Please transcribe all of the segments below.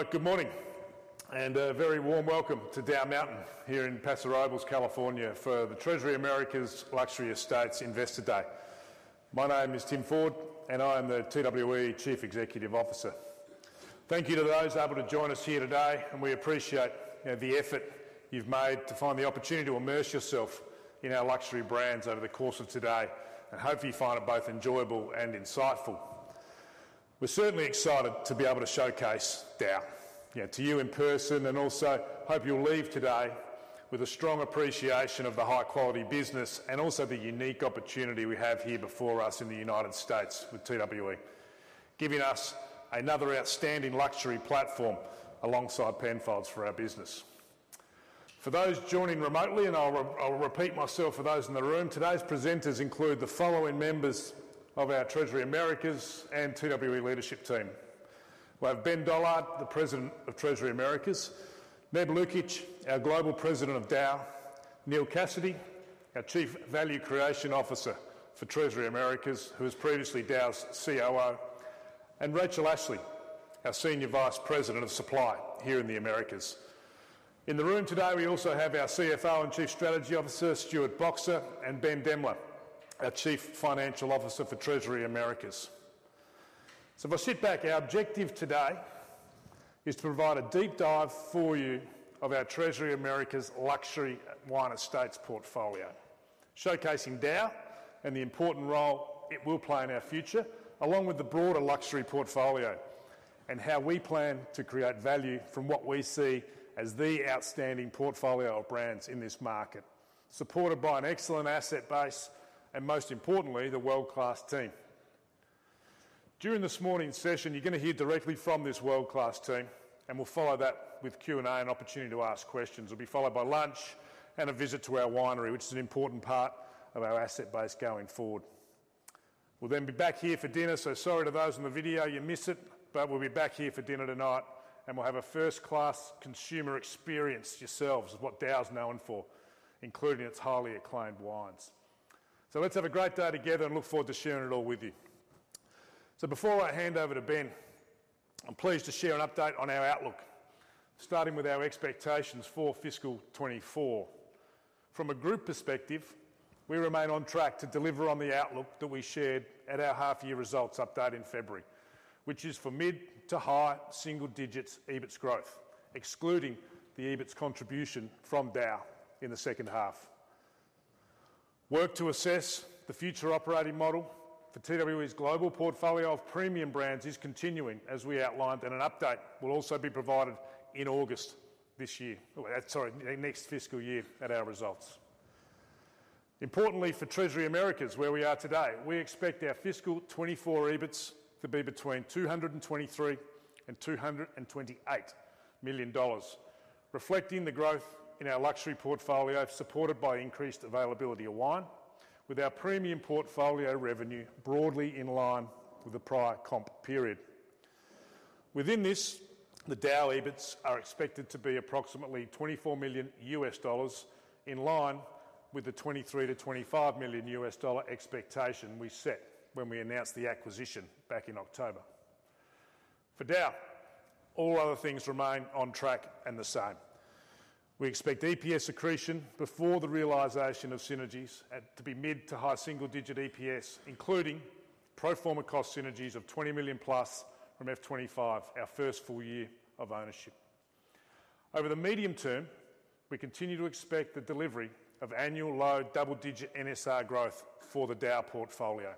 Well, good morning, and a very warm welcome to DAOU Mountain here in Paso Robles, California, for the Treasury Americas Luxury Estates Investor Day. My name is Tim Ford, and I am the TWE Chief Executive Officer. Thank you to those able to join us here today, and we appreciate the effort you've made to find the opportunity to immerse yourself in our luxury brands over the course of today, and hopefully you find it both enjoyable and insightful. We're certainly excited to be able to showcase DAOU, you know, to you in person, and also hope you'll leave today with a strong appreciation of the high-quality business and also the unique opportunity we have here before us in the United States with TWE, giving us another outstanding luxury platform alongside Penfolds for our business. For those joining remotely, and I'll repeat myself for those in the room, today's presenters include the following members of our Treasury Americas and TWE leadership team. We have Ben Dollard, the President of Treasury Americas; Neb Lukic, our Global President of DAOU; Neil Cassidy, our Chief Value Creation Officer for Treasury Americas, who was previously DAOU's COO; and Rachel Ashley, our Senior Vice President of Supply here in the Americas. In the room today, we also have our CFO and Chief Strategy Officer, Stuart Boxer, and Ben Demler, our Chief Financial Officer for Treasury Americas. So if I sit back, our objective today is to provide a deep dive for you of our Treasury Americas Luxury Wine Estates portfolio, showcasing DAOU and the important role it will play in our future, along with the broader luxury portfolio, and how we plan to create value from what we see as the outstanding portfolio of brands in this market, supported by an excellent asset base and, most importantly, the world-class team. During this morning's session, you're going to hear directly from this world-class team, and we'll follow that with Q&A, an opportunity to ask questions, will be followed by lunch and a visit to our winery, which is an important part of our asset base going forward. We'll then be back here for dinner, so sorry to those on the video, you miss it, but we'll be back here for dinner tonight and we'll have a first-class consumer experience yourselves, which is what DAOU's known for, including its highly acclaimed wines. So let's have a great day together, and I look forward to sharing it all with you. So before I hand over to Ben, I'm pleased to share an update on our outlook, starting with our expectations for fiscal 2024. From a group perspective, we remain on track to deliver on the outlook that we shared at our half-year results update in February, which is for mid- to high-single-digits EBITS growth, excluding the EBITS contribution from DAOU in the second half. Work to assess the future operating model for TWE's global portfolio of premium brands is continuing, as we outlined, and an update will also be provided in August this year. Sorry, next fiscal year at our results. Importantly, for Treasury Americas, where we are today, we expect our fiscal 2024 EBITS to be between $223 million and $228 million, reflecting the growth in our luxury portfolio, supported by increased availability of wine, with our premium portfolio revenue broadly in line with the prior comp period. Within this, the DAOU EBITS are expected to be approximately $24 million, in line with the $23 million-$25 million expectation we set when we announced the acquisition back in October. For DAOU, all other things remain on track and the same. We expect EPS accretion before the realization of synergies at, to be mid- to high-single-digit EPS, including pro forma cost synergies of $20 million+ from F-25, our first full year of ownership. Over the medium term, we continue to expect the delivery of annual low double-digit NSR growth for the DAOU portfolio.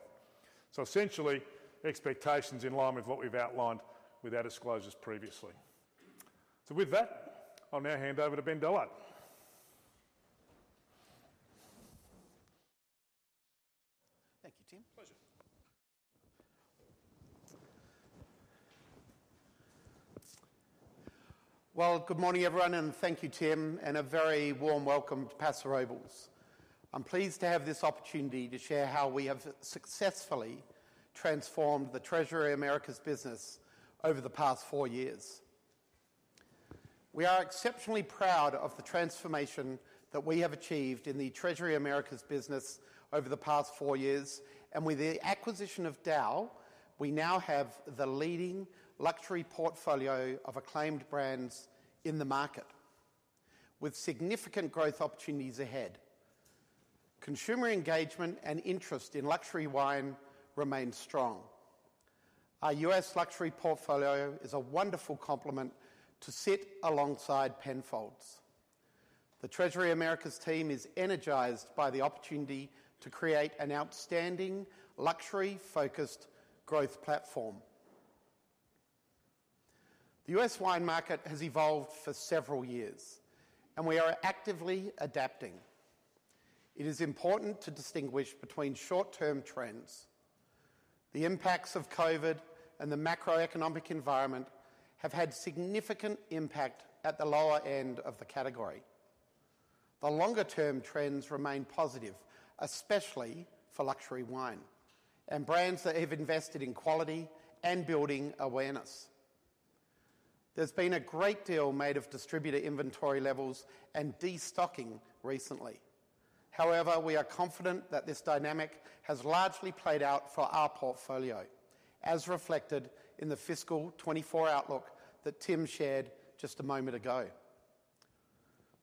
So essentially, expectations in line with what we've outlined with our disclosures previously. So with that, I'll now hand over to Ben Dollard. Thank you, Tim. Pleasure. Well, good morning, everyone, and thank you, Tim, and a very warm welcome to Paso Robles. I'm pleased to have this opportunity to share how we have successfully transformed the Treasury Americas business over the past four years. We are exceptionally proud of the transformation that we have achieved in the Treasury Americas business over the past four years, and with the acquisition of DAOU, we now have the leading luxury portfolio of acclaimed brands in the market, with significant growth opportunities ahead. Consumer engagement and interest in luxury wine remains strong. Our U.S. luxury portfolio is a wonderful complement to sit alongside Penfolds. The Treasury Americas team is energized by the opportunity to create an outstanding, luxury-focused growth platform. The U.S. wine market has evolved for several years, and we are actively adapting. It is important to distinguish between short-term trends. The impacts of COVID and the macroeconomic environment have had significant impact at the lower end of the category. The longer-term trends remain positive, especially for luxury wine and brands that have invested in quality and building awareness. There's been a great deal made of distributor inventory levels and destocking recently. However, we are confident that this dynamic has largely played out for our portfolio, as reflected in the fiscal 2024 outlook that Tim shared just a moment ago.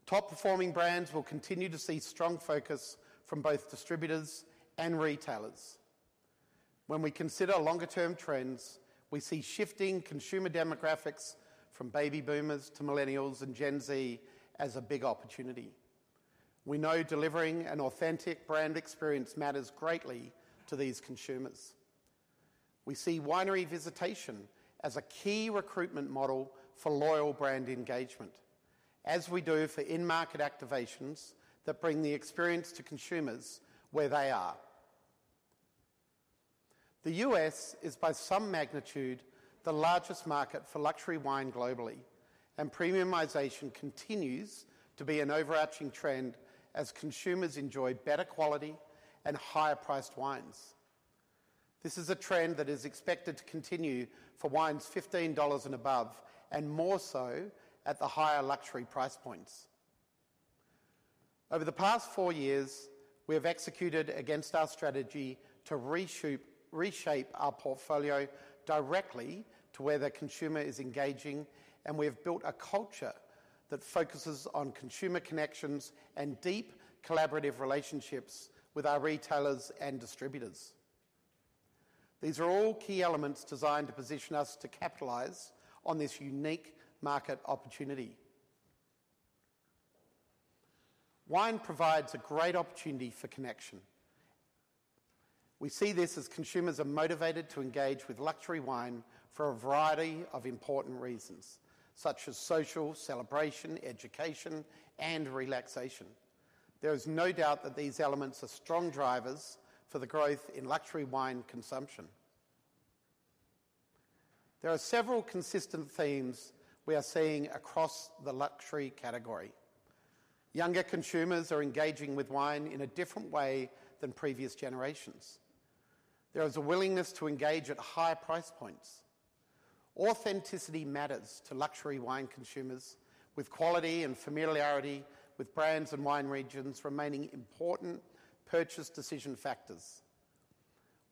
Top-performing brands will continue to see strong focus from both distributors and retailers. When we consider longer-term trends, we see shifting consumer demographics from baby boomers to millennials and Gen Z as a big opportunity. We know delivering an authentic brand experience matters greatly to these consumers. We see winery visitation as a key recruitment model for loyal brand engagement, as we do for in-market activations that bring the experience to consumers where they are. The U.S. is, by some magnitude, the largest market for luxury wine globally, and premiumization continues to be an overarching trend as consumers enjoy better quality and higher-priced wines. This is a trend that is expected to continue for wines $15 and above, and more so at the higher luxury price points. Over the past four years, we have executed against our strategy to reshape our portfolio directly to where the consumer is engaging, and we have built a culture that focuses on consumer connections and deep, collaborative relationships with our retailers and distributors. These are all key elements designed to position us to capitalize on this unique market opportunity. Wine provides a great opportunity for connection. We see this as consumers are motivated to engage with luxury wine for a variety of important reasons, such as social, celebration, education, and relaxation. There is no doubt that these elements are strong drivers for the growth in luxury wine consumption. There are several consistent themes we are seeing across the luxury category. Younger consumers are engaging with wine in a different way than previous generations. There is a willingness to engage at higher price points. Authenticity matters to luxury wine consumers, with quality and familiarity with brands and wine regions remaining important purchase decision factors.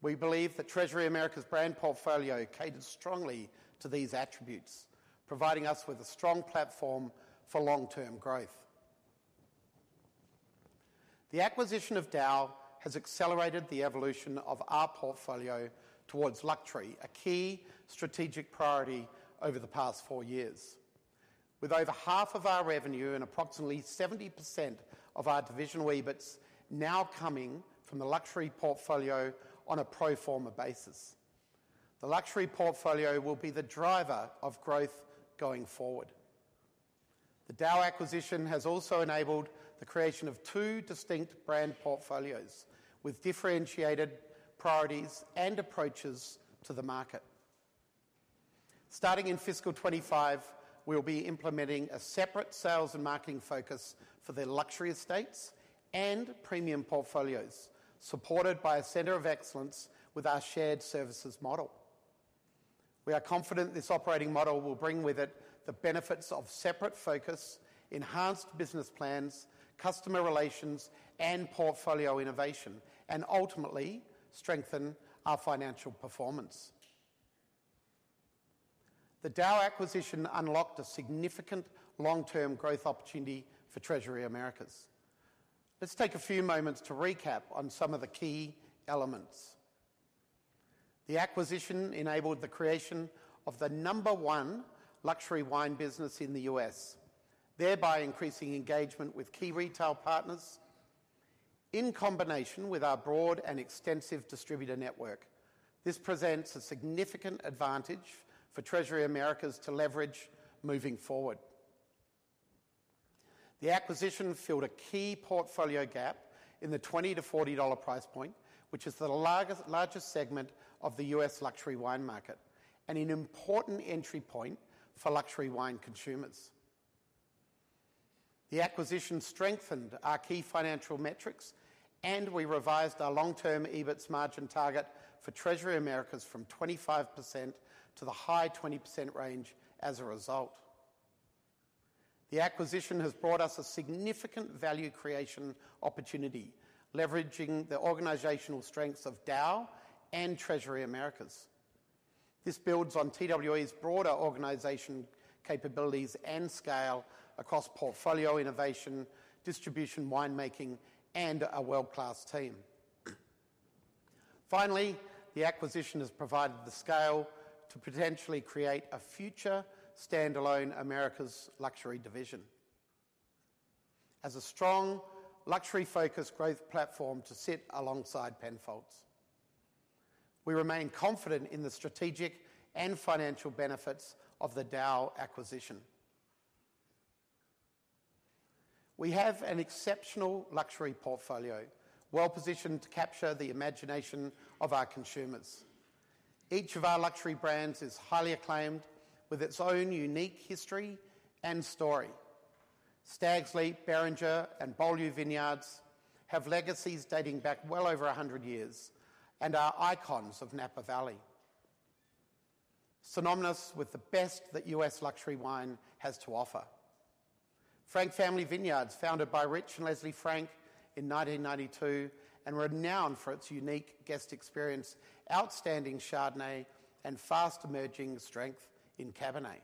We believe that Treasury Americas' brand portfolio caters strongly to these attributes, providing us with a strong platform for long-term growth. The acquisition of DAOU has accelerated the evolution of our portfolio towards luxury, a key strategic priority over the past four years. With over half of our revenue and approximately 70% of our divisional EBITS now coming from the luxury portfolio on a pro forma basis, the luxury portfolio will be the driver of growth going forward. The DAOU acquisition has also enabled the creation of two distinct brand portfolios with differentiated priorities and approaches to the market. Starting in fiscal 2025, we will be implementing a separate sales and marketing focus for the luxury estates and premium portfolios, supported by a center of excellence with our shared services model. We are confident this operating model will bring with it the benefits of separate focus, enhanced business plans, customer relations, and portfolio innovation, and ultimately strengthen our financial performance. The DAOU acquisition unlocked a significant long-term growth opportunity for Treasury Americas. Let's take a few moments to recap on some of the key elements. The acquisition enabled the creation of the number one luxury wine business in the U.S., thereby increasing engagement with key retail partners. In combination with our broad and extensive distributor network, this presents a significant advantage for Treasury Americas to leverage moving forward. The acquisition filled a key portfolio gap in the $20-$40 price point, which is the largest segment of the U.S. luxury wine market and an important entry point for luxury wine consumers. The acquisition strengthened our key financial metrics, and we revised our long-term EBITS margin target for Treasury Americas from 25% to the high 20% range as a result. The acquisition has brought us a significant value creation opportunity, leveraging the organizational strengths of DAOU and Treasury Americas. This builds on TWE's broader organization capabilities and scale across portfolio innovation, distribution, winemaking, and a world-class team. Finally, the acquisition has provided the scale to potentially create a future standalone Americas luxury division as a strong, luxury-focused growth platform to sit alongside Penfolds. We remain confident in the strategic and financial benefits of the DAOU acquisition. We have an exceptional luxury portfolio, well positioned to capture the imagination of our consumers. Each of our luxury brands is highly acclaimed, with its own unique history and story. Stags' Leap, Beringer, and Beaulieu Vineyard have legacies dating back well over 100 years and are icons of Napa Valley, synonymous with the best that U.S. luxury wine has to offer. Frank Family Vineyards, founded by Rich and Leslie Frank in 1992, and renowned for its unique guest experience, outstanding Chardonnay, and fast-emerging strength in Cabernet.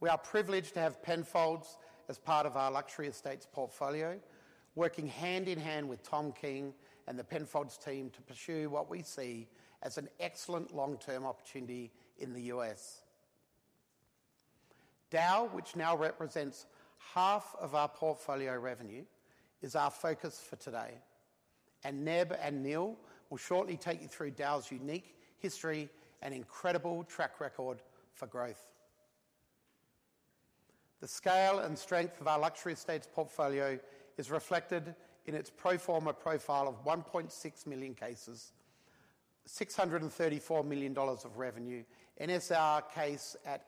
We are privileged to have Penfolds as part of our Luxury Estates portfolio, working hand in hand with Tom King and the Penfolds team to pursue what we see as an excellent long-term opportunity in the U.S. DAOU, which now represents half of our portfolio revenue, is our focus for today, and Neb and Neil will shortly take you through DAOU's unique history and incredible track record for growth. The scale and strength of our Luxury Estates portfolio is reflected in its pro forma profile of 1.6 million cases, $634 million of revenue, NSR per case ex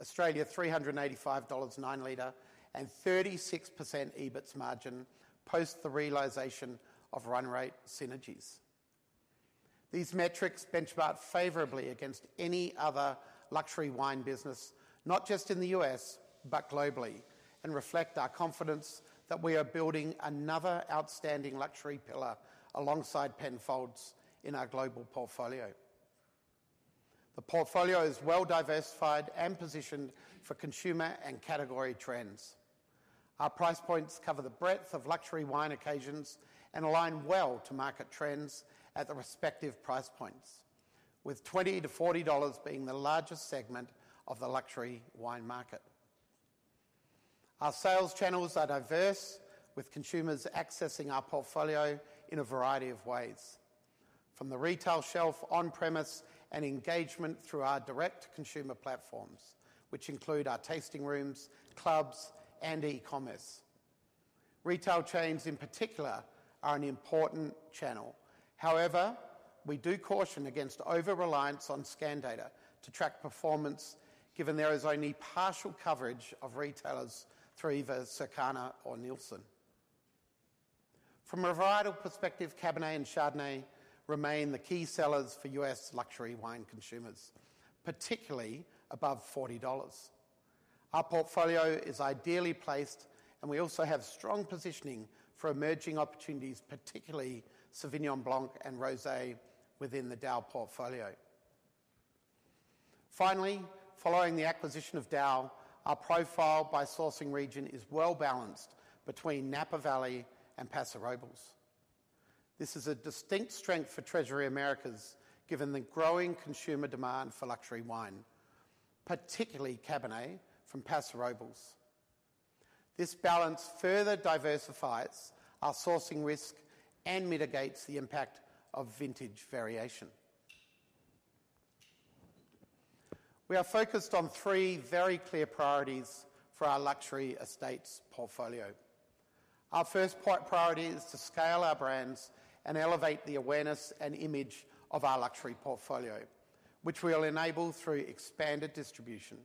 Australia, $385 nine-liter, and 36% EBITS margin, post the realization of run rate synergies. These metrics benchmark favorably against any other luxury wine business, not just in the U.S., but globally, and reflect our confidence that we are building another outstanding luxury pillar alongside Penfolds in our global portfolio. The portfolio is well-diversified and positioned for consumer and category trends. Our price points cover the breadth of luxury wine occasions and align well to market trends at the respective price points, with $20-$40 being the largest segment of the luxury wine market. Our sales channels are diverse, with consumers accessing our portfolio in a variety of ways, from the retail shelf, on-premise, and engagement through our direct-to-consumer platforms, which include our tasting rooms, clubs, and e-commerce. Retail chains, in particular, are an important channel. However, we do caution against over-reliance on scan data to track performance, given there is only partial coverage of retailers through either Circana or Nielsen. From a varietal perspective, Cabernet and Chardonnay remain the key sellers for U.S. luxury wine consumers, particularly above $40. Our portfolio is ideally placed, and we also have strong positioning for emerging opportunities, particularly Sauvignon Blanc and rosé within the DAOU portfolio. Finally, following the acquisition of DAOU, our profile by sourcing region is well-balanced between Napa Valley and Paso Robles. This is a distinct strength for Treasury Americas, given the growing consumer demand for luxury wine, particularly Cabernet from Paso Robles. This balance further diversifies our sourcing risk and mitigates the impact of vintage variation. We are focused on three very clear priorities for our Luxury Estates portfolio. Our first priority is to scale our brands and elevate the awareness and image of our luxury portfolio, which we will enable through expanded distribution.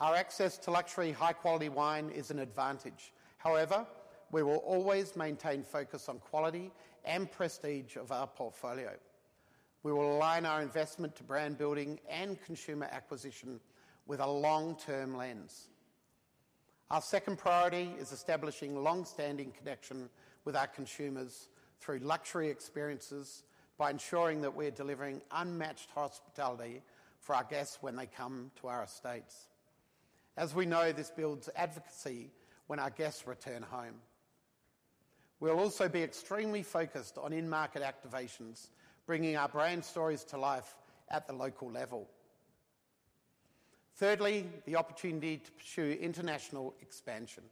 Our access to luxury, high-quality wine is an advantage. However, we will always maintain focus on quality and prestige of our portfolio. We will align our investment to brand building and consumer acquisition with a long-term lens. Our second priority is establishing longstanding connection with our consumers through luxury experiences by ensuring that we're delivering unmatched hospitality for our guests when they come to our estates. As we know, this builds advocacy when our guests return home. We'll also be extremely focused on in-market activations, bringing our brand stories to life at the local level. Thirdly, the opportunity to pursue international expansion.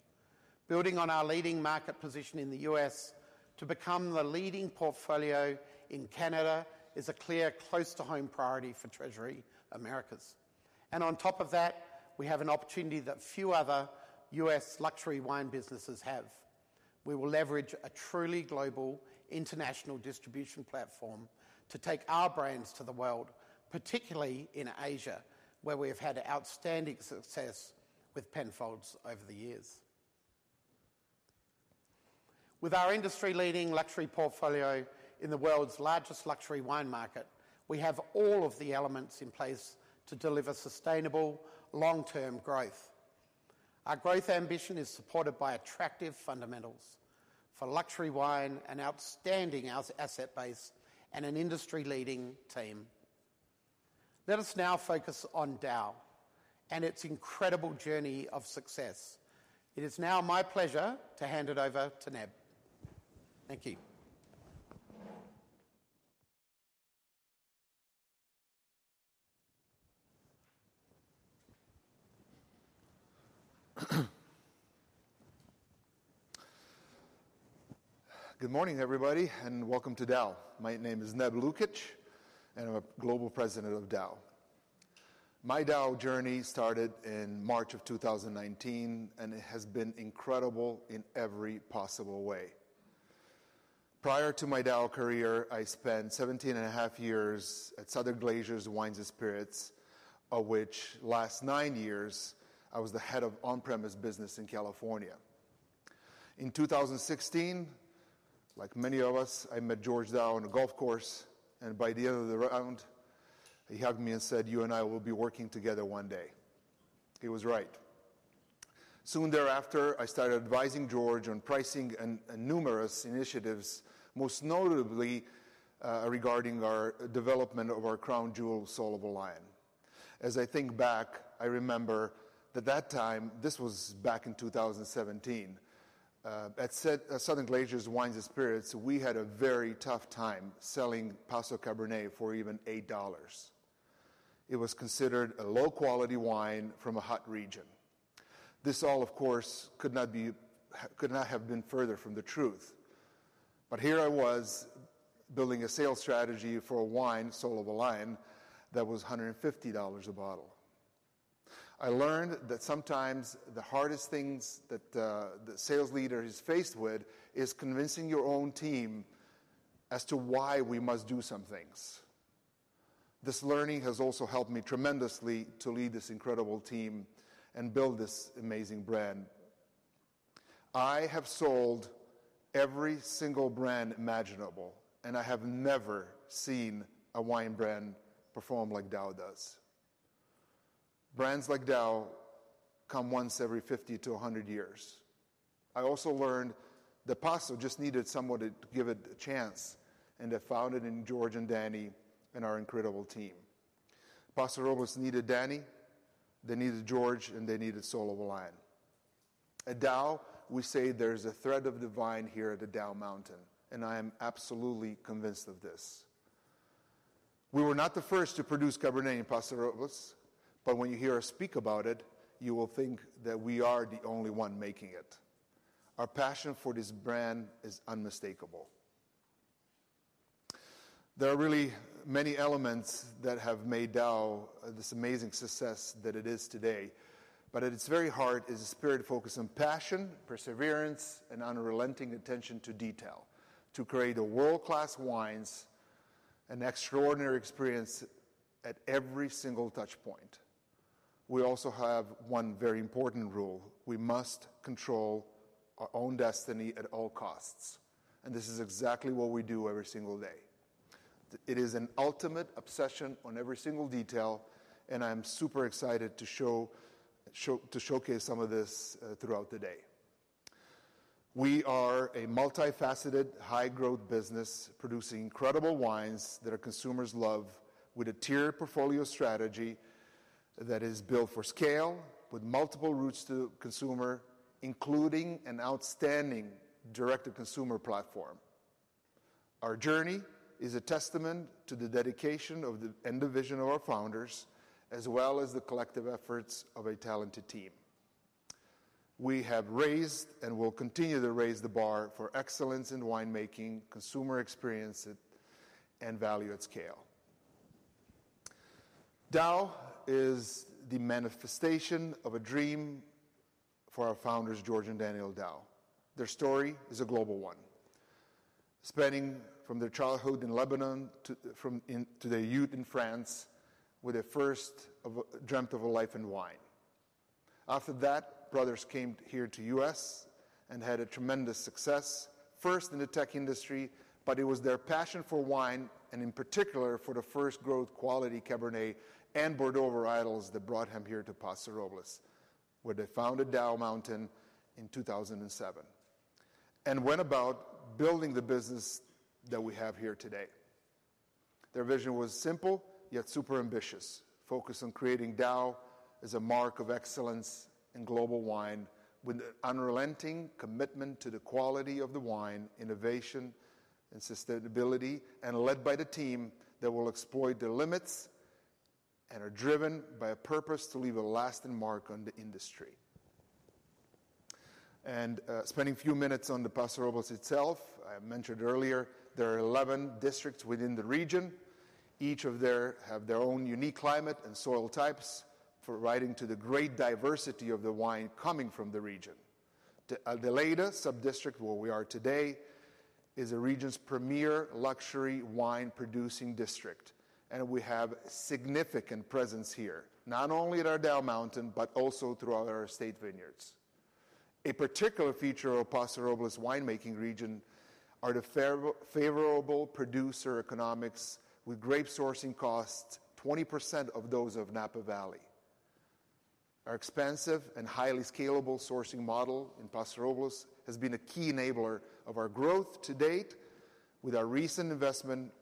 Building on our leading market position in the U.S. to become the leading portfolio in Canada is a clear, close-to-home priority for Treasury Americas. And on top of that, we have an opportunity that few other U.S. luxury wine businesses have. We will leverage a truly global international distribution platform to take our brands to the world, particularly in Asia, where we have had outstanding success with Penfolds over the years. With our industry-leading luxury portfolio in the world's largest luxury wine market, we have all of the elements in place to deliver sustainable, long-term growth. Our growth ambition is supported by attractive fundamentals for luxury wine, an outstanding asset base, and an industry-leading team. Let us now focus on DAOU and its incredible journey of success. It is now my pleasure to hand it over to Neb. Thank you. Good morning, everybody, and welcome to DAOU. My name is Neb Lukic, and I'm a Global President of DAOU. My DAOU journey started in March of 2019, and it has been incredible in every possible way. Prior to my DAOU career, I spent 17.5 years at Southern Glazer's Wine & Spirits, of which last nine years, I was the Head of On-Premise Business in California. In 2016, like many of us, I met Georges DAOU on a golf course, and by the end of the round, he hugged me and said, "You and I will be working together one day." He was right. Soon thereafter, I started advising Georges on pricing and numerous initiatives, most notably regarding our development of our crown jewel, Soul of a Lion. As I think back, I remember at that time, this was back in 2017, at Southern Glazer's Wine & Spirits, we had a very tough time selling Paso Cabernet for even $8. It was considered a low-quality wine from a hot region. This all, of course, could not have been further from the truth. But here I was, building a sales strategy for a wine, Soul of a Lion, that was $150 a bottle. I learned that sometimes the hardest things that the sales leader is faced with is convincing your own team as to why we must do some things. This learning has also helped me tremendously to lead this incredible team and build this amazing brand. I have sold every single brand imaginable, and I have never seen a wine brand perform like DAOU does. Brands like DAOU come once every 50 to 100 years. I also learned that Paso just needed someone to give it a chance, and I found it in George and Danny and our incredible team. Paso Robles needed Danny, they needed George, and they needed Soul of a Lion. At DAOU, we say there's a thread of divine here at the DAOU Mountain, and I am absolutely convinced of this. We were not the first to produce Cabernet in Paso Robles, but when you hear us speak about it, you will think that we are the only one making it. Our passion for this brand is unmistakable. There are really many elements that have made DAOU this amazing success that it is today. But at its very heart is a spirit focused on passion, perseverance, and unrelenting attention to detail, to create world-class wines and extraordinary experience at every single touch point. We also have one very important rule: We must control our own destiny at all costs, and this is exactly what we do every single day. It is an ultimate obsession on every single detail, and I'm super excited to show, show, to showcase some of this throughout the day. We are a multifaceted, high-growth business, producing incredible wines that our consumers love, with a tier portfolio strategy that is built for scale, with multiple routes to consumer, including an outstanding direct-to-consumer platform. Our journey is a testament to the dedication of the, and the vision of our founders, as well as the collective efforts of a talented team. We have raised and will continue to raise the bar for excellence in winemaking, consumer experience, and value at scale. DAOU is the manifestation of a dream for our founders, George and Daniel DAOU. Their story is a global one, spanning from their childhood in Lebanon to their youth in France, where they first dreamt of a life in wine. After that, brothers came here to U.S. and had a tremendous success, first in the tech industry, but it was their passion for wine, and in particular, for the first-growth quality Cabernet and Bordeaux varietals, that brought them here to Paso Robles, where they founded DAOU Mountain in 2007, and went about building the business that we have here today. Their vision was simple, yet super ambitious, focused on creating DAOU as a mark of excellence in global wine, with an unrelenting commitment to the quality of the wine, innovation and sustainability, and led by the team that will exploit the limits and are driven by a purpose to leave a lasting mark on the industry. Spending a few minutes on the Paso Robles itself, I mentioned earlier, there are 11 districts within the region. Each of their, have their own unique climate and soil types, providing to the great diversity of the wine coming from the region. Adelaida District, where we are today, is the region's premier luxury wine-producing district, and we have significant presence here, not only at our DAOU Mountain, but also through other estate vineyards. A particular feature of Paso Robles winemaking region are the favorable producer economics, with grape sourcing costs 20% of those of Napa Valley. Our expansive and highly scalable sourcing model in Paso Robles has been a key enabler of our growth to date, with our recent investment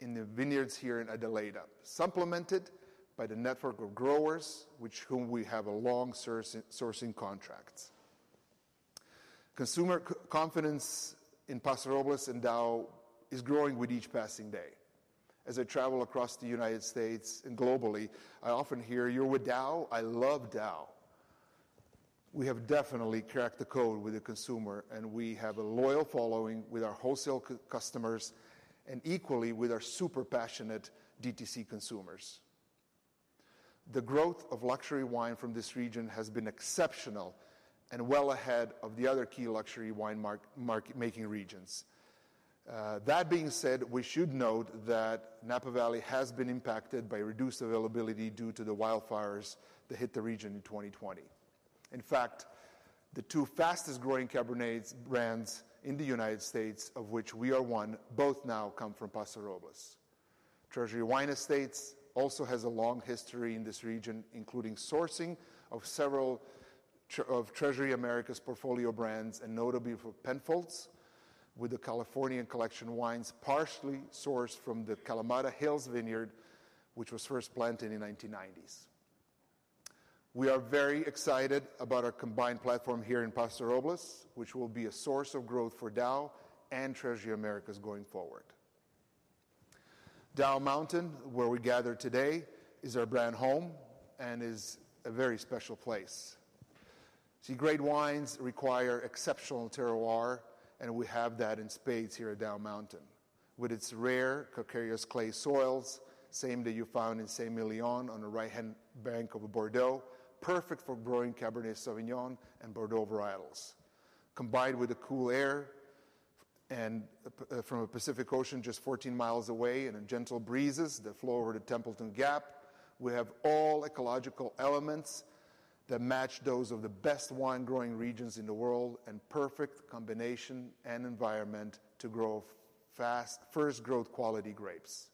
in the vineyards here in Adelaida, supplemented by the network of growers, with whom we have a long sourcing contract. Consumer confidence in Paso Robles and DAOU is growing with each passing day. As I travel across the United States and globally, I often hear, "You're with DAOU? I love DAOU." We have definitely cracked the code with the consumer, and we have a loyal following with our wholesale customers and equally with our super passionate DTC consumers. The growth of luxury wine from this region has been exceptional and well ahead of the other key luxury wine market-making regions. That being said, we should note that Napa Valley has been impacted by reduced availability due to the wildfires that hit the region in 2020. In fact, the two fastest growing Cabernet brands in the United States, of which we are one, both now come from Paso Robles. Treasury Wine Estates also has a long history in this region, including sourcing of several of Treasury Americas portfolio brands, and notably for Penfolds, with the Californian Collection wines partially sourced from the Camatta Hills Vineyard, which was first planted in the 1990s. We are very excited about our combined platform here in Paso Robles, which will be a source of growth for DAOU and Treasury Americas going forward. DAOU Mountain, where we gather today, is our brand home and is a very special place. See, great wines require exceptional terroir, and we have that in spades here at DAOU Mountain. With its rare calcareous clay soils, same that you found in Saint-Émilion on the right-hand bank of a Bordeaux, perfect for growing Cabernet Sauvignon and Bordeaux varietals. Combined with the cool air and from the Pacific Ocean just 14 miles away, and the gentle breezes that flow over the Templeton Gap, we have all ecological elements that match those of the best wine-growing regions in the world, and perfect combination and environment to grow fast, first-growth quality grapes.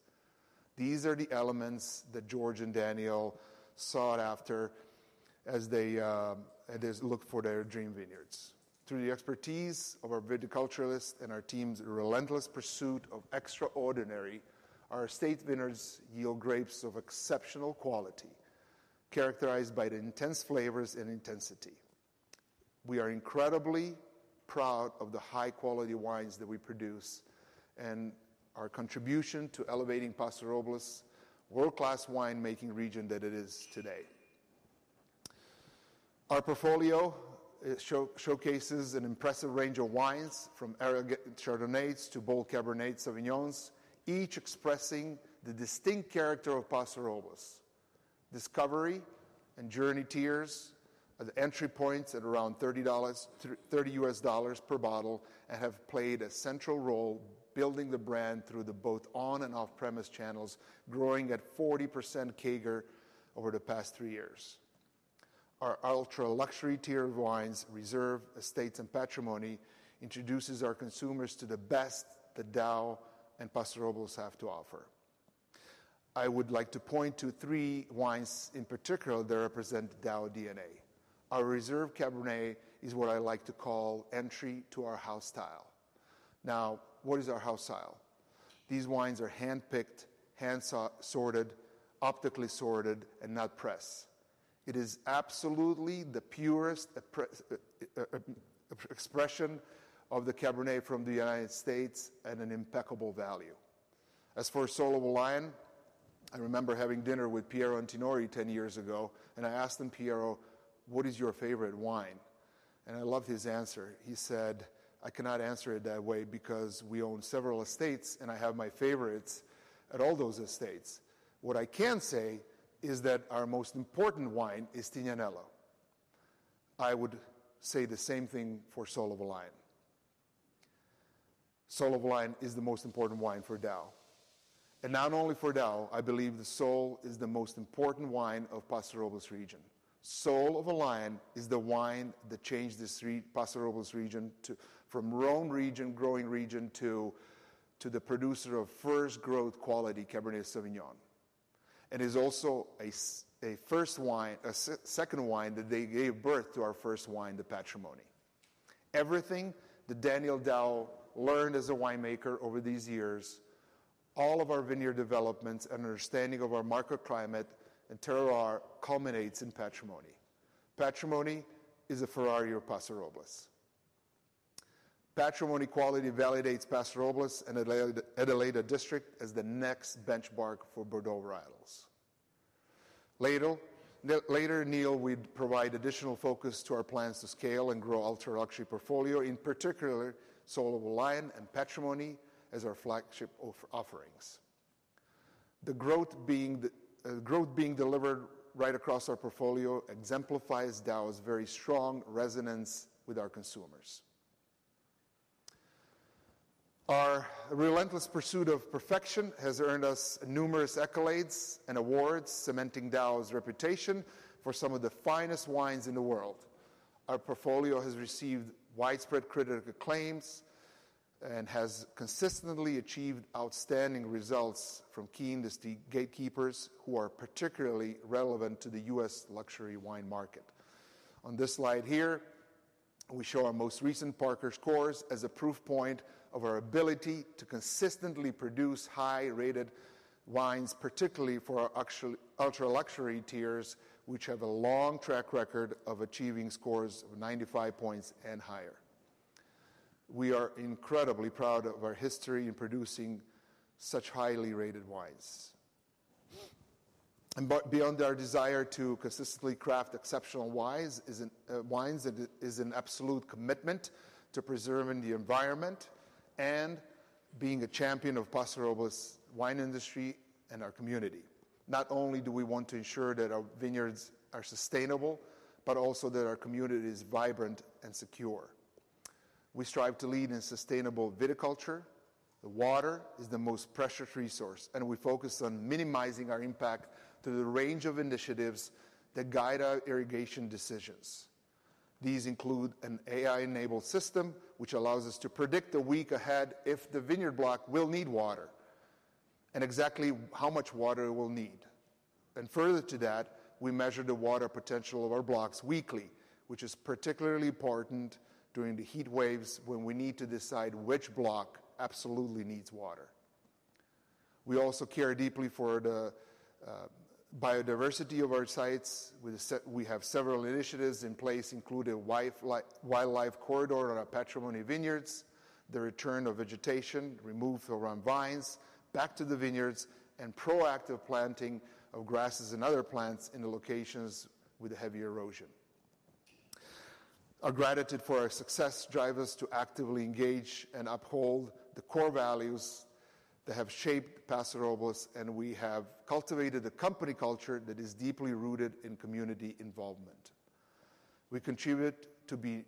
These are the elements that George and Daniel sought after as they as they looked for their dream vineyards. Through the expertise of our viticulturists and our team's relentless pursuit of extraordinary, our estate vineyards yield grapes of exceptional quality, characterized by the intense flavors and intensity. We are incredibly proud of the high-quality wines that we produce and our contribution to elevating Paso Robles' world-class winemaking region that it is today. Our portfolio showcases an impressive range of wines, from elegant Chardonnays to bold Cabernet Sauvignons, each expressing the distinct character of Paso Robles. Discovery and Journey tiers are the entry points at around $30 per bottle, and have played a central role building the brand through both on- and off-premise channels, growing at 40% CAGR over the past three years. Our ultra-luxury tier of wines, Reserve, Estate, and Patrimony, introduces our consumers to the best that DAOU and Paso Robles have to offer. I would like to point to three wines in particular that represent DAOU DNA. Our Reserve Cabernet is what I like to call entry to our house style. Now, what is our house style? These wines are handpicked, hand-sorted, optically sorted, and not pressed. It is absolutely the purest expression of the Cabernet from the United States and an impeccable value. As for Soul of a Lion, I remember having dinner with Piero Antinori ten years ago, and I asked him, "Piero, what is your favorite wine?" And I loved his answer. He said: "I cannot answer it that way because we own several estates, and I have my favorites at all those estates. What I can say is that our most important wine is Tignanello." I would say the same thing for Soul of a Lion. Soul of a Lion is the most important wine for DAOU, and not only for DAOU. I believe the Soul is the most important wine of Paso Robles region. Soul of a Lion is the wine that changed this Paso Robles region to, from Rhone region, growing region, to, to the producer of first-growth quality Cabernet Sauvignon, and is also a first wine, a second wine that they gave birth to our first wine, the Patrimony. Everything that Daniel DAOU learned as a winemaker over these years, all of our vineyard developments and understanding of our microclimate and terroir culminates in Patrimony. Patrimony is a Ferrari of Paso Robles. Patrimony quality validates Paso Robles and Adelaida, Adelaida District as the next benchmark for Bordeaux varietals. Later, later, Neil will provide additional focus to our plans to scale and grow ultra-luxury portfolio, in particular, Soul of a Lion and Patrimony, as our flagship off- offerings. The growth being, growth being delivered right across our portfolio exemplifies DAOU's very strong resonance with our consumers. Our relentless pursuit of perfection has earned us numerous accolades and awards, cementing DAOU's reputation for some of the finest wines in the world. Our portfolio has received widespread critical acclaims and has consistently achieved outstanding results from key industry gatekeepers, who are particularly relevant to the US luxury wine market. On this slide here, we show our most recent Parker Scores as a proof point of our ability to consistently produce high-rated wines, particularly for our actual, ultra-luxury tiers, which have a long track record of achieving scores of 95 points and higher. We are incredibly proud of our history in producing such highly rated wines. But beyond our desire to consistently craft exceptional wines is an absolute commitment to preserving the environment and being a champion of Paso Robles wine industry and our community. Not only do we want to ensure that our vineyards are sustainable, but also that our community is vibrant and secure. We strive to lead in sustainable viticulture. The water is the most precious resource, and we focus on minimizing our impact through the range of initiatives that guide our irrigation decisions. These include an AI-enabled system, which allows us to predict a week ahead if the vineyard block will need water and exactly how much water it will need. And further to that, we measure the water potential of our blocks weekly, which is particularly important during the heat waves when we need to decide which block absolutely needs water. We also care deeply for the biodiversity of our sites. We have several initiatives in place, including wildlife corridor on our Patrimony vineyards, the return of vegetation removed around vines back to the vineyards, and proactive planting of grasses and other plants in the locations with heavy erosion. Our gratitude for our success drive us to actively engage and uphold the core values that have shaped Paso Robles, and we have cultivated a company culture that is deeply rooted in community involvement. We contribute to the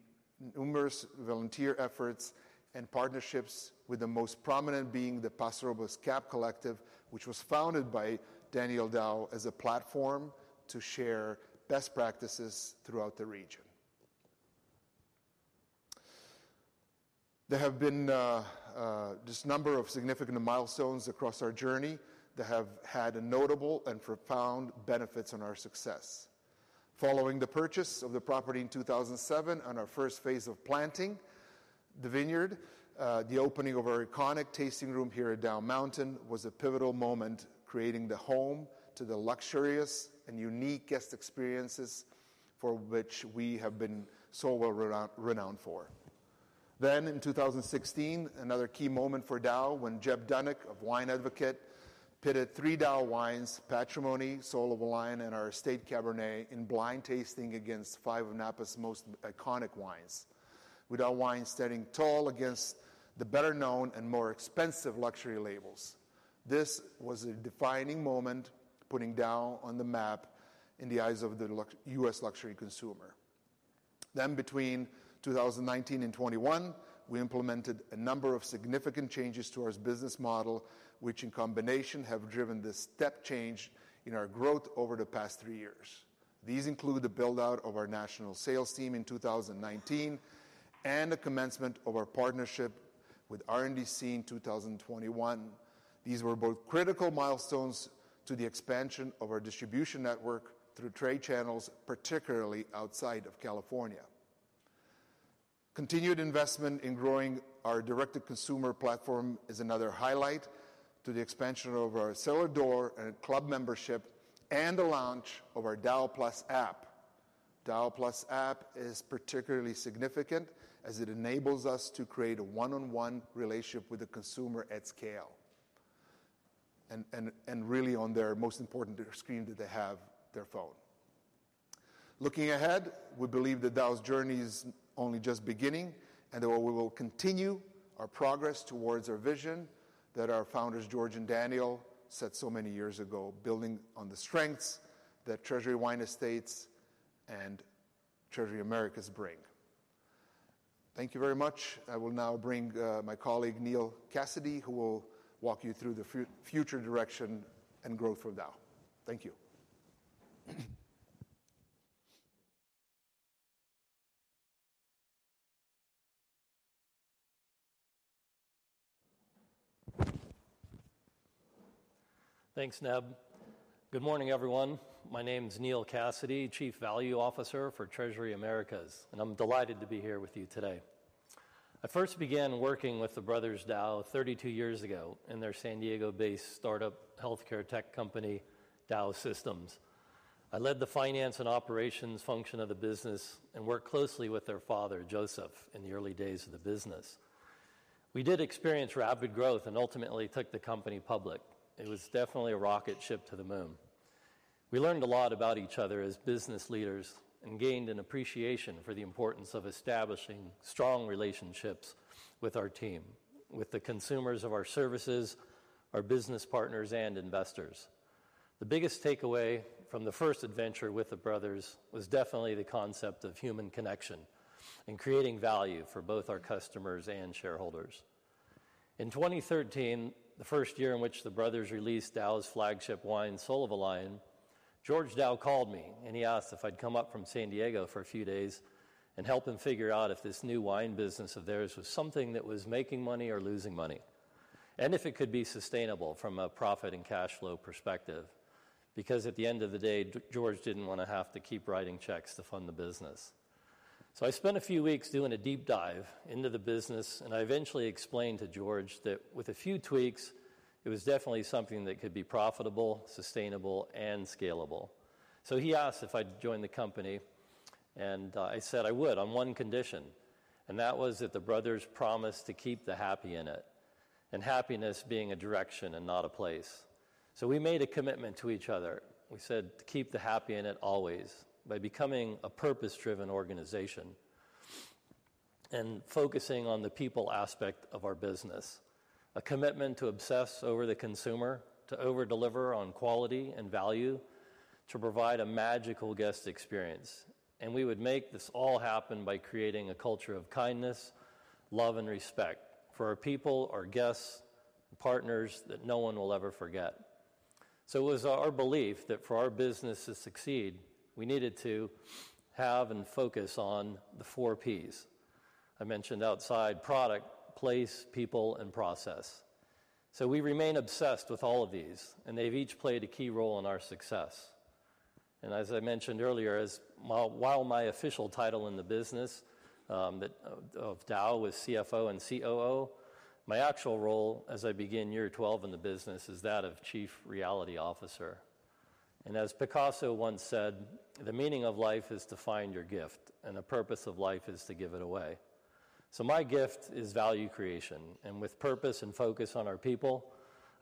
numerous volunteer efforts and partnerships, with the most prominent being the Paso Robles CAB Collective, which was founded by Daniel DAOU as a platform to share best practices throughout the region. There have been this number of significant milestones across our journey that have had a notable and profound benefits on our success. Following the purchase of the property in 2007 and our first phase of planting the vineyard, the opening of our iconic tasting room here at DAOU Mountain was a pivotal moment, creating the home to the luxurious and unique guest experiences for which we have been so well renowned for. Then, in 2016, another key moment for DAOU when Jeb Dunnuck of The Wine Advocate pitted three DAOU wines, Patrimony, Soul of a Lion, and our Estate Cabernet, in blind tasting against five of Napa's most iconic wines, with our wine standing tall against the better-known and more expensive luxury labels. This was a defining moment, putting DAOU on the map in the eyes of the luxury U.S. luxury consumer. Then, between 2019 and 2021, we implemented a number of significant changes to our business model, which in combination, have driven this step change in our growth over the past three years. These include the build-out of our national sales team in 2019 and the commencement of our partnership with RNDC in 2021. These were both critical milestones to the expansion of our distribution network through trade channels, particularly outside of California. Continued investment in growing our direct-to-consumer platform is another highlight to the expansion of our cellar door and club membership and the launch of our DAOU+ app. DAOU+ app is particularly significant as it enables us to create a one-on-one relationship with the consumer at scale, and really on their most important screen that they have, their phone. Looking ahead, we believe that DAOU's journey is only just beginning, and that we will continue our progress towards our vision that our founders, George and Daniel, set so many years ago, building on the strengths that Treasury Wine Estates and Treasury Americas bring. Thank you very much. I will now bring my colleague, Neil Cassidy, who will walk you through the future direction and growth for DAOU. Thank you. Thanks, Neb. Good morning, everyone. My name is Neil Cassidy, Chief Value Officer for Treasury Americas, and I'm delighted to be here with you today. I first began working with the brothers DAOU 32 years ago in their San Diego-based startup healthcare tech company, DAOU Systems. I led the finance and operations function of the business and worked closely with their father, Joseph, in the early days of the business. We did experience rapid growth and ultimately took the company public. It was definitely a rocket ship to the moon. We learned a lot about each other as business leaders and gained an appreciation for the importance of establishing strong relationships with our team, with the consumers of our services, our business partners, and investors. The biggest takeaway from the first adventure with the brothers was definitely the concept of human connection and creating value for both our customers and shareholders. In 2013, the first year in which the brothers released DAOU's flagship wine, Soul of a Lion, George DAOU called me, and he asked if I'd come up from San Diego for a few days and help him figure out if this new wine business of theirs was something that was making money or losing money, and if it could be sustainable from a profit and cash flow perspective. Because at the end of the day, George didn't want to have to keep writing checks to fund the business. So I spent a few weeks doing a deep dive into the business, and I eventually explained to George that with a few tweaks, it was definitely something that could be profitable, sustainable, and scalable. So he asked if I'd join the company, and I said I would on one condition, and that was that the brothers promised to keep the happy in it, and happiness being a direction and not a place. So we made a commitment to each other. We said, "Keep the happy in it always," by becoming a purpose-driven organization... and focusing on the people aspect of our business. A commitment to obsess over the consumer, to over-deliver on quality and value, to provide a magical guest experience. We would make this all happen by creating a culture of kindness, love, and respect for our people, our guests, partners, that no one will ever forget. It was our belief that for our business to succeed, we needed to have and focus on the four Ps. I mentioned outside product, place, people, and process. We remain obsessed with all of these, and they've each played a key role in our success. As I mentioned earlier, while my official title in the business, that of DAOU was CFO and COO, my actual role as I begin year 12 in the business is that of Chief Reality Officer. As Picasso once said, "The meaning of life is to find your gift, and the purpose of life is to give it away." My gift is value creation, and with purpose and focus on our people,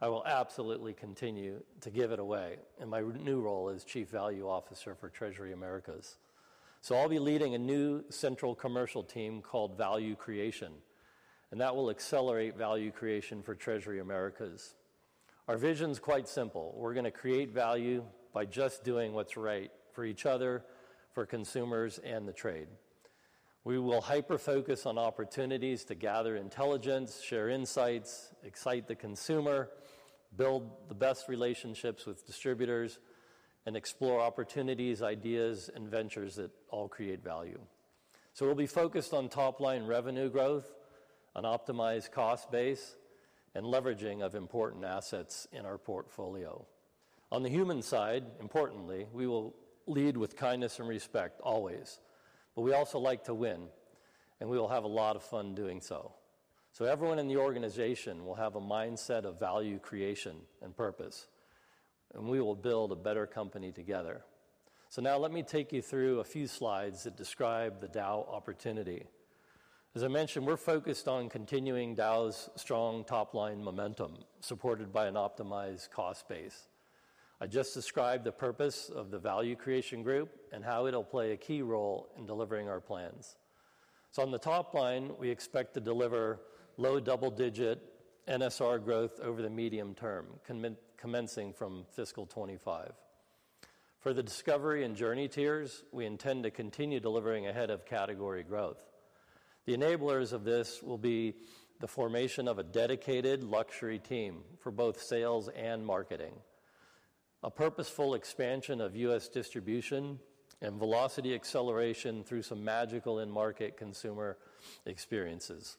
I will absolutely continue to give it away in my new role as Chief Value Officer for Treasury Americas. I'll be leading a new central commercial team called Value Creation, and that will accelerate value creation for Treasury Americas. Our vision's quite simple: We're gonna create value by just doing what's right for each other, for consumers, and the trade. We will hyper-focus on opportunities to gather intelligence, share insights, excite the consumer, build the best relationships with distributors, and explore opportunities, ideas, and ventures that all create value. We'll be focused on top-line revenue growth, an optimized cost base, and leveraging of important assets in our portfolio. On the human side, importantly, we will lead with kindness and respect always, but we also like to win, and we will have a lot of fun doing so. So everyone in the organization will have a mindset of value creation and purpose, and we will build a better company together. So now let me take you through a few slides that describe the DAOU opportunity. As I mentioned, we're focused on continuing DAOU's strong top-line momentum, supported by an optimized cost base. I just described the purpose of the value creation group and how it'll play a key role in delivering our plans. So on the top line, we expect to deliver low double-digit NSR growth over the medium term, commencing from fiscal 2025. For the Discovery and Journey tiers, we intend to continue delivering ahead of category growth. The enablers of this will be the formation of a dedicated luxury team for both sales and marketing, a purposeful expansion of U.S. distribution, and velocity acceleration through some magical in-market consumer experiences.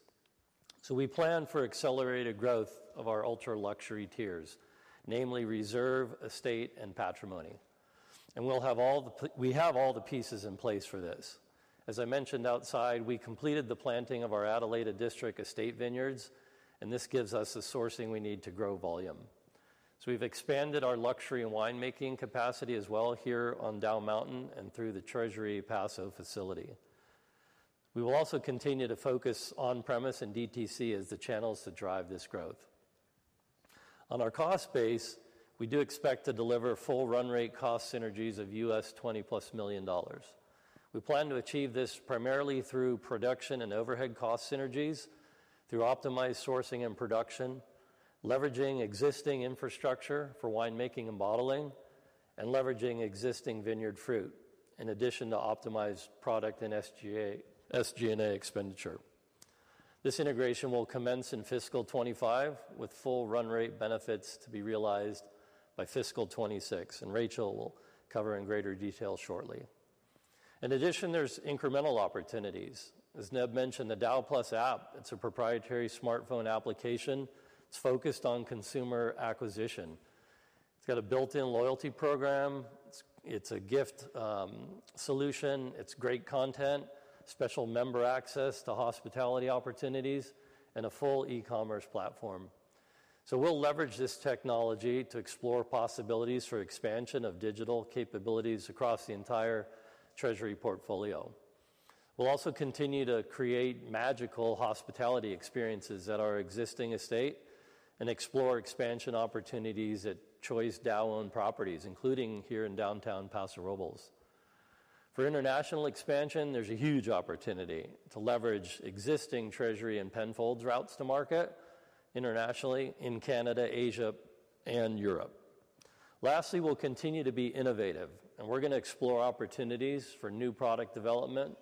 So we plan for accelerated growth of our ultra-luxury tiers, namely Reserve, Estate, and Patrimony, and we'll have all the pieces in place for this. As I mentioned outside, we completed the planting of our Adelaida District estate vineyards, and this gives us the sourcing we need to grow volume. So we've expanded our luxury and wine-making capacity as well here on DAOU Mountain and through the Treasury Paso facility. We will also continue to focus on-premise and DTC as the channels to drive this growth. On our cost base, we do expect to deliver full run rate cost synergies of $20+ million. We plan to achieve this primarily through production and overhead cost synergies, through optimized sourcing and production, leveraging existing infrastructure for wine-making and bottling, and leveraging existing vineyard fruit, in addition to optimized product and SG&A expenditure. This integration will commence in fiscal 2025, with full run rate benefits to be realized by fiscal 2026, and Rachel will cover in greater detail shortly. In addition, there's incremental opportunities. As Neb mentioned, the DAOU+ app, it's a proprietary smartphone application. It's focused on consumer acquisition. It's got a built-in loyalty program. It's, it's a gift solution. It's great content, special member access to hospitality opportunities, and a full e-commerce platform. So we'll leverage this technology to explore possibilities for expansion of digital capabilities across the entire Treasury portfolio. We'll also continue to create magical hospitality experiences at our existing estate and explore expansion opportunities at choice DAOU-owned properties, including here in downtown Paso Robles. For international expansion, there's a huge opportunity to leverage existing Treasury and Penfolds routes to market internationally in Canada, Asia, and Europe. Lastly, we'll continue to be innovative, and we're gonna explore opportunities for new product development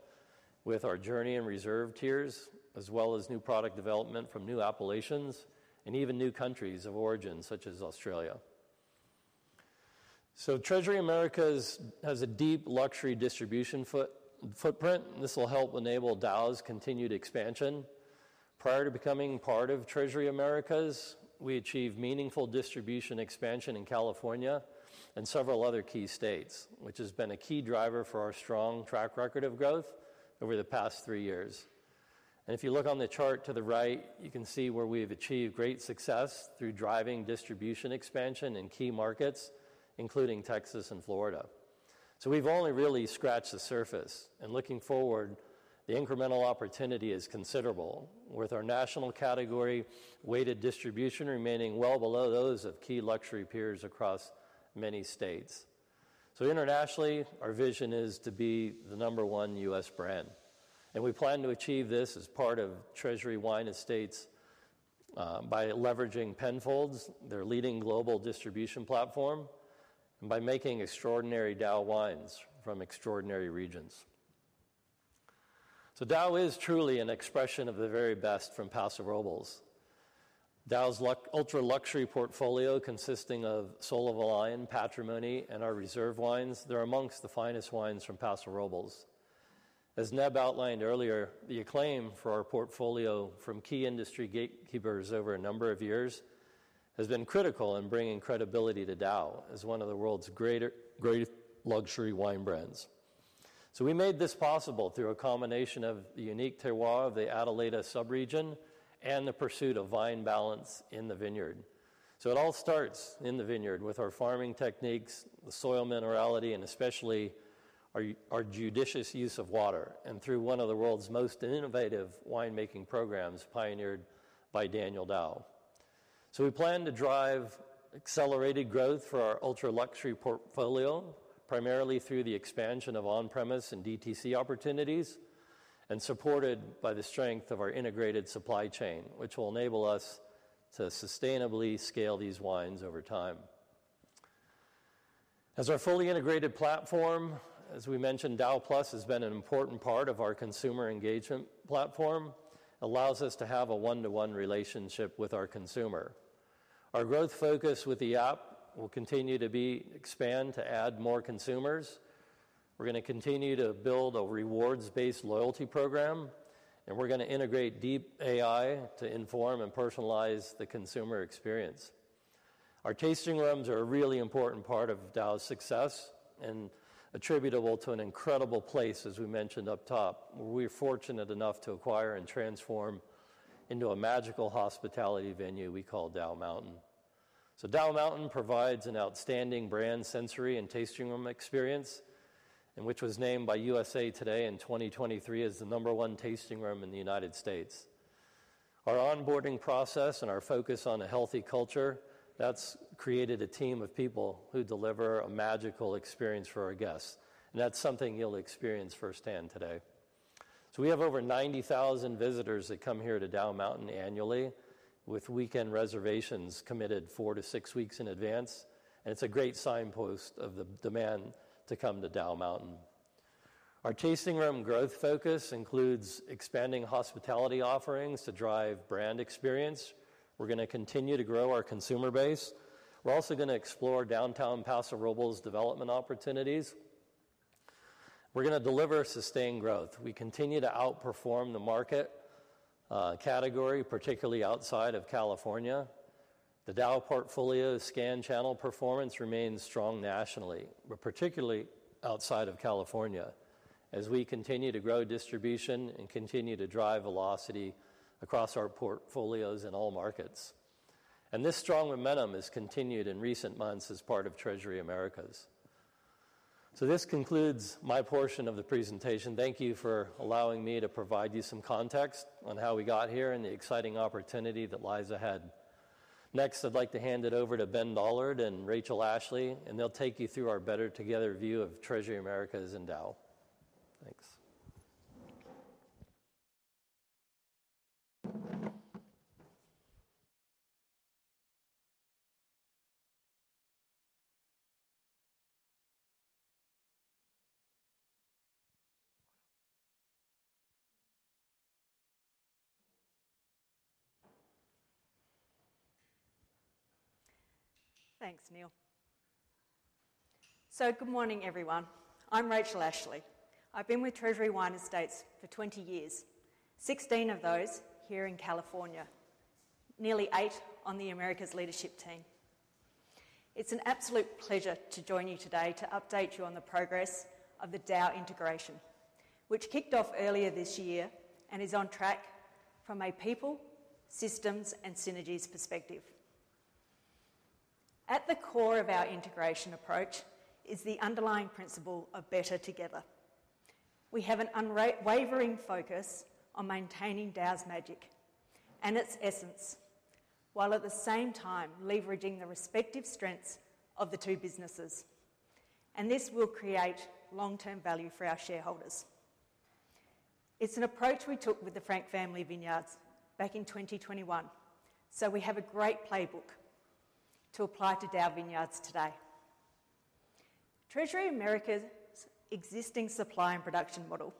with our Journey and Reserve tiers, as well as new product development from new appellations and even new countries of origin, such as Australia. Treasury Americas has a deep luxury distribution footprint, and this will help enable DAOU's continued expansion. Prior to becoming part of Treasury Americas, we achieved meaningful distribution expansion in California and several other key states, which has been a key driver for our strong track record of growth over the past three years. If you look on the chart to the right, you can see where we've achieved great success through driving distribution expansion in key markets, including Texas and Florida. So we've only really scratched the surface, and looking forward, the incremental opportunity is considerable, with our national category weighted distribution remaining well below those of key luxury peers across many states.... So internationally, our vision is to be the number one US brand, and we plan to achieve this as part of Treasury Wine Estates by leveraging Penfolds, their leading global distribution platform, and by making extraordinary DAOU wines from extraordinary regions. So DAOU is truly an expression of the very best from Paso Robles. DAOU's luxury ultra-luxury portfolio, consisting of Soul of a Lion, Patrimony, and our reserve wines, they're among the finest wines from Paso Robles. As Neb outlined earlier, the acclaim for our portfolio from key industry gatekeepers over a number of years has been critical in bringing credibility to DAOU as one of the world's greater, great luxury wine brands. So we made this possible through a combination of the unique terroir of the Adelaida sub-region and the pursuit of vine balance in the vineyard. So it all starts in the vineyard with our farming techniques, the soil minerality, and especially our judicious use of water, and through one of the world's most innovative winemaking programs, pioneered by Daniel Daou. So we plan to drive accelerated growth for our ultra-luxury portfolio, primarily through the expansion of on-premise and DTC opportunities, and supported by the strength of our integrated supply chain, which will enable us to sustainably scale these wines over time. As our fully integrated platform, as we mentioned, DAOU+ has been an important part of our consumer engagement platform, allows us to have a one-to-one relationship with our consumer. Our growth focus with the app will continue to be expand to add more consumers. We're gonna continue to build a rewards-based loyalty program, and we're gonna integrate deep AI to inform and personalize the consumer experience. Our tasting rooms are a really important part of DAOU's success and attributable to an incredible place, as we mentioned up top, where we were fortunate enough to acquire and transform into a magical hospitality venue we call DAOU Mountain. So DAOU Mountain provides an outstanding brand sensory and tasting room experience, and which was named by USA Today in 2023 as the number one tasting room in the United States. Our onboarding process and our focus on a healthy culture, that's created a team of people who deliver a magical experience for our guests, and that's something you'll experience firsthand today. So we have over 90,000 visitors that come here to DAOU Mountain annually, with weekend reservations committed 4-6 weeks in advance, and it's a great signpost of the demand to come to DAOU Mountain. Our tasting room growth focus includes expanding hospitality offerings to drive brand experience. We're gonna continue to grow our consumer base. We're also gonna explore downtown Paso Robles development opportunities. We're gonna deliver sustained growth. We continue to outperform the market, category, particularly outside of California. The DAOU portfolio scan channel performance remains strong nationally, but particularly outside of California, as we continue to grow distribution and continue to drive velocity across our portfolios in all markets. This strong momentum has continued in recent months as part of Treasury Americas. So this concludes my portion of the presentation. Thank you for allowing me to provide you some context on how we got here and the exciting opportunity that lies ahead. Next, I'd like to hand it over to Ben Dollard and Rachel Ashley, and they'll take you through our better together view of Treasury Americas and DAOU. Thanks. Thanks, Neil. So good morning, everyone. I'm Rachel Ashley. I've been with Treasury Wine Estates for 20 years, 16 of those here in California, nearly eight on the Americas leadership team. It's an absolute pleasure to join you today to update you on the progress of the DAOU integration, which kicked off earlier this year and is on track from a people, systems, and synergies perspective. At the core of our integration approach is the underlying principle of better together. We have an unwavering focus on maintaining DAOU's magic and its essence, while at the same time leveraging the respective strengths of the two businesses. And this will create long-term value for our shareholders. It's an approach we took with the Frank Family Vineyards back in 2021, so we have a great playbook to apply to DAOU Vineyards today. Treasury Americas' existing supply and production model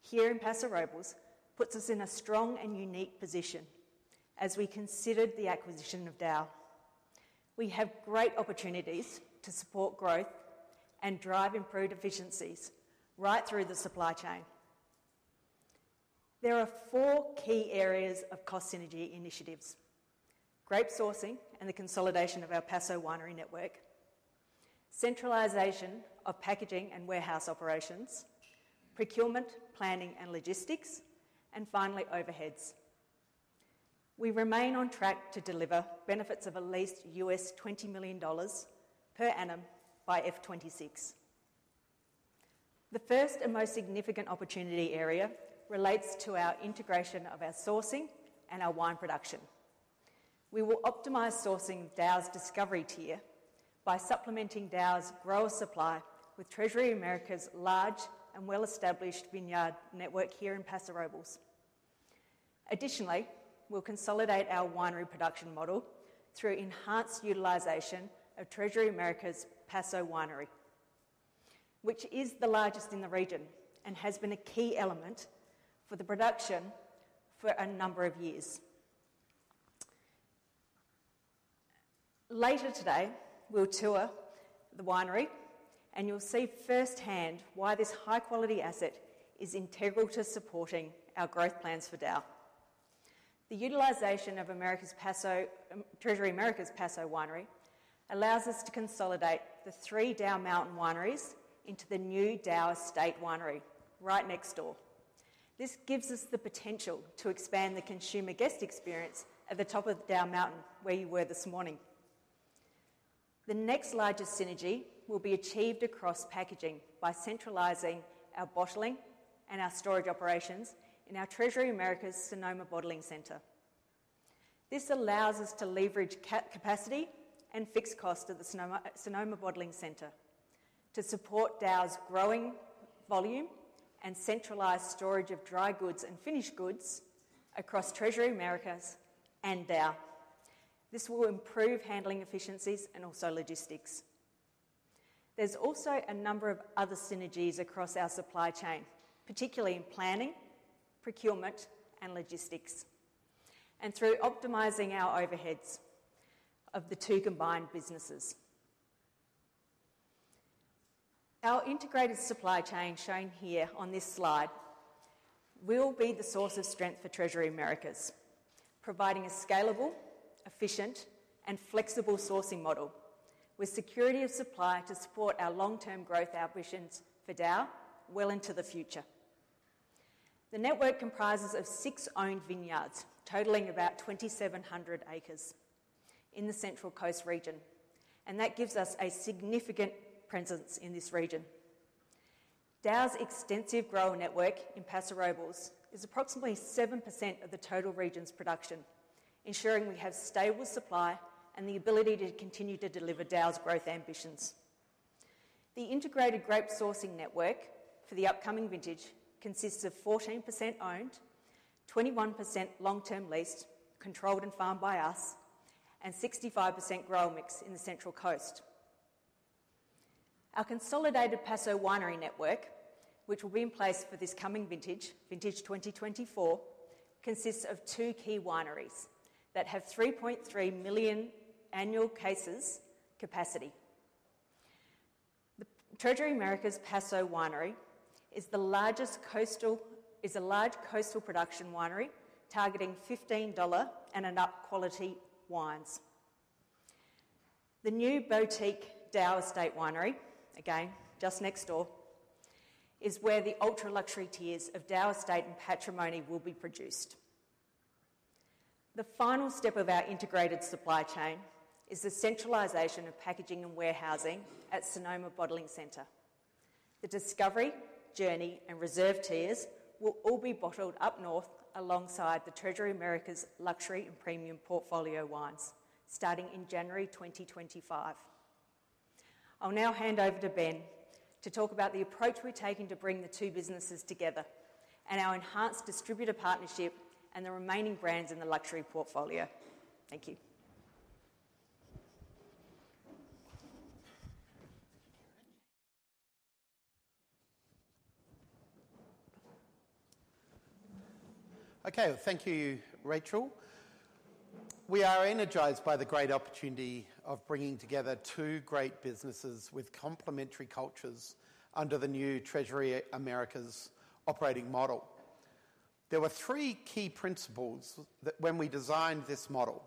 here in Paso Robles puts us in a strong and unique position as we considered the acquisition of DAOU. We have great opportunities to support growth and drive improved efficiencies right through the supply chain. There are four key areas of cost synergy initiatives: grape sourcing and the consolidation of our Paso winery network, centralization of packaging and warehouse operations, procurement, planning, and logistics, and finally, overheads. We remain on track to deliver benefits of at least $20 million per annum by FY 2026. The first and most significant opportunity area relates to our integration of our sourcing and our wine production. We will optimize sourcing DAOU's Discovery tier by supplementing DAOU's grower supply with Treasury Americas' large and well-established vineyard network here in Paso Robles. Additionally, we'll consolidate our winery production model through enhanced utilization of Treasury Americas' Paso Winery, which is the largest in the region and has been a key element for the production for a number of years. Later today, we'll tour the winery, and you'll see firsthand why this high-quality asset is integral to supporting our growth plans for DAOU. The utilization of Americas Paso, Treasury Americas Paso Winery, allows us to consolidate the three DAOU Mountain wineries into the new DAOU Estate Winery right next door. This gives us the potential to expand the consumer guest experience at the top of DAOU Mountain, where you were this morning. The next largest synergy will be achieved across packaging by centralizing our bottling and our storage operations in our Treasury Americas Sonoma Bottling Center. This allows us to leverage capacity and fixed cost of the Sonoma Bottling Center to support DAOU's growing volume and centralized storage of dry goods and finished goods across Treasury Americas and DAOU. This will improve handling efficiencies and also logistics. There's also a number of other synergies across our supply chain, particularly in planning, procurement, and logistics, and through optimizing our overheads of the two combined businesses. Our integrated supply chain, shown here on this slide, will be the source of strength for Treasury Americas, providing a scalable, efficient, and flexible sourcing model with security of supply to support our long-term growth ambitions for DAOU well into the future. The network comprises of six owned vineyards, totaling about 2,700 acres in the Central Coast region, and that gives us a significant presence in this region. DAOU's extensive grower network in Paso Robles is approximately 7% of the total region's production, ensuring we have stable supply and the ability to continue to deliver DAOU's growth ambitions. The integrated grape sourcing network for the upcoming vintage consists of 14% owned, 21% long-term leased, controlled and farmed by us, and 65% grower mix in the Central Coast. Our consolidated Paso Winery network, which will be in place for this coming vintage, vintage 2024, consists of two key wineries that have 3.3 million annual cases capacity. The Treasury Americas Paso Winery is a large coastal production winery, targeting $15 and above quality wines. The new boutique DAOU Estate Winery, again, just next door, is where the ultra-luxury tiers of DAOU Estate and Patrimony will be produced. The final step of our integrated supply chain is the centralization of packaging and warehousing at Sonoma Bottling Center. The Discovery, Journey, and Reserve tiers will all be bottled up north alongside the Treasury Americas luxury and premium portfolio wines, starting in January 2025. I'll now hand over to Ben to talk about the approach we're taking to bring the two businesses together and our enhanced distributor partnership and the remaining brands in the luxury portfolio. Thank you. Okay, thank you, Rachel. We are energized by the great opportunity of bringing together two great businesses with complementary cultures under the new Treasury Americas operating model. There were three key principles that when we designed this model.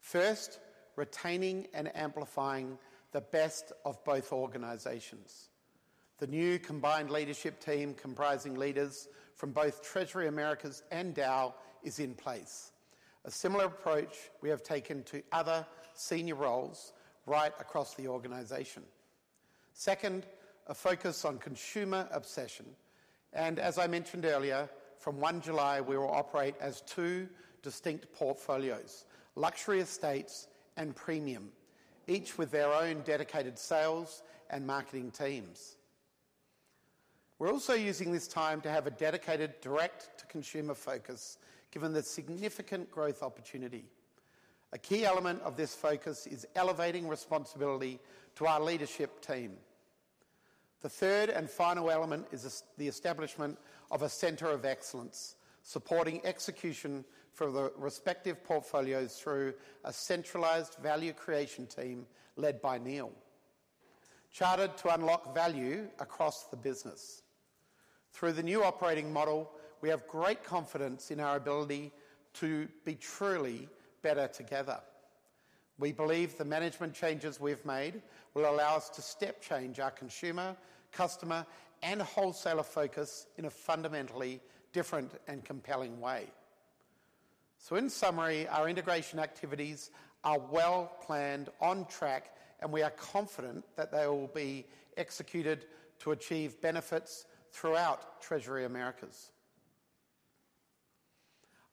First, retaining and amplifying the best of both organizations. The new combined leadership team, comprising leaders from both Treasury Americas and DAOU, is in place. A similar approach we have taken to other senior roles right across the organization. Second, a focus on consumer obsession, and as I mentioned earlier, from 1 July, we will operate as two distinct portfolios, luxury estates and premium, each with their own dedicated sales and marketing teams. We're also using this time to have a dedicated direct-to-consumer focus, given the significant growth opportunity. A key element of this focus is elevating responsibility to our leadership team. The third and final element is the establishment of a center of excellence, supporting execution for the respective portfolios through a centralized value creation team led by Neil, chartered to unlock value across the business. Through the new operating model, we have great confidence in our ability to be truly better together. We believe the management changes we've made will allow us to step change our consumer, customer, and wholesaler focus in a fundamentally different and compelling way. So in summary, our integration activities are well planned, on track, and we are confident that they will be executed to achieve benefits throughout Treasury Americas.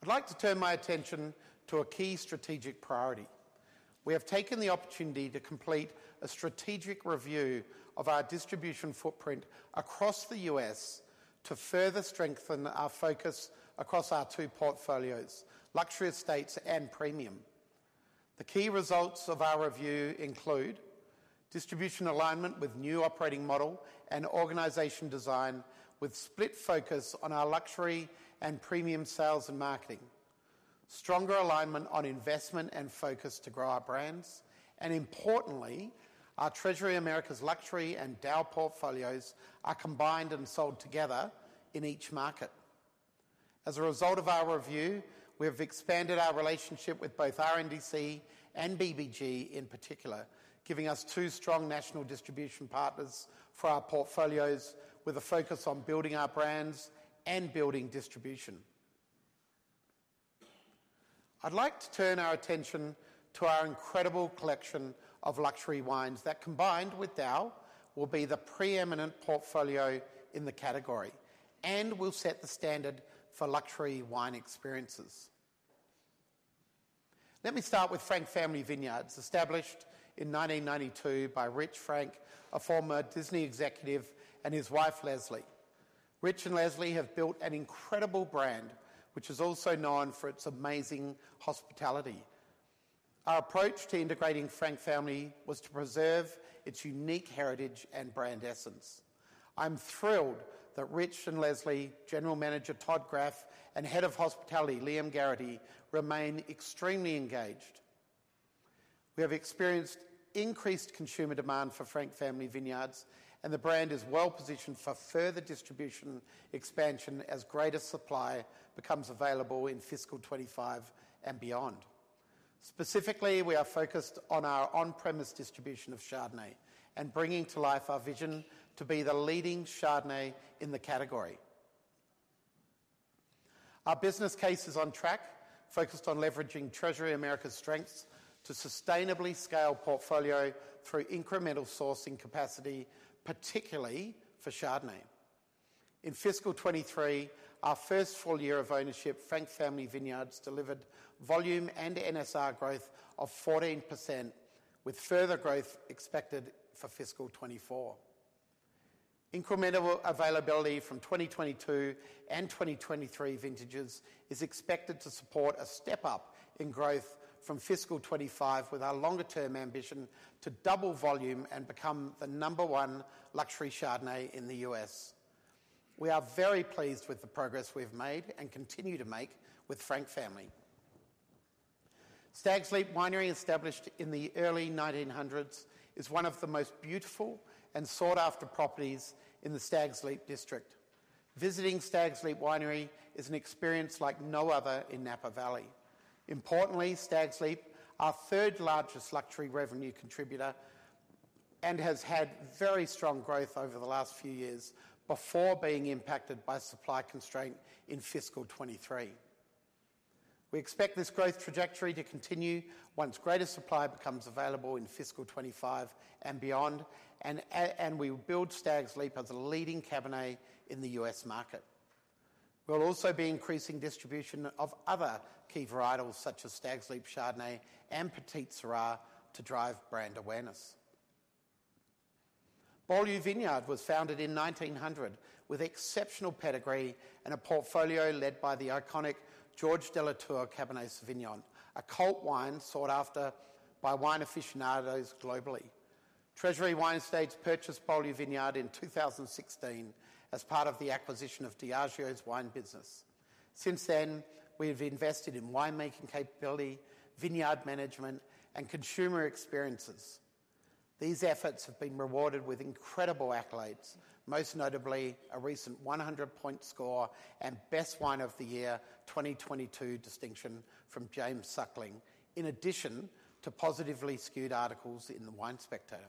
I'd like to turn my attention to a key strategic priority. We have taken the opportunity to complete a strategic review of our distribution footprint across the U.S. to further strengthen our focus across our two portfolios, Luxury Estates and Premium. The key results of our review include: distribution alignment with new operating model and organization design, with split focus on our luxury and premium sales and marketing; stronger alignment on investment and focus to grow our brands; and importantly, our Treasury Americas Luxury and DAOU portfolios are combined and sold together in each market. As a result of our review, we have expanded our relationship with both RNDC and BBG in particular, giving us two strong national distribution partners for our portfolios, with a focus on building our brands and building distribution. I'd like to turn our attention to our incredible collection of luxury wines that, combined with DAOU, will be the preeminent portfolio in the category and will set the standard for luxury wine experiences. Let me start with Frank Family Vineyards, established in 1992 by Rich Frank, a former Disney executive, and his wife, Leslie. Rich and Leslie have built an incredible brand, which is also known for its amazing hospitality. Our approach to integrating Frank Family was to preserve its unique heritage and brand essence. I'm thrilled that Rich and Leslie, General Manager Todd Graff, and Head of Hospitality Liam Gearity remain extremely engaged. We have experienced increased consumer demand for Frank Family Vineyards, and the brand is well-positioned for further distribution expansion as greater supply becomes available in fiscal 2025 and beyond. Specifically, we are focused on our on-premise distribution of Chardonnay and bringing to life our vision to be the leading Chardonnay in the category. Our business case is on track, focused on leveraging Treasury Americas' strengths to sustainably scale portfolio through incremental sourcing capacity, particularly for Chardonnay. In fiscal 2023, our first full year of ownership, Frank Family Vineyards delivered volume and NSR growth of 14%, with further growth expected for fiscal 2024. Incremental availability from 2022 and 2023 vintages is expected to support a step-up in growth from fiscal 2025, with our longer-term ambition to double volume and become the number one luxury Chardonnay in the U.S. We are very pleased with the progress we've made and continue to make with Frank Family. Stags' Leap Winery, established in the early 1900s, is one of the most beautiful and sought-after properties in the Stags Leap District. Visiting Stags' Leap Winery is an experience like no other in Napa Valley. Importantly, Stags' Leap, our third-largest luxury revenue contributor, has had very strong growth over the last few years before being impacted by supply constraint in fiscal 2023. We expect this growth trajectory to continue once greater supply becomes available in fiscal 25 and beyond, and, and we will build Stags' Leap as a leading Cabernet in the U.S. market. We'll also be increasing distribution of other key varietals, such as Stags' Leap Chardonnay and Petite Sirah, to drive brand awareness. Beaulieu Vineyard was founded in 1900 with exceptional pedigree and a portfolio led by the iconic Georges de Latour Cabernet Sauvignon, a cult wine sought after by wine aficionados globally. Treasury Wine Estates purchased Beaulieu Vineyard in 2016 as part of the acquisition of Diageo's wine business. Since then, we have invested in winemaking capability, vineyard management, and consumer experiences. These efforts have been rewarded with incredible accolades, most notably a recent 100-point score and Best Wine of the Year 2022 distinction from James Suckling, in addition to positively skewed articles in Wine Spectator.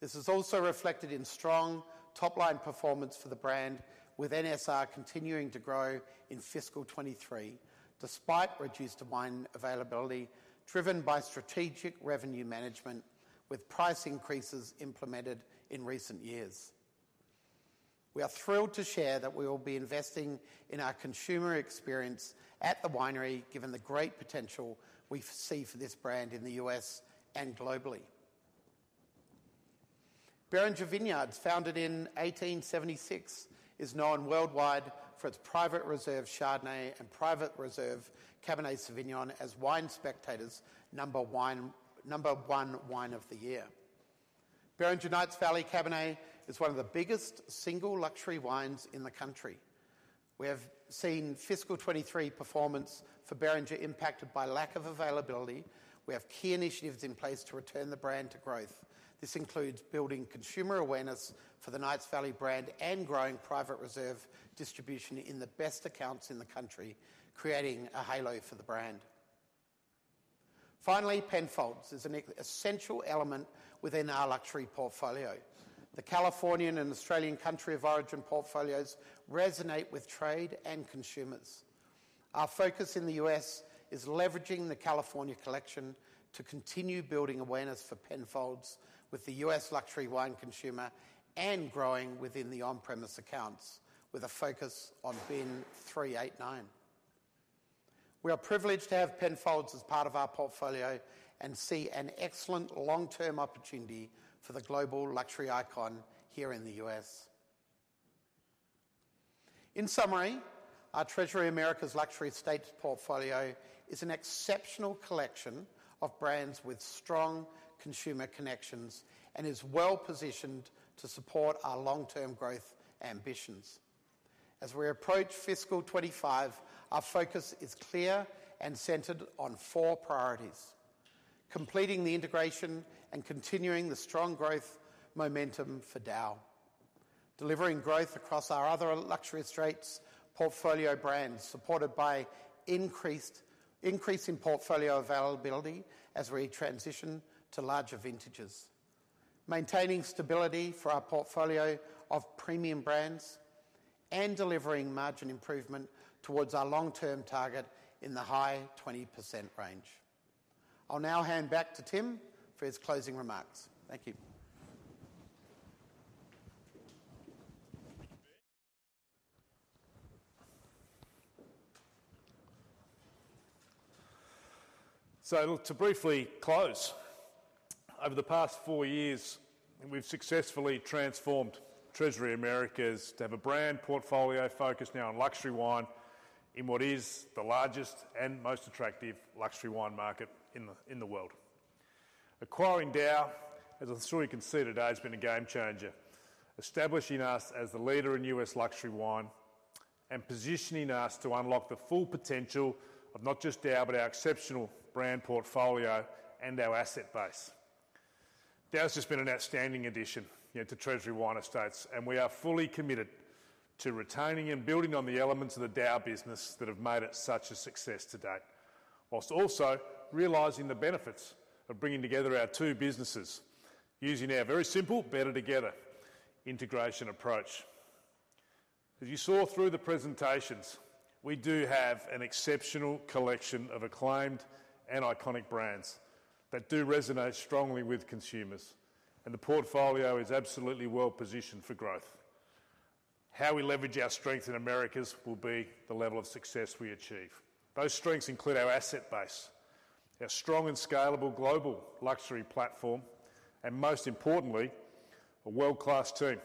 This is also reflected in strong top-line performance for the brand, with NSR continuing to grow in fiscal 2023, despite reduced wine availability, driven by strategic revenue management, with price increases implemented in recent years. We are thrilled to share that we will be investing in our consumer experience at the winery, given the great potential we see for this brand in the U.S. and globally. Beringer Vineyards, founded in 1876, is known worldwide for its Private Reserve Chardonnay and Private Reserve Cabernet Sauvignon as Wine Spectator's number one Wine of the Year. Beringer Knights Valley Cabernet is one of the biggest single luxury wines in the country. We have seen fiscal 2023 performance for Beringer impacted by lack of availability. We have key initiatives in place to return the brand to growth. This includes building consumer awareness for the Knights Valley brand and growing Private Reserve distribution in the best accounts in the country, creating a halo for the brand. Finally, Penfolds is an essential element within our luxury portfolio. The Californian and Australian country of origin portfolios resonate with trade and consumers. Our focus in the U.S. is leveraging the California collection to continue building awareness for Penfolds with the U.S. luxury wine consumer and growing within the on-premise accounts, with a focus on Bin 389. We are privileged to have Penfolds as part of our portfolio and see an excellent long-term opportunity for the global luxury icon here in the U.S. In summary, our Treasury Americas Luxury Estates portfolio is an exceptional collection of brands with strong consumer connections and is well-positioned to support our long-term growth ambitions. As we approach fiscal 2025, our focus is clear and centered on four priorities: completing the integration and continuing the strong growth momentum for DAOU, delivering growth across our other Luxury Estates portfolio brands, supported by increasing portfolio availability as we transition to larger vintages, maintaining stability for our portfolio of premium brands, and delivering margin improvement towards our long-term target in the high 20% range. I'll now hand back to Tim for his closing remarks. Thank you. So to briefly close, over the past four years, we've successfully transformed Treasury Americas to have a brand portfolio focused now on luxury wine in what is the largest and most attractive luxury wine market in the world. Acquiring DAOU, as I'm sure you can see today, has been a game changer, establishing us as the leader in U.S. luxury wine and positioning us to unlock the full potential of not just DAOU, but our exceptional brand portfolio and our asset base. DAOU's just been an outstanding addition, you know, to Treasury Wine Estates, and we are fully committed to retaining and building on the elements of the DAOU business that have made it such a success to date, whilst also realizing the benefits of bringing together our two businesses, using our very simple, better together integration approach. As you saw through the presentations, we do have an exceptional collection of acclaimed and iconic brands that do resonate strongly with consumers, and the portfolio is absolutely well-positioned for growth. How we leverage our strength in Americas will be the level of success we achieve. Those strengths include our asset base, our strong and scalable global luxury platform, and most importantly, a world-class team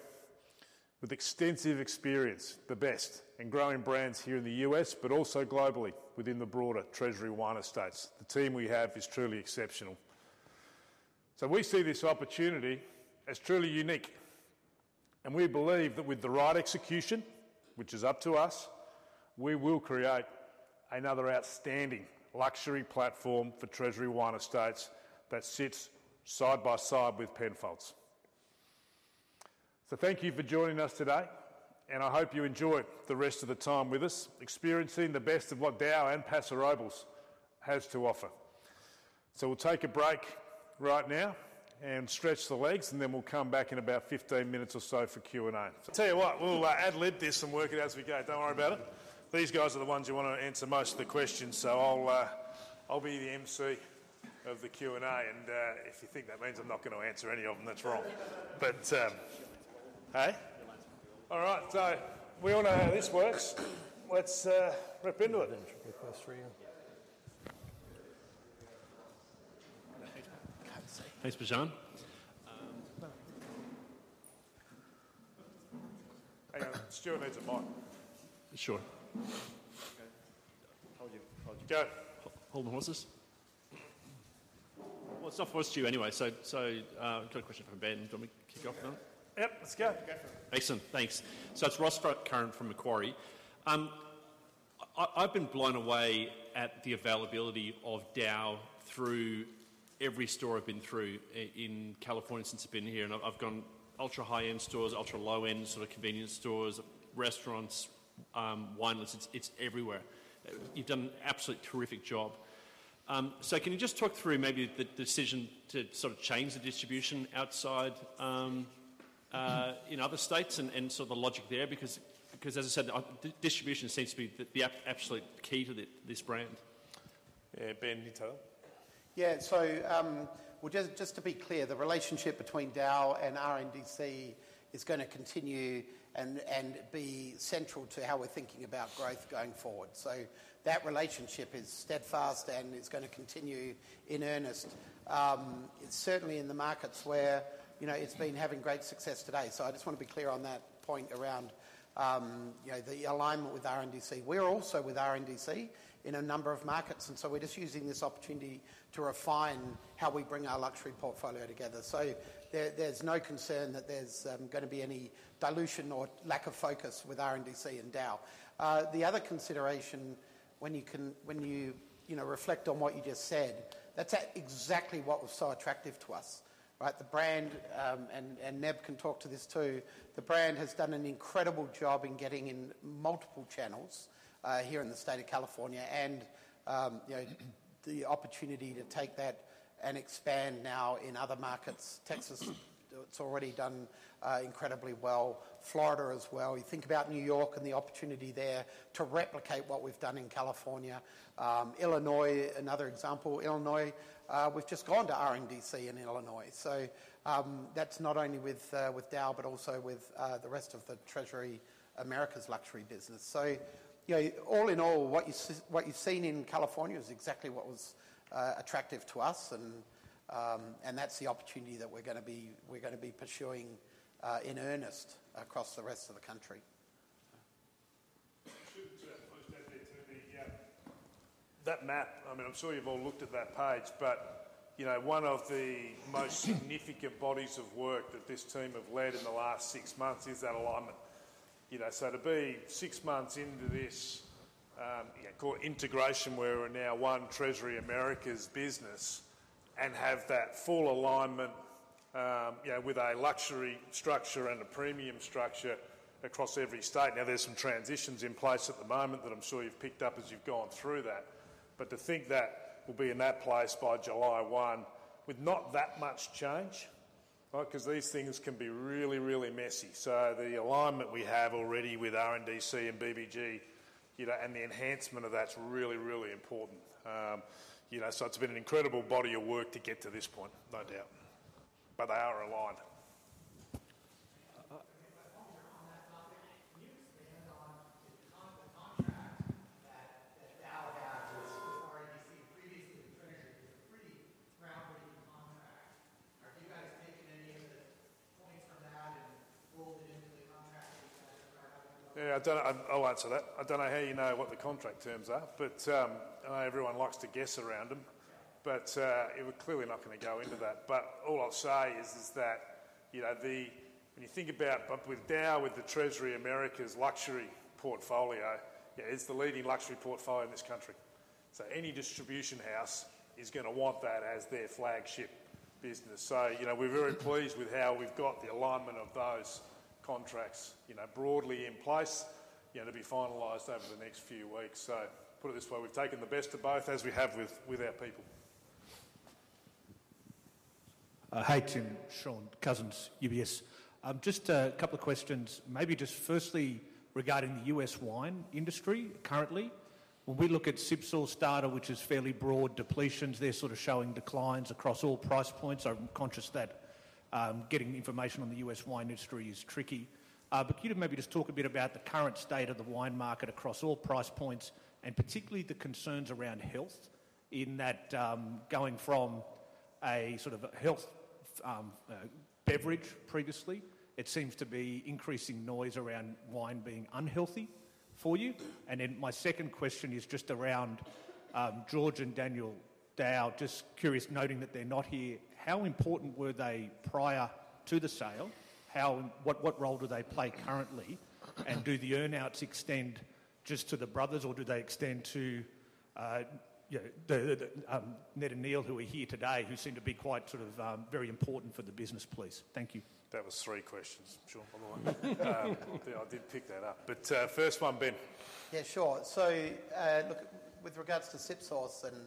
with extensive experience, the best in growing brands here in the U.S., but also globally within the broader Treasury Wine Estates. The team we have is truly exceptional. So we see this opportunity as truly unique, and we believe that with the right execution, which is up to us, we will create another outstanding luxury platform for Treasury Wine Estates that sits side by side with Penfolds. So, thank you for joining us today, and I hope you enjoy the rest of the time with us, experiencing the best of what DAOU and Paso Robles has to offer. So we'll take a break right now and stretch the legs, and then we'll come back in about 15 minutes or so for Q&A. I tell you what, we'll ad lib this and work it out as we go. Don't worry about it. These guys are the ones who want to answer most of the questions, so I'll be the emcee of the Q&A, and if you think that means I'm not going to answer any of them, that's wrong. But... Hey? The mics will be on. All right, so we all know how this works. Let's rip into it.... Thanks, Bijan. Hang on, Stuart needs a mic. Sure. How would you- Go. Hold the horses. Well, it's not forced to you anyway, so, so, I've got a question for Ben. Do you want me to kick off now? Yep, let's go. Go for it. Excellent. Thanks. So it's Ross Curran from Macquarie. I've been blown away at the availability of DAOU through every store I've been through in California since I've been here, and I've gone ultra high-end stores, ultra low-end, sort of convenience stores, restaurants, wine lists, it's, it's everywhere. You've done an absolutely terrific job. So can you just talk through maybe the decision to sort of change the distribution outside in other states and sort of the logic there? Because, as I said, distribution seems to be the absolute key to this brand. Yeah, Ben, can you take that? Yeah, so, well, just to be clear, the relationship between DAOU and RNDC is going to continue and be central to how we're thinking about growth going forward. So that relationship is steadfast, and it's going to continue in earnest, certainly in the markets where, you know, it's been having great success today. So I just want to be clear on that point around, you know, the alignment with RNDC. We're also with RNDC in a number of markets, and so we're just using this opportunity to refine how we bring our luxury portfolio together. So there's no concern that there's going to be any dilution or lack of focus with RNDC and DAOU. The other consideration when you, you know, reflect on what you just said, that's exactly what was so attractive to us, right? The brand, and Neb can talk to this, too. The brand has done an incredible job in getting in multiple channels here in the state of California and, you know, the opportunity to take that and expand now in other markets. Texas, it's already done incredibly well, Florida as well. You think about New York and the opportunity there to replicate what we've done in California. Illinois, another example. Illinois, we've just gone to RNDC in Illinois. So, that's not only with DAOU, but also with the rest of the Treasury Americas luxury business. So, you know, all in all, what you've seen in California is exactly what was attractive to us, and that's the opportunity that we're gonna be pursuing in earnest across the rest of the country.... That map, I mean, I'm sure you've all looked at that page, but, you know, one of the most significant bodies of work that this team have led in the last six months is that alignment. You know, so to be six months into this, call it integration, where we're now one Treasury Americas business and have that full alignment, you know, with a luxury structure and a premium structure across every state. Now, there's some transitions in place at the moment that I'm sure you've picked up as you've gone through that. But to think that we'll be in that place by July 1 with not that much change, right? Because these things can be really, really messy. So the alignment we have already with RNDC and BBG, you know, and the enhancement of that's really, really important. You know, so it's been an incredible body of work to get to this point, no doubt, but they are aligned. On that topic, can you expand on the contract that DAOU had with RNDC, previously Treasury? It's a pretty groundbreaking contract. Are you guys taking any of the points from that and roll it into the contract with Yeah, I don't... I'll answer that. I don't know how you know what the contract terms are, but I know everyone likes to guess around them, but we're clearly not going to go into that. But all I'll say is that, you know, the—when you think about, with DAOU, with the Treasury Americas luxury portfolio, yeah, it's the leading luxury portfolio in this country. So any distribution house is gonna want that as their flagship business. So, you know, we're very pleased with how we've got the alignment of those contracts, you know, broadly in place, you know, to be finalized over the next few weeks. So put it this way, we've taken the best of both, as we have with our people. Hi, Tim, Shaun Cousins, UBS. Just a couple of questions. Maybe just firstly, regarding the U.S. wine industry currently, when we look at SipSource data, which is fairly broad depletions, they're sort of showing declines across all price points. I'm conscious that, getting information on the U.S. wine industry is tricky. But could you maybe just talk a bit about the current state of the wine market across all price points, and particularly the concerns around health, in that, going from a sort of a health beverage previously, it seems to be increasing noise around wine being unhealthy for you? And then my second question is just around, George and Daniel DAOU. Just curious, noting that they're not here, how important were they prior to the sale? How, what role do they play currently? Do the earn-outs extend just to the brothers, or do they extend to, you know, the Neb and Neil, who are here today, who seem to be quite sort of very important for the business, please. Thank you. That was three questions, Shaun. Yeah, I did pick that up, but first one, Ben. Yeah, sure. So, look, with regards to SipSource and,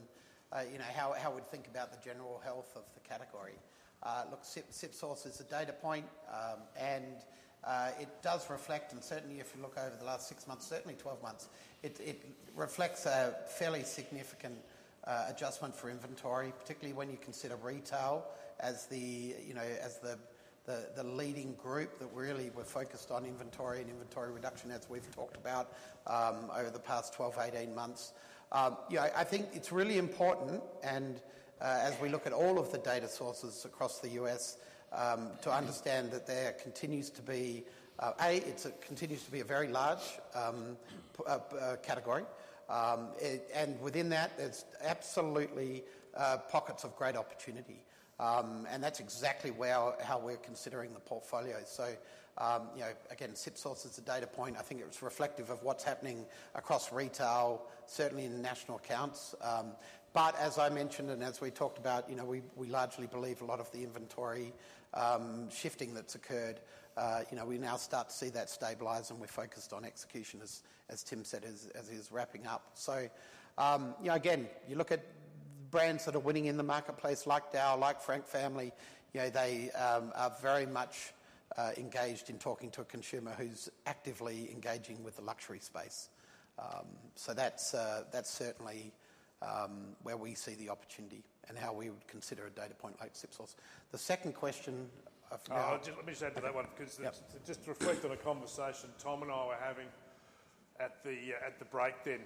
you know, how we'd think about the general health of the category. Look, SipSource is a data point, and it does reflect, and certainly if you look over the last six months, certainly 12 months, it reflects a fairly significant adjustment for inventory, particularly when you consider retail as the, you know, as the, the leading group that really were focused on inventory and inventory reduction, as we've talked about, over the past 12, 18 months. You know, I think it's really important, and as we look at all of the data sources across the U.S., to understand that there continues to be a very large category, and within that, there's absolutely pockets of great opportunity. And that's exactly where, how we're considering the portfolio. So, you know, again, SipSource is a data point. I think it's reflective of what's happening across retail, certainly in the national accounts. But as I mentioned and as we talked about, you know, we largely believe a lot of the inventory shifting that's occurred, you know, we now start to see that stabilize, and we're focused on execution, as Tim said, as he's wrapping up. So, you know, again, you look at brands that are winning in the marketplace, like DAOU, like Frank Family, you know, they are very much engaged in talking to a consumer who's actively engaging with the luxury space. So that's certainly where we see the opportunity and how we would consider a data point like SipSource. The second question, for- Oh, just let me just add to that one- Yep... 'cause it just reflects on a conversation Tom and I were having... at the break then.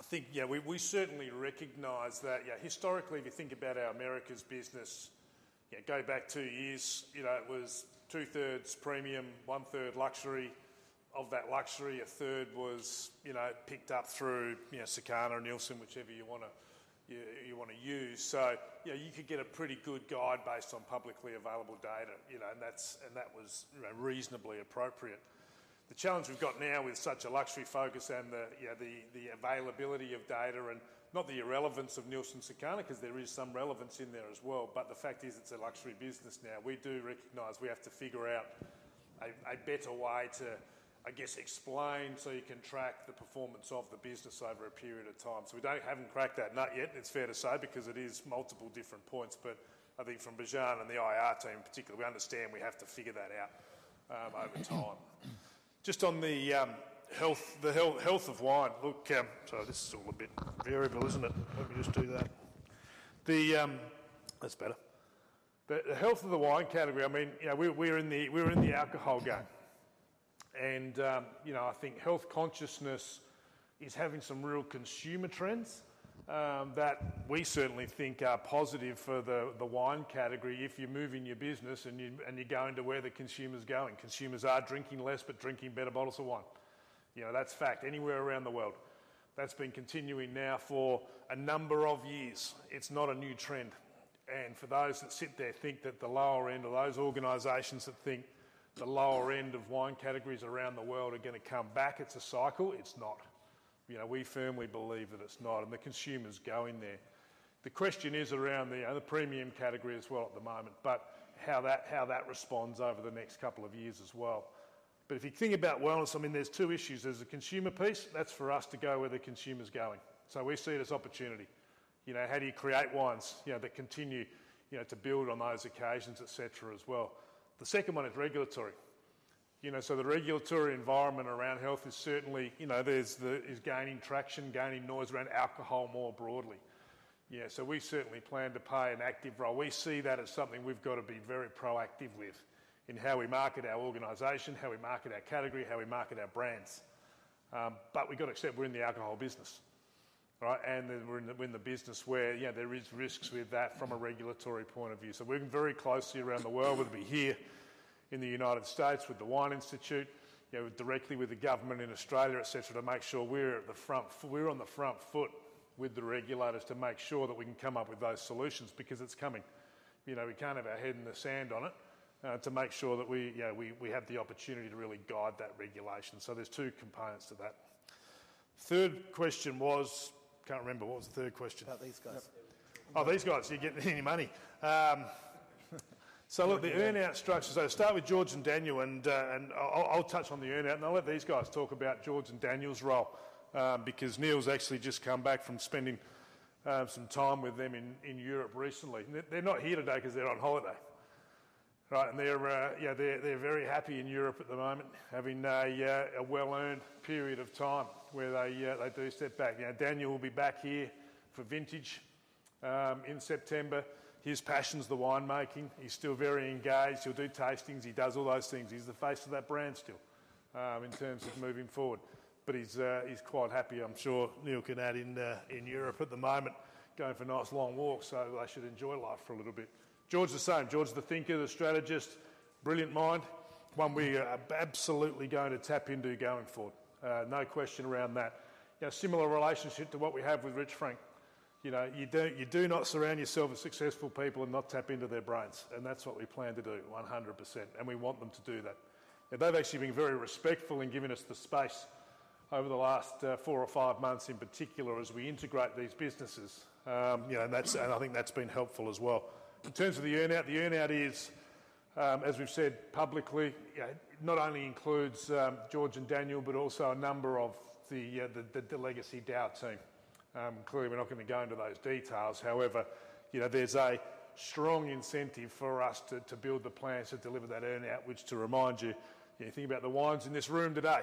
I think, yeah, we certainly recognize that, yeah, historically, if you think about our Americas business, yeah, go back two years, you know, it was 2/3 premium, 1/3 luxury. Of that luxury, 1/3 was, you know, picked up through, you know, Circana or Nielsen, whichever you wanna use. So, you know, you could get a pretty good guide based on publicly available data, you know, and that's--that was, you know, reasonably appropriate. The challenge we've got now with such a luxury focus and the availability of data and, not the irrelevance of Nielsen and Circana, 'cause there is some relevance in there as well, but the fact is, it's a luxury business now. We do recognize we have to figure out a better way to, I guess, explain, so you can track the performance of the business over a period of time. So we haven't cracked that nut yet, it's fair to say, because it is multiple different points, but I think from Bijan and the IR team particularly, we understand we have to figure that out over time. Just on the health of wine, look... Sorry, this is all a bit variable, isn't it? Let me just do that. That's better. But the health of the wine category, I mean, you know, we're in the alcohol game, and you know, I think health consciousness is having some real consumer trends that we certainly think are positive for the wine category if you're moving your business and you're going to where the consumer's going. Consumers are drinking less, but drinking better bottles of wine. You know, that's fact, anywhere around the world. That's been continuing now for a number of years. It's not a new trend, and for those that sit there and think that the lower end, or lthose organizations that think the lower end of wine categories around the world are gonna come back, it's a cycle, it's not. You know, we firmly believe that it's not, and the consumer's going there. The question is around the premium category as well at the moment, but how that responds over the next couple of years as well. But if you think about wellness, I mean, there's two issues: There's the consumer piece, that's for us to go where the consumer's going. So we see it as opportunity. You know, how do you create wines, you know, that continue, you know, to build on those occasions, et cetera, as well? The second one is regulatory. You know, so the regulatory environment around health is certainly, you know, is gaining traction, gaining noise around alcohol more broadly. Yeah, so we certainly plan to play an active role. We see that as something we've got to be very proactive with in how we market our organization, how we market our category, how we market our brands. But we've got to accept we're in the alcohol business, right? And that we're in the, we're in the business where, you know, there is risks with that from a regulatory point of view. So we're working very closely around the world, whether it be here, in the United States with the Wine Institute, you know, directly with the government in Australia, et cetera, to make sure we're at the front, we're on the front foot with the regulators to make sure that we can come up with those solutions, because it's coming. You know, we can't have our head in the sand on it, to make sure that we, you know, we have the opportunity to really guide that regulation. So there's two components to that. Third question was... Can't remember, what was the third question? About these guys. Oh, these guys. You're getting me money. So look, the earn-out structure. So start with George and Daniel, and I'll touch on the earn-out, and I'll let these guys talk about George and Daniel's role, because Neil's actually just come back from spending some time with them in Europe recently. And they're not here today 'cause they're on holiday, right? And they're, yeah, they're very happy in Europe at the moment, having a well-earned period of time where they do step back. Now, Daniel will be back here for vintage in September. His passion's the wine making. He's still very engaged. He'll do tastings, he does all those things. He's the face of that brand still, in terms of moving forward. But he's quite happy, I'm sure Neil can add, in Europe at the moment, going for nice long walks, so they should enjoy life for a little bit. George, the same. George is the thinker, the strategist, brilliant mind, one we are absolutely going to tap into going forward. No question around that. You know, similar relationship to what we have with Rich Frank. You know, you don't, you do not surround yourself with successful people and not tap into their brains, and that's what we plan to do 100%, and we want them to do that. And they've actually been very respectful in giving us the space over the last four or five months, in particular as we integrate these businesses. You know, and that's, and I think that's been helpful as well. In terms of the earn-out, the earn-out is, as we've said publicly, not only includes, George and Daniel, but also a number of the, the legacy DAOU team. Clearly, we're not gonna go into those details. However, you know, there's a strong incentive for us to build the plans to deliver that earn-out, which, to remind you, you know, think about the wines in this room today.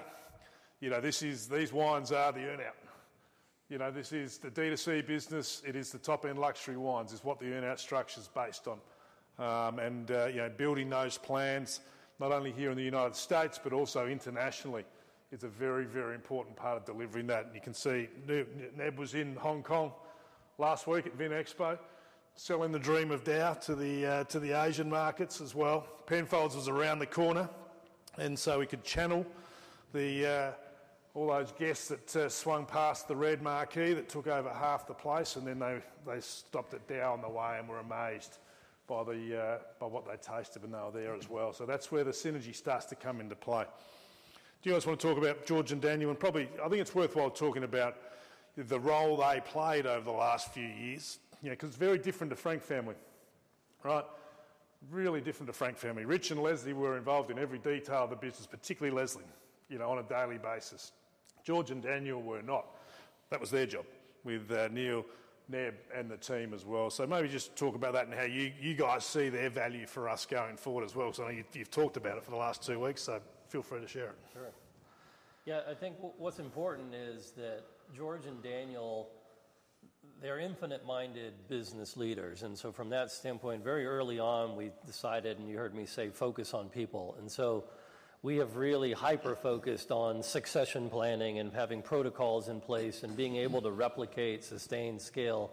You know, this is—these wines are the earn-out. You know, this is the D2C business. It is the top-end luxury wines, is what the earn-out structure is based on. And, you know, building those plans, not only here in the United States, but also internationally, is a very, very important part of delivering that. And you can see, Neb, Neb was in Hong Kong last week at Vinexpo, selling the dream of DAOU to the, to the Asian markets as well. Penfolds was around the corner, and so we could channel the, all those guests that, swung past the red marquee that took over half the place, and then they, they stopped at DAOU on the way and were amazed by the, by what they tasted when they were there as well. So that's where the synergy starts to come into play. Do you guys wanna talk about George and Daniel? And probably, I think it's worthwhile talking about the role they played over the last few years. You know, 'cause it's very different to Frank Family, right? Really different to Frank Family. Rich and Leslie were involved in every detail of the business, particularly Leslie, you know, on a daily basis. George and Daniel were not. That was their job with Neil, Neb, and the team as well. So maybe just talk about that and how you, you guys see their value for us going forward as well. So I know you've, you've talked about it for the last two weeks, so feel free to share it. Sure. Yeah, I think what's important is that George and Daniel. They're infinite-minded business leaders, and so from that standpoint, very early on, we decided, and you heard me say, focus on people. And so we have really hyper-focused on succession planning and having protocols in place and being able to replicate, sustain, scale.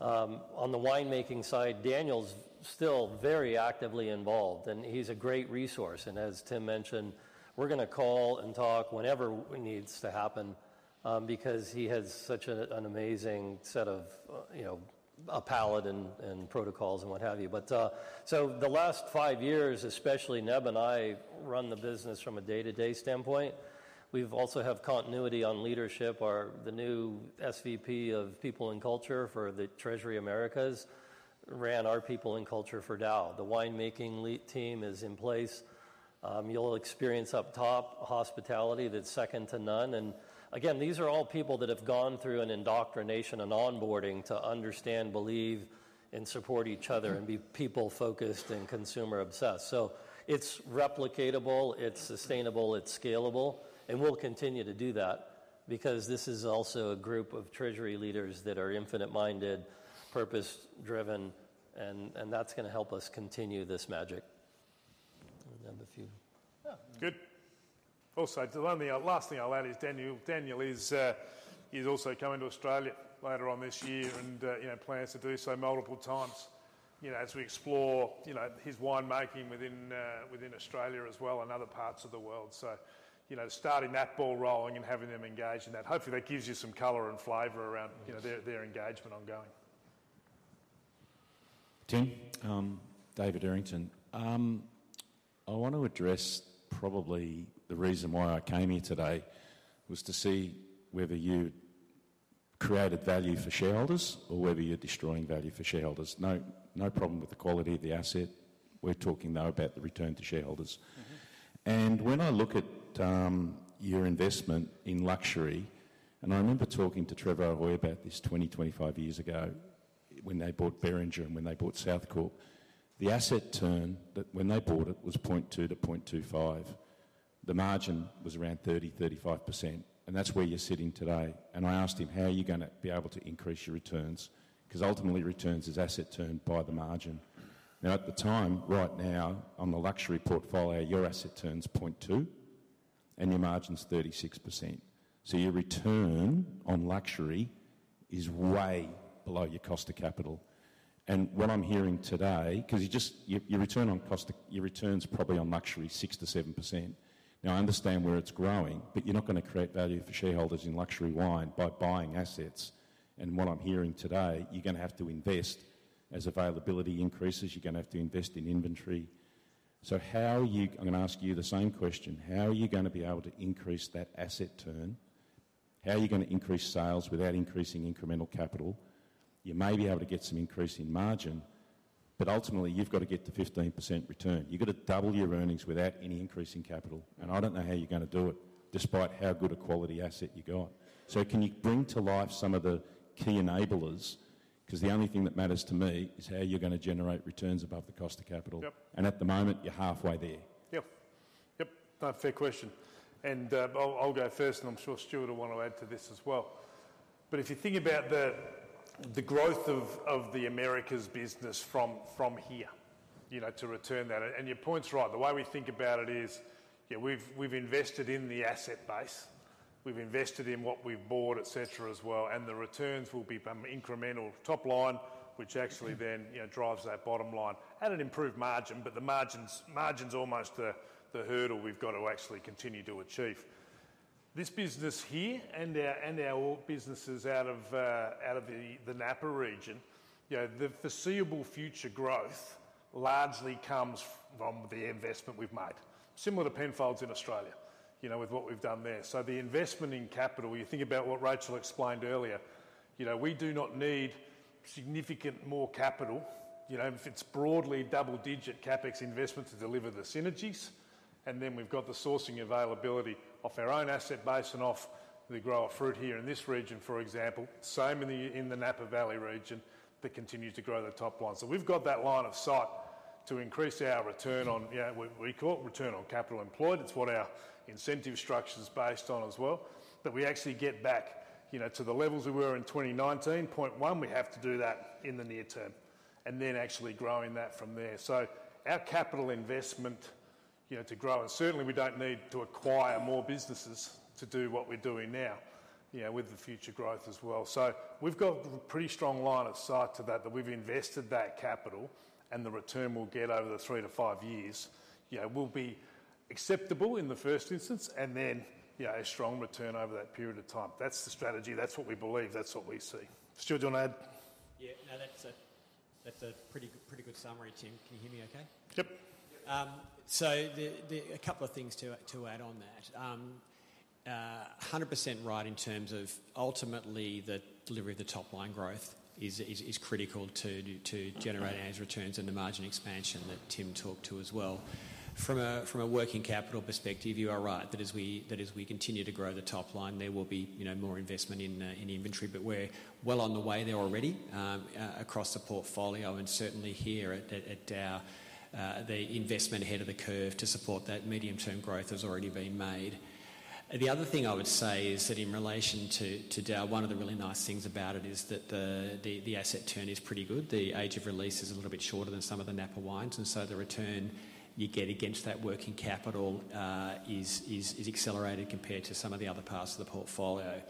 On the winemaking side, Daniel's still very actively involved, and he's a great resource. And as Tim mentioned, we're gonna call and talk whenever it needs to happen, because he has such an amazing set of, you know, a palate and protocols and what have you. But, so the last five years, especially, Neb and I run the business from a day-to-day standpoint. We've also have continuity on leadership. Our. The new SVP of People and Culture for the Treasury Americas ran our People and Culture for DAOU. The winemaking lead team is in place. You'll experience up top, hospitality that's second to none. And again, these are all people that have gone through an indoctrination and onboarding to understand, believe, and support each other and be people-focused and consumer-obsessed. So it's replicatable, it's sustainable, it's scalable, and we'll continue to do that because this is also a group of treasury leaders that are infinite-minded, purpose-driven, and, and that's gonna help us continue this magic. I have a few- Good. Also, the only last thing I'll add is Daniel. Daniel is, he's also coming to Australia later on this year and, you know, plans to do so multiple times, you know, as we explore, you know, his winemaking within Australia as well and other parts of the world. So, you know, starting that ball rolling and having them engaged in that. Hopefully, that gives you some color and flavor around, you know- Yes... their engagement ongoing. Tim, David Errington. I want to address probably the reason why I came here today, was to see whether you created value for shareholders or whether you're destroying value for shareholders. No, no problem with the quality of the asset. We're talking, though, about the return to shareholders. Mm-hmm. And when I look at your investment in luxury, and I remember talking to Trevor O'Hoy about this 25 years ago when they bought Beringer and when they bought Southcorp. The asset turn when they bought it was 0.2-0.25. The margin was around 30%-35%, and that's where you're sitting today. And I asked him: "How are you gonna be able to increase your returns?" 'Cause ultimately, returns is asset turned by the margin. Now, at the time, right now, on the luxury portfolio, your asset turn's 0.2, and your margin's 36%. So your return on luxury is way below your cost of capital. And what I'm hearing today, 'cause your return's probably on luxury, 6%-7%. Now, I understand where it's growing, but you're not gonna create value for shareholders in luxury wine by buying assets. And what I'm hearing today, you're gonna have to invest. As availability increases, you're gonna have to invest in inventory. So how are you? I'm gonna ask you the same question: How are you gonna be able to increase that asset turn? How are you gonna increase sales without increasing incremental capital? You may be able to get some increase in margin, but ultimately, you've got to get to 15% return. You've got to double your earnings without any increase in capital, and I don't know how you're gonna do it, despite how good a quality asset you got. So can you bring to life some of the key enablers? 'Cause the only thing that matters to me is how you're gonna generate returns above the cost of capital. Yep. At the moment, you're halfway there. Yep. Yep, no, fair question, and I'll, I'll go first, and I'm sure Stuart will want to add to this as well. But if you think about the growth of the Americas business from here, you know, to return that. And your point's right. The way we think about it is, yeah, we've invested in the asset base, we've invested in what we've bought, et cetera, as well, and the returns will be incremental, top line, which actually then, you know, drives that bottom line at an improved margin, but the margin's almost the hurdle we've got to actually continue to achieve. This business here and our businesses out of the Napa region, you know, the foreseeable future growth largely comes from the investment we've made, similar to Penfolds in Australia, you know, with what we've done there. So the investment in capital, you think about what Rachel explained earlier, you know, we do not need significant more capital, you know, if it's broadly double-digit CapEx investment to deliver the synergies, and then we've got the sourcing availability off our own asset base and off the grower fruit here in this region, for example, same in the Napa Valley region, that continues to grow the top line. So we've got that line of sight to increase our return on, you know, what we call return on capital employed. It's what our incentive structure is based on as well, that we actually get back, you know, to the levels we were in 2019.1. We have to do that in the near term, and then actually growing that from there. So our capital investment, you know, to grow, and certainly we don't need to acquire more businesses to do what we're doing now, you know, with the future growth as well. So we've got a pretty strong line of sight to that, that we've invested that capital and the return we'll get over the 3-5 years, you know, will be acceptable in the first instance, and then, you know, a strong return over that period of time. That's the strategy. That's what we believe. That's what we see. Stuart, do you want to add? Yeah. No, that's a, that's a pretty good, pretty good summary, Tim. Can you hear me okay? Yep. So a couple of things to add on that. Hundred percent right in terms of ultimately, the delivery of the top line growth is critical to generate those returns and the margin expansion that Tim talked to as well. From a working capital perspective, you are right, that as we continue to grow the top line, there will be, you know, more investment in inventory, but we're well on the way there already across the portfolio and certainly here at Dao. The investment ahead of the curve to support that medium-term growth has already been made. The other thing I would say is that in relation to Dao, one of the really nice things about it is that the asset turn is pretty good. The age of release is a little bit shorter than some of the Napa wines, and so the return you get against that working capital is accelerated compared to some of the other parts of the portfolio.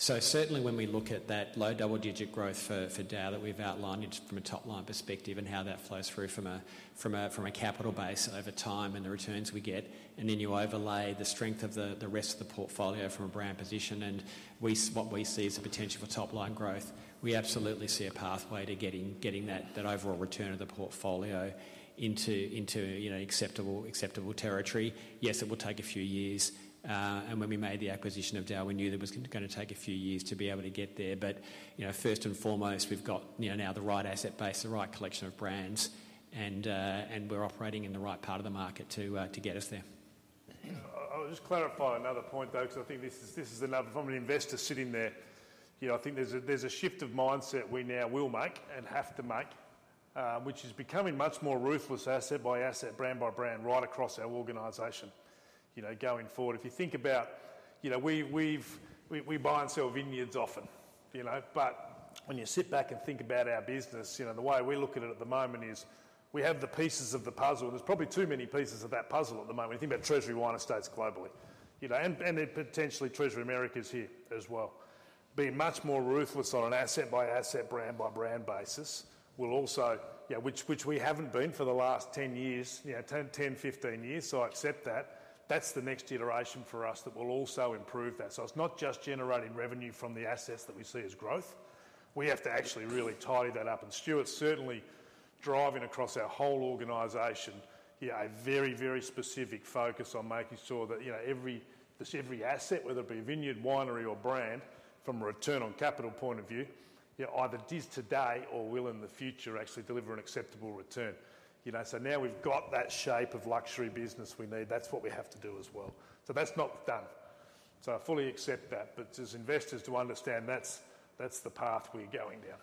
So certainly when we look at that low double-digit growth for DAOU that we've outlined from a top-line perspective and how that flows through from a capital base over time and the returns we get, and then you overlay the strength of the rest of the portfolio from a brand position, and we, what we see is the potential for top-line growth. We absolutely see a pathway to getting that overall return of the portfolio into you know acceptable territory. Yes, it will take a few years, and when we made the acquisition of DAOU, we knew that it was gonna take a few years to be able to get there. But, you know, first and foremost, we've got, you know, now the right asset base, the right collection of brands, and, and we're operating in the right part of the market to, to get us there. I'll just clarify another point, though, because I think this is, this is another—from an investor sitting there, you know, I think there's a, there's a shift of mindset we now will make and have to make, which is becoming much more ruthless, asset by asset, brand by brand, right across our organization, you know, going forward. If you think about, you know, we, we've—we, we buy and sell vineyards often, you know, but when you sit back and think about our business, you know, the way we look at it at the moment is we have the pieces of the puzzle. There's probably too many pieces of that puzzle at the moment. You think about Treasury Wine Estates globally, you know, and, and then potentially Treasury Americas here as well. Being much more ruthless on an asset-by-asset, brand-by-brand basis will also... You know, which we haven't been for the last ten years. You know, ten to 15 years, so I accept that. That's the next generation for us that will also improve that. So it's not just generating revenue from the assets that we see as growth; we have to actually really tidy that up, and Stuart's certainly driving across our whole organization here, a very, very specific focus on making sure that, you know, just every asset, whether it be vineyard, winery, or brand, from a return on capital point of view, it either is today or will in the future actually deliver an acceptable return. You know, so now we've got that shape of luxury business we need, that's what we have to do as well. So that's not done. So I fully accept that, but as investors to understand, that's the path we're going down.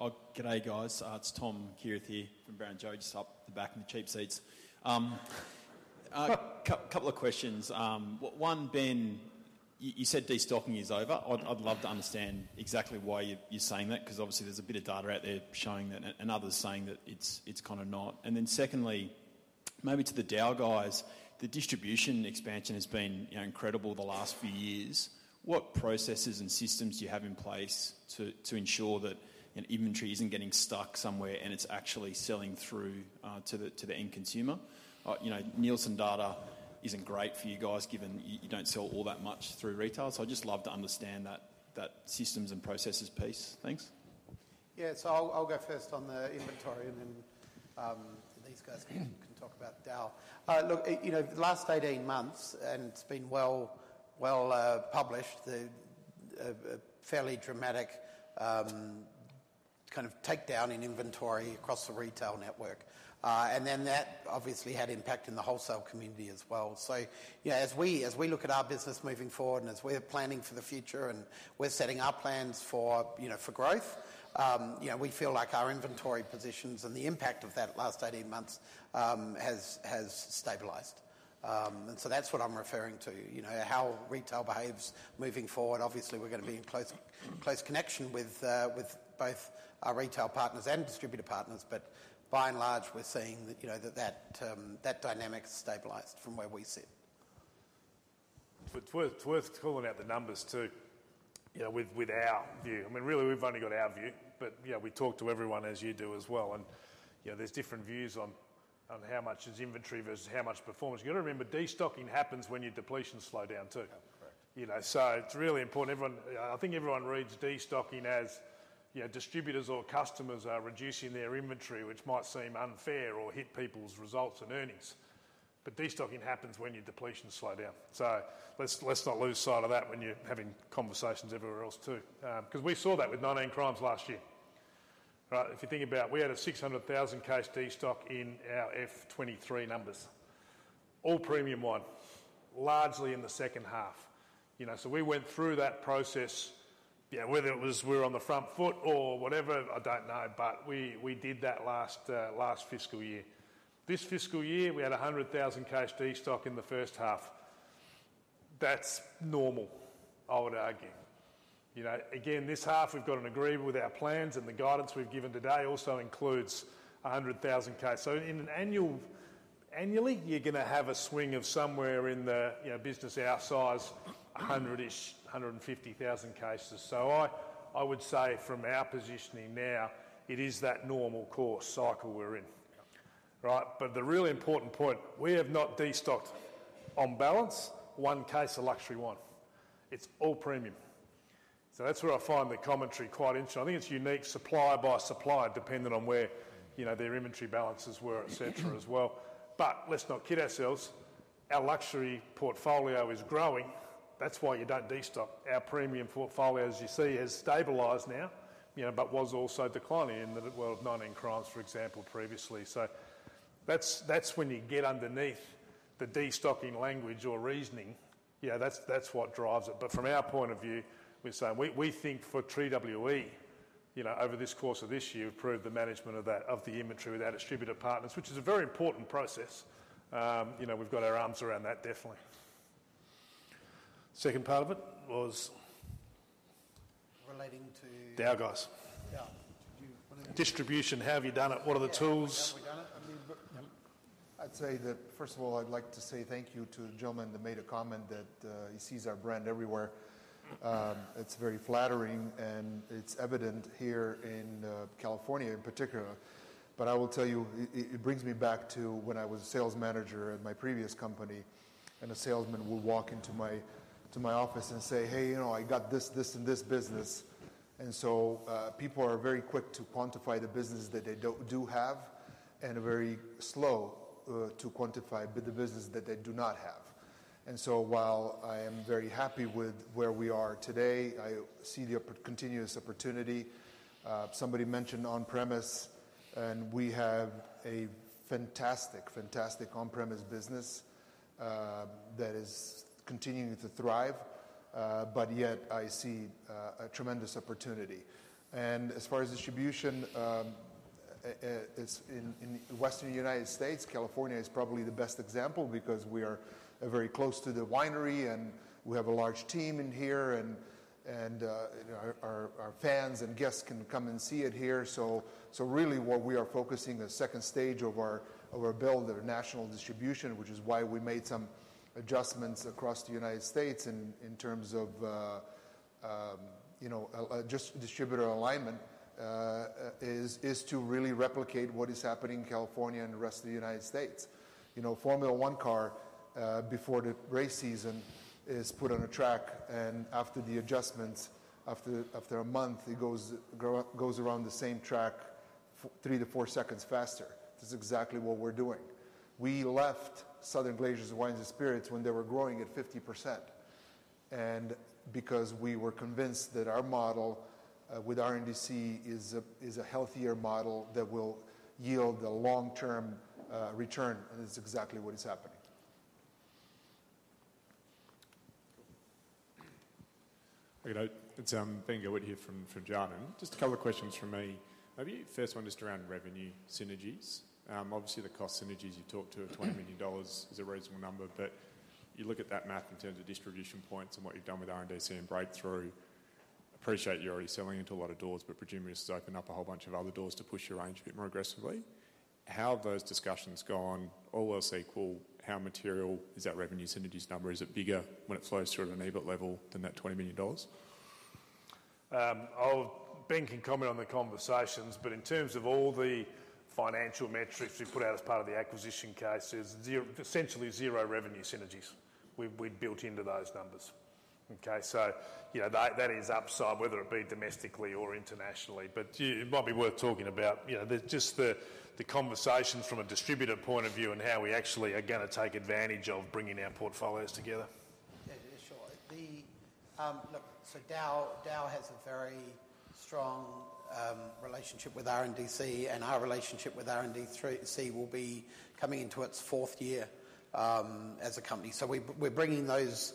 Oh, g'day, guys. It's Tom Kierath here from Barrenjoey, up the back in the cheap seats. Couple of questions. One, Ben, you said destocking is over. I'd love to understand exactly why you're saying that, 'cause obviously there's a bit of data out there showing that, and others saying that it's kind of not. And then secondly, maybe to the DAOU guys, the distribution expansion has been, you know, incredible the last few years. What processes and systems do you have in place to ensure that, you know, inventory isn't getting stuck somewhere and it's actually selling through to the end consumer? You know, Nielsen data isn't great for you guys, given you don't sell all that much through retail, so I'd just love to understand that systems and processes piece. Thanks. Yeah, so I'll go first on the inventory, and then these guys can talk about DAOU. Look, you know, the last 18 months, and it's been well published, the fairly dramatic kind of takedown in inventory across the retail network. And then that obviously had impact in the wholesale community as well. So, you know, as we look at our business moving forward, and as we're planning for the future, and we're setting our plans for, you know, for growth, you know, we feel like our inventory positions and the impact of that last 18 months has stabilized. And so that's what I'm referring to. You know, how retail behaves moving forward, obviously, we're gonna be in close, close connection with, with both our retail partners and distributor partners, but by and large, we're seeing that, you know, that, that, that dynamic has stabilized from where we sit. It's worth, it's worth calling out the numbers, too, you know, with, with our view. I mean, really, we've only got our view, but, you know, we talk to everyone as you do as well, and, you know, there's different views on, on how much is inventory versus how much performance. You gotta remember, destocking happens when your depletions slow down, too. Yeah, correct. You know, so it's really important, everyone. I think everyone reads destocking as, you know, distributors or customers are reducing their inventory, which might seem unfair or hit people's results and earnings, but destocking happens when your depletions slow down. So let's, let's not lose sight of that when you're having conversations everywhere else, too. 'Cause we saw that with 19 Crimes last year. Right, if you think about it, we had a 600,000 case destock in our FY 2023 numbers, all premium wine, largely in the second half, you know. So we went through that process, you know, whether it was we were on the front foot or whatever, I don't know, but we, we did that last, last fiscal year. This fiscal year, we had a 100,000 case destock in the first half. That's normal, I would argue. You know, again, this half, we've got an agreement with our plans, and the guidance we've given today also includes 100,000 cases. So annually, you're gonna have a swing of somewhere in the, you know, business our size, 100-ish, 150,000 cases. So I would say, from our positioning now, it is that normal course cycle we're in. Yeah. Right? But the really important point, we have not destocked on balance, one case of luxury wine. It's all premium. So that's where I find the commentary quite interesting. I think it's unique supplier by supplier, depending on where, you know, their inventory balances were, et cetera, as well. But let's not kid ourselves, our luxury portfolio is growing. That's why you don't destock. Our premium portfolio, as you see, has stabilized now, you know, but was also declining in the, well, 19 Crimes, for example, previously. So that's, that's when you get underneath the destocking language or reasoning, you know, that's, that's what drives it. But from our point of view, we're saying we, we think for TWE, you know, over the course of this year, improved the management of that, of the inventory with our distributor partners, which is a very important process. You know, we've got our arms around that, definitely. Second part of it was? Relating to- DAOU guys. Yeah. Do you wanna- Distribution, how have you done it? What are the tools? Yeah, how have we done it? I mean, look, yep. I'd say that, first of all, I'd like to say thank you to the gentleman that made a comment that he sees our brand everywhere. It's very flattering, and it's evident here in California in particular. But I will tell you, it brings me back to when I was a sales manager at my previous company, and a salesman would walk into my office and say, "Hey, you know, I got this, this, and this business." And so, people are very quick to quantify the business that they do have, and are very slow to quantify the business that they do not have. And so, while I am very happy with where we are today, I see the continuous opportunity. Somebody mentioned on-premise, and we have a fantastic, fantastic on-premise business that is continuing to thrive, but yet I see a tremendous opportunity. And as far as distribution, it's in the western United States, California is probably the best example because we are very close to the winery, and we have a large team in here, and you know, our fans and guests can come and see it here. So really, what we are focusing the second stage of our build at our national distribution, which is why we made some adjustments across the United States in terms of just distributor alignment, is to really replicate what is happening in California and the rest of the United States. You know, Formula One car before the race season is put on a track, and after the adjustments, after a month, it goes around the same track 3-4 seconds faster. This is exactly what we're doing. We left Southern Glazer's Wine & Spirits when they were growing at 50%, and because we were convinced that our model with RNDC is a healthier model that will yield a long-term return, and that's exactly what is happening. Good day. It's Ben Gilbert here from Jarden. Just a couple of questions from me. Maybe first one just around revenue synergies. Obviously, the cost synergies you talked to, $20 million is a reasonable number, but you look at that math in terms of distribution points and what you've done with RNDC and Breakthru. Appreciate you're already selling into a lot of doors, but presumably, this has opened up a whole bunch of other doors to push your range a bit more aggressively. How have those discussions gone, all else equal, how material is that revenue synergies number? Is it bigger when it flows through at an EBIT level than that $20 million? I'll... Ben can comment on the conversations, but in terms of all the financial metrics we've put out as part of the acquisition case, there's zero- essentially zero revenue synergies we've, we've built into those numbers, okay? So, you know, that, that is upside, whether it be domestically or internationally. But you... It might be worth talking about, you know, the, just the, the conversations from a distributor point of view and how we actually are gonna take advantage of bringing our portfolios together. Yeah, sure. Look, so DAOU has a very strong relationship with RNDC, and our relationship with RNDC will be coming into its fourth year as a company. So we're bringing those,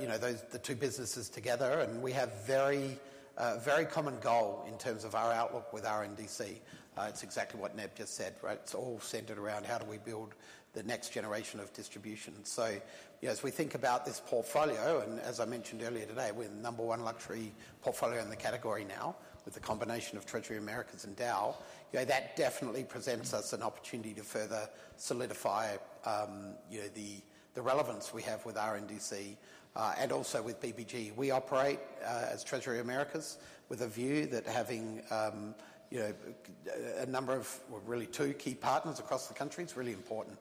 you know, those, the two businesses together, and we have a very common goal in terms of our outlook with RNDC. It's exactly what Neb just said, right? It's all centered around how do we build the next generation of distribution. So, you know, as we think about this portfolio, and as I mentioned earlier today, we're the number one luxury portfolio in the category now, with the combination of Treasury Americas and DAOU. You know, that definitely presents us an opportunity to further solidify, you know, the relevance we have with RNDC, and also with BBG. We operate as Treasury Americas with a view that having you know a number of, well, really two key partners across the country is really important.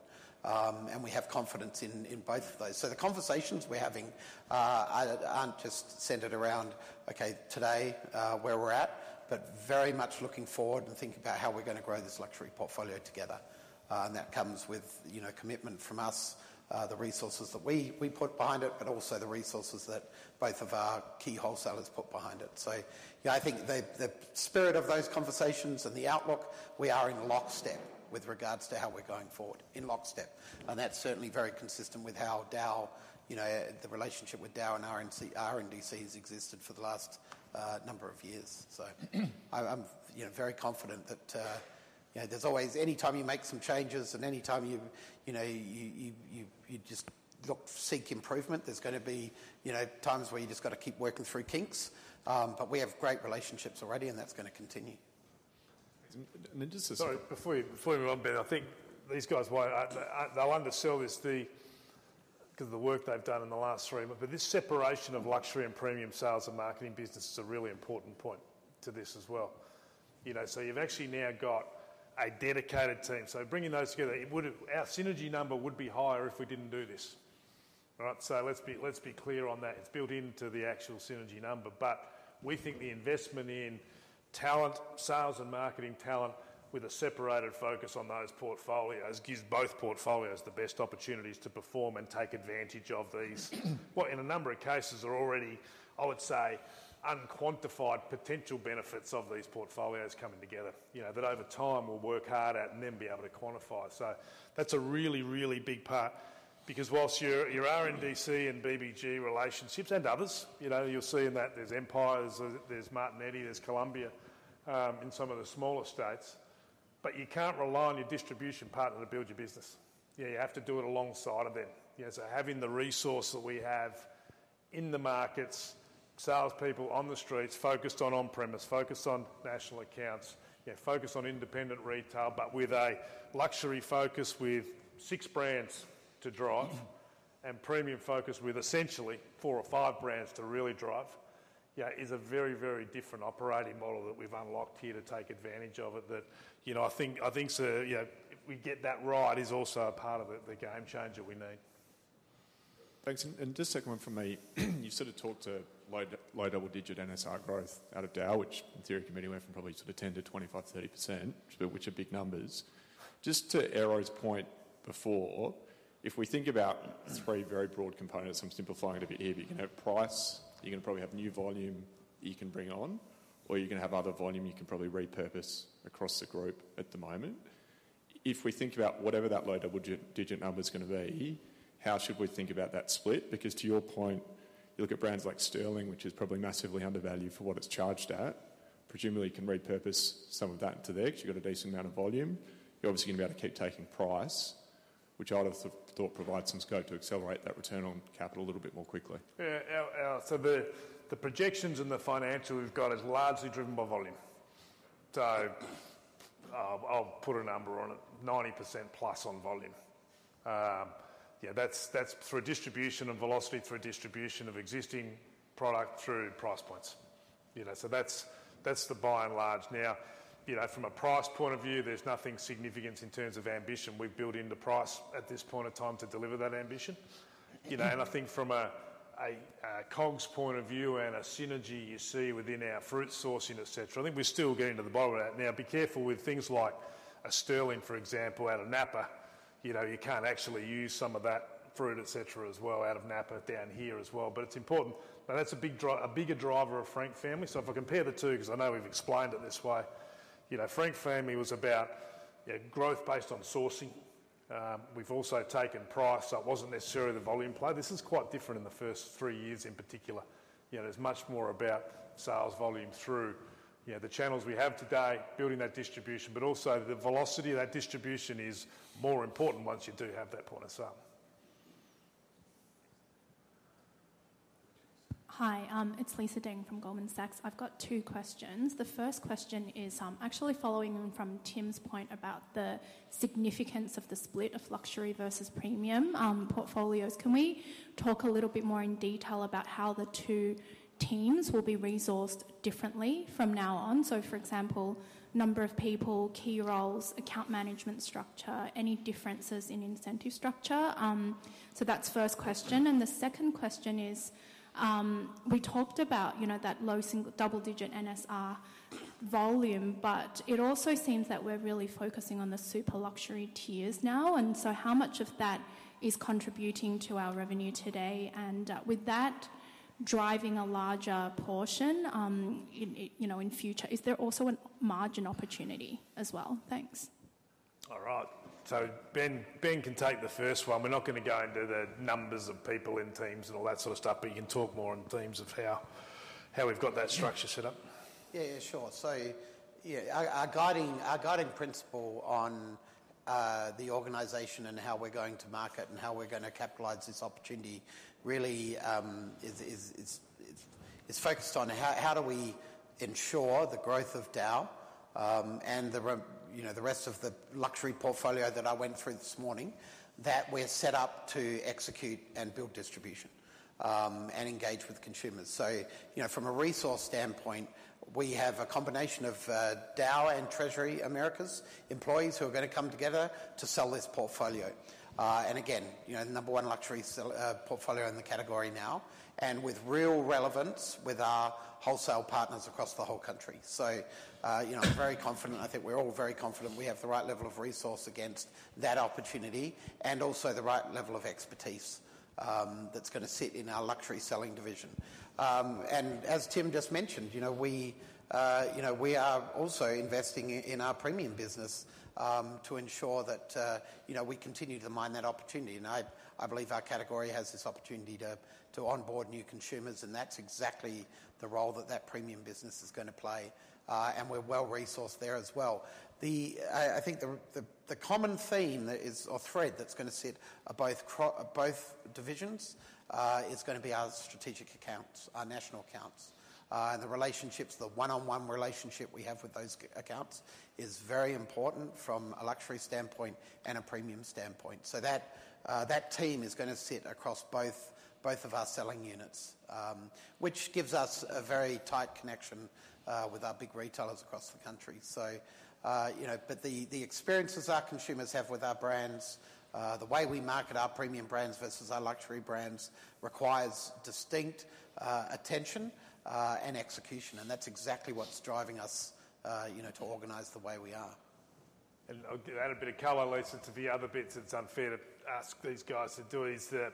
And we have confidence in both of those. So the conversations we're having aren't just centered around okay today where we're at, but very much looking forward and thinking about how we're gonna grow this luxury portfolio together. And that comes with you know commitment from us, the resources that we put behind it, but also the resources that both of our key wholesalers put behind it. So, you know, I think the spirit of those conversations and the outlook, we are in lockstep with regards to how we're going forward, in lockstep, and that's certainly very consistent with how DAOU, you know, the relationship with DAOU and RNDC has existed for the last number of years. So I'm, you know, very confident that, you know, there's always... Any time you make some changes, and any time you, you know, you just seek improvement, there's gonna be, you know, times where you just gotta keep working through kinks. But we have great relationships already, and that's gonna continue. And just as- Sorry, before you move on, Ben, I think these guys will, they'll undersell this, because of the work they've done in the last 3 months, but this separation of luxury and premium sales and marketing business is a really important point to this as well. You know, so you've actually now got a dedicated team. So bringing those together, our synergy number would be higher if we didn't do this. All right? So let's be clear on that. It's built into the actual synergy number. But we think the investment in talent, sales and marketing talent, with a separated focus on those portfolios, gives both portfolios the best opportunities to perform and take advantage of these. Well, in a number of cases, there are already, I would say, unquantified potential benefits of these portfolios coming together, you know, that over time, we'll work hard at and then be able to quantify. So that's a really, really big part, because while your, your RNDC and BBG relationships, and others, you know, you'll see in that there's Empire, there's Martignetti, there's Columbia, in some of the smaller states—but you can't rely on your distribution partner to build your business. Yeah, you have to do it alongside of them. Yeah, so having the resource that we have in the markets, salespeople on the streets, focused on on-premise, focused on national accounts, yeah, focused on independent retail, but with a luxury focus, with six brands to drive and premium focus, with essentially four or five brands to really drive, yeah, is a very, very different operating model that we've unlocked here to take advantage of it. That, you know, I think, I think so, you know, if we get that right, is also a part of it, the game changer we need. Thanks. And just a second one from me, you sort of talked to low double-digit NSR growth out of DAOU, which in theory, can maybe went from probably sort of 10 to 25, 30%, which are big numbers. Just to Eero's point before, if we think about three very broad components, I'm simplifying it a bit here, but you can have price, you're gonna probably have new volume you can bring on, or you're gonna have other volume you can probably repurpose across the group at the moment. If we think about whatever that low double-digit number's gonna be, how should we think about that split? Because to your point, you look at brands like Sterling, which is probably massively undervalued for what it's charged at. Presumably, you can repurpose some of that into there, 'cause you've got a decent amount of volume. You're obviously gonna be able to keep taking price, which I'd have thought provides some scope to accelerate that return on capital a little bit more quickly. Yeah. Our projections and the financial we've got is largely driven by volume. So, I'll put a number on it, 90% plus on volume. Yeah, that's through a distribution of velocity, through a distribution of existing product, through price points. You know, so that's the by and large. Now, you know, from a price point of view, there's nothing significant in terms of ambition. We've built in the price at this point of time to deliver that ambition. You know, and I think from a COGS point of view and a synergy you see within our fruit sourcing, et cetera, I think we're still getting to the bottom of that. Now, be careful with things like a Sterling, for example, out of Napa. You know, you can't actually use some of that fruit, et cetera, as well out of Napa down here as well, but it's important. But that's a bigger driver of Frank Family. So if I compare the two, 'cause I know we've explained it this way, you know, Frank Family was about, yeah, growth based on sourcing. We've also taken price, so it wasn't necessarily the volume play. This is quite different in the first three years in particular. You know, there's much more about sales volume through, you know, the channels we have today, building that distribution, but also the velocity of that distribution is more important once you do have that point of sale. Hi, it's Lisa Deng from Goldman Sachs. I've got two questions. The first question is, actually following on from Tim's point about the significance of the split of luxury versus premium portfolios. Can we talk a little bit more in detail about how the two teams will be resourced differently from now on? So for example, number of people, key roles, account management structure, any differences in incentive structure? So that's first question. And the second question is, we talked about, you know, that low single- to double-digit NSR volume, but it also seems that we're really focusing on the super luxury tiers now, and so how much of that is contributing to our revenue today? And, with that driving a larger portion, in, you know, in future, is there also a margin opportunity as well? Thanks. All right. So Ben, Ben can take the first one. We're not gonna go into the numbers of people in teams and all that sort of stuff, but you can talk more on teams of how, how we've got that structure set up. Yeah, yeah, sure. So yeah, our guiding principle on the organization and how we're going to market and how we're gonna capitalize this opportunity, really, is focused on how do we ensure the growth of DAOU, and you know, the rest of the luxury portfolio that I went through this morning, that we're set up to execute and build distribution, and engage with consumers. So you know, from a resource standpoint, we have a combination of DAOU and Treasury Americas employees who are gonna come together to sell this portfolio. And again, you know, the number one luxury portfolio in the category now, and with real relevance with our wholesale partners across the whole country. So, you know, I'm very confident. I think we're all very confident we have the right level of resource against that opportunity and also the right level of expertise that's gonna sit in our luxury selling division. And as Tim just mentioned, you know, we, you know, we are also investing in our premium business to ensure that, you know, we continue to mine that opportunity. And I believe our category has this opportunity to onboard new consumers, and that's exactly the role that that premium business is gonna play. And we're well-resourced there as well. I think the common theme or thread that's gonna sit are both divisions is gonna be our strategic accounts, our national accounts. The relationships, the one-on-one relationship we have with those accounts is very important from a luxury standpoint and a premium standpoint. That team is gonna sit across both of our selling units, which gives us a very tight connection with our big retailers across the country. You know, but the experiences our consumers have with our brands, the way we market our premium brands versus our luxury brands, requires distinct attention and execution, and that's exactly what's driving us, you know, to organize the way we are. I'll add a bit of color, Lisa, to the other bits it's unfair to ask these guys to do: is that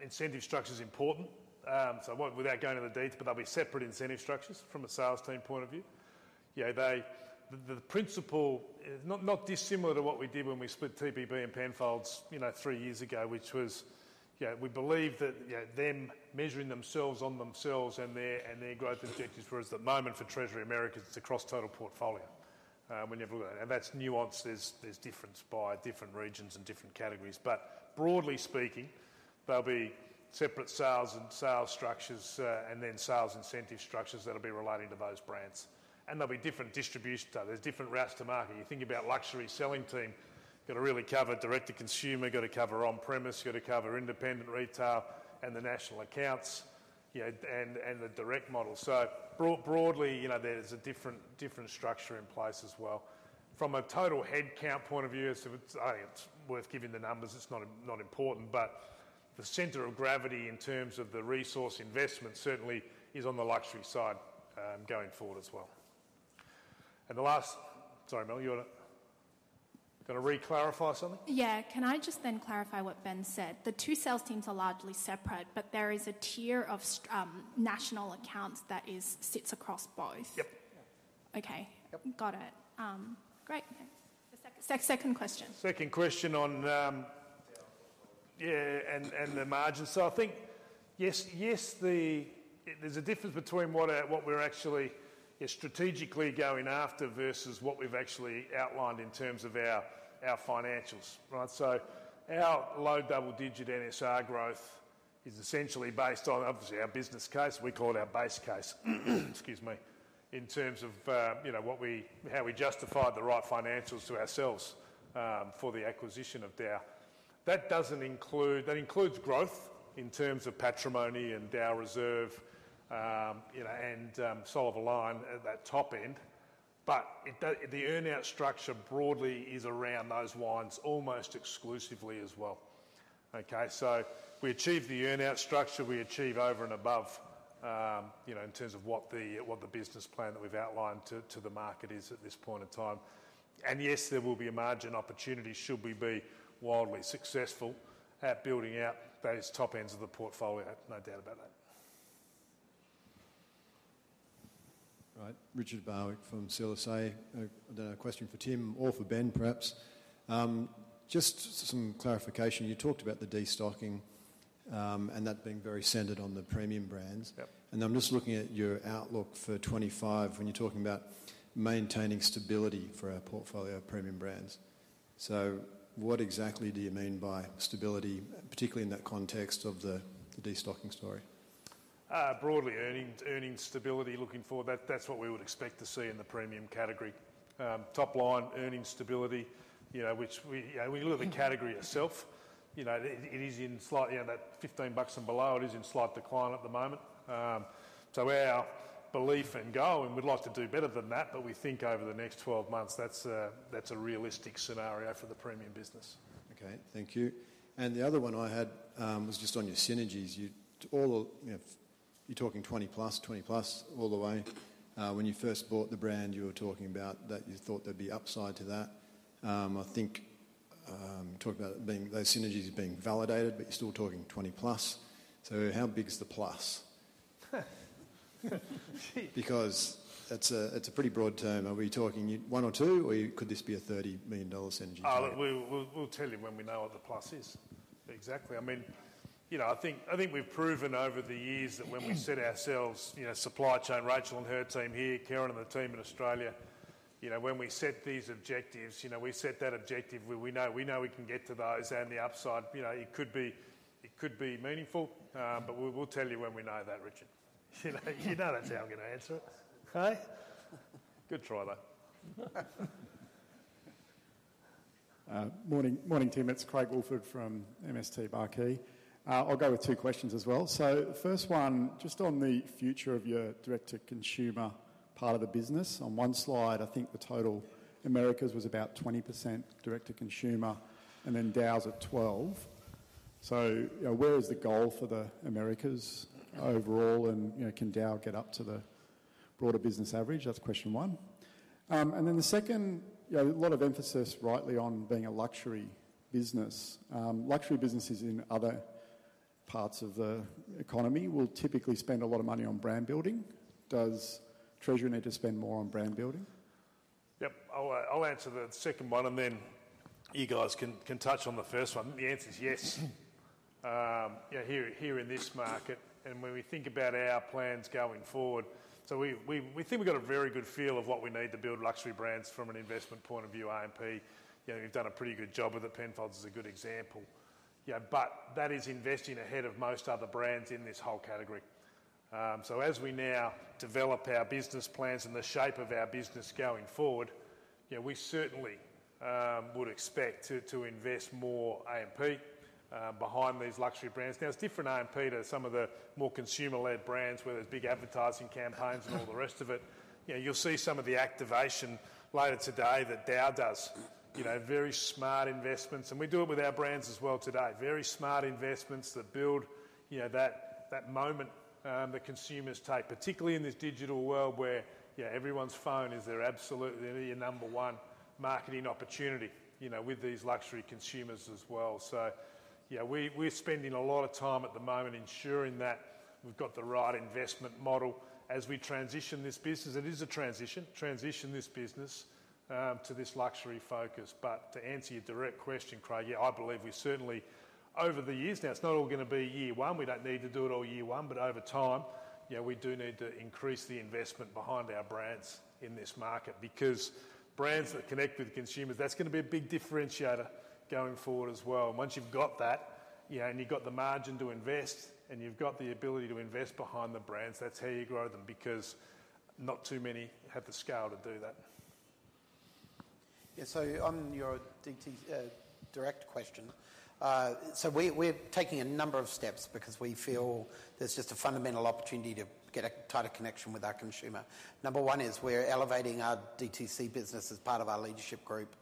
incentive structure is important. So I won't—without going into the details, but there'll be separate incentive structures from a sales team point of view. You know, they... The principle is not dissimilar to what we did when we split TPB and Penfolds, you know, three years ago. Yeah, we believe that, you know, them measuring themselves on themselves and their growth objectives, whereas at the moment for Treasury Americas, it's across total portfolio, whenever you look at it, and that's nuanced. There's difference by different regions and different categories, but broadly speaking, there'll be separate sales and sales structures, and then sales incentive structures that'll be relating to those brands, and there'll be different distribution. So there's different routes to market. You think about luxury selling team, gotta really cover direct-to-consumer, gotta cover on-premise, gotta cover independent retail, and the national accounts, you know, and the direct model. So broadly, you know, there's a different structure in place as well. From a total headcount point of view, so it's worth giving the numbers, it's not important, but the center of gravity in terms of the resource investment certainly is on the luxury side, going forward as well. And the last... Sorry, Melanie, you gotta re-clarify something? Yeah. Can I just then clarify what Ben said? The two sales teams are largely separate, but there is a tier of national accounts that sits across both. Yep. Okay. Yep. Got it. Great. The second question. Second question on,... Yeah, and the margins. So I think, yes, yes, the... There's a difference between what, what we're actually strategically going after versus what we've actually outlined in terms of our, our financials, right? So our low double-digit NSR growth is essentially based on, obviously, our business case. We call it our base case, excuse me, in terms of, you know, how we justified the right financials to ourselves, for the acquisition of DAOU. That doesn't include- that includes growth in terms of Patrimony and DAOU Reserve, you know, and, Soul of a Lion at that top end, but it do- the earn-out structure broadly is around those wines almost exclusively as well. Okay, so we achieve the earn-out structure, we achieve over and above, you know, in terms of what the business plan that we've outlined to the market is at this point in time. And yes, there will be a margin opportunity should we be wildly successful at building out those top ends of the portfolio, no doubt about that. Right. Richard Barwick from CLSA. I got a question for Tim or for Ben, perhaps. Just some clarification. You talked about the destocking, and that being very centered on the premium brands. Yep. I'm just looking at your outlook for 25 when you're talking about maintaining stability for our portfolio of premium brands. So what exactly do you mean by stability, particularly in that context of the destocking story? Broadly, earnings, earnings stability looking forward. That's what we would expect to see in the premium category. Top line, earnings stability, you know, which we, you know, we look at the category itself, you know, it, it is in slight... You know, that $15 and below, it is in slight decline at the moment. So our belief and goal, and we'd like to do better than that, but we think over the next 12 months, that's a realistic scenario for the premium business. Okay, thank you. The other one I had was just on your synergies. You all, you know, you're talking 20+, 20+ all the way. When you first bought the brand, you were talking about that you thought there'd be upside to that. I think you talked about those synergies being validated, but you're still talking 20+. So how big is the plus? Gee- Because it's a pretty broad term. Are we talking one or two, or could this be a $30 million synergy? We'll tell you when we know what the plus is. Exactly. I mean, you know, I think we've proven over the years that when we set ourselves, you know, supply chain, Rachel and her team here, Karen and the team in Australia, you know, when we set these objectives, you know, we set that objective where we know we can get to those and the upside. You know, it could be meaningful, but we'll tell you when we know that, Richard. You know, you know that's how I'm gonna answer it. Okay. Good try, though. Morning, morning, team. It's Craig Woolford from MST Marquee. I'll go with two questions as well. So first one, just on the future of your direct-to-consumer part of the business. On one slide, I think the total Americas was about 20% direct-to-consumer, and then DAOU's at 12%. So, you know, where is the goal for the Americas overall, and, you know, can DAOU get up to the broader business average? That's question one. And then the second, you know, a lot of emphasis rightly on being a luxury business. Luxury businesses in other parts of the economy will typically spend a lot of money on brand building. Does Treasury need to spend more on brand building? Yep. I'll answer the second one, and then you guys can touch on the first one. The answer is yes. Yeah, here in this market, and when we think about our plans going forward, so we think we've got a very good feel of what we need to build luxury brands from an investment point of view, A&P. You know, we've done a pretty good job with it. Penfolds is a good example. Yeah, but that is investing ahead of most other brands in this whole category. So as we now develop our business plans and the shape of our business going forward, you know, we certainly would expect to invest more A&P behind these luxury brands. Now, it's different A&P to some of the more consumer-led brands, where there's big advertising campaigns and all the rest of it. You know, you'll see some of the activation later today that DAOU does. You know, very smart investments, and we do it with our brands as well today. Very smart investments that build, you know, that moment that consumers take, particularly in this digital world where, you know, everyone's phone is their absolute number one marketing opportunity, you know, with these luxury consumers as well. So yeah, we're spending a lot of time at the moment ensuring that we've got the right investment model as we transition this business. It is a transition this business to this luxury focus. But to answer your direct question, Craig, yeah, I believe we certainly over the years now, it's not all gonna be year one. We don't need to do it all year one, but over time-... Yeah, we do need to increase the investment behind our brands in this market, because brands that connect with consumers, that's gonna be a big differentiator going forward as well. And once you've got that, yeah, and you've got the margin to invest, and you've got the ability to invest behind the brands, that's how you grow them, because not too many have the scale to do that. Yeah, so on your DTC direct question, so we, we're taking a number of steps because we feel there's just a fundamental opportunity to get a tighter connection with our consumer. Number one is we're elevating our DTC business as part of our leadership group,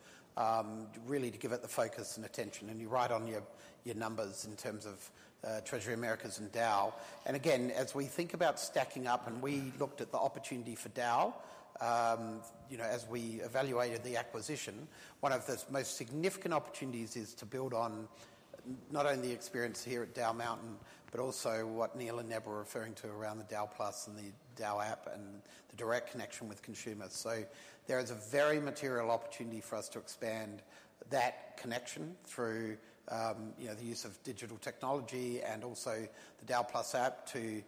really to give it the focus and attention, and you're right on your numbers in terms of Treasury Americas and DAOU. And again, as we think about stacking up, and we looked at the opportunity for DAOU, you know, as we evaluated the acquisition, one of the most significant opportunities is to build on not only the experience here at DAOU Mountain, but also what Neil and Neb were referring to around the DAOU+ and the DAOU app and the direct connection with consumers. So there is a very material opportunity for us to expand that connection through, you know, the use of digital technology and also the DAOU+ app to,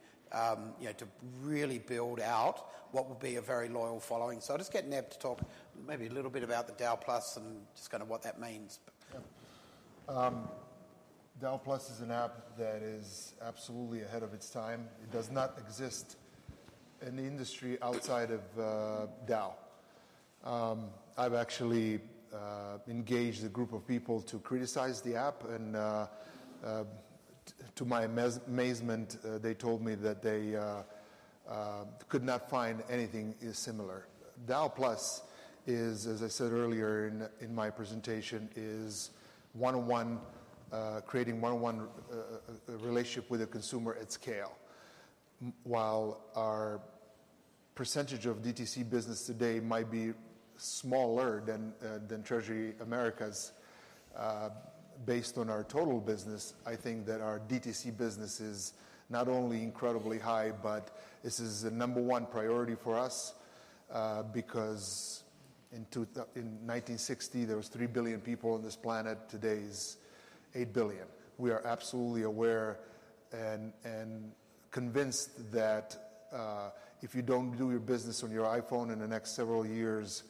you know, to really build out what would be a very loyal following. So I'll just get Neb to talk maybe a little bit about the DAOU+ and just kinda what that means. Yeah. DAOU+ is an app that is absolutely ahead of its time. It does not exist in the industry outside of DAOU. I've actually engaged a group of people to criticize the app, and to my amazement, they told me that they could not find anything as similar. DAOU+ is, as I said earlier in my presentation, one-on-one creating one-on-one relationship with the consumer at scale. While our percentage of DTC business today might be smaller than Treasury Americas, based on our total business, I think that our DTC business is not only incredibly high, but this is the number one priority for us, because in 1960, there were 3 billion people on this planet; today there are 8 billion. We are absolutely aware and convinced that if you don't do your business on your iPhone in the next several years,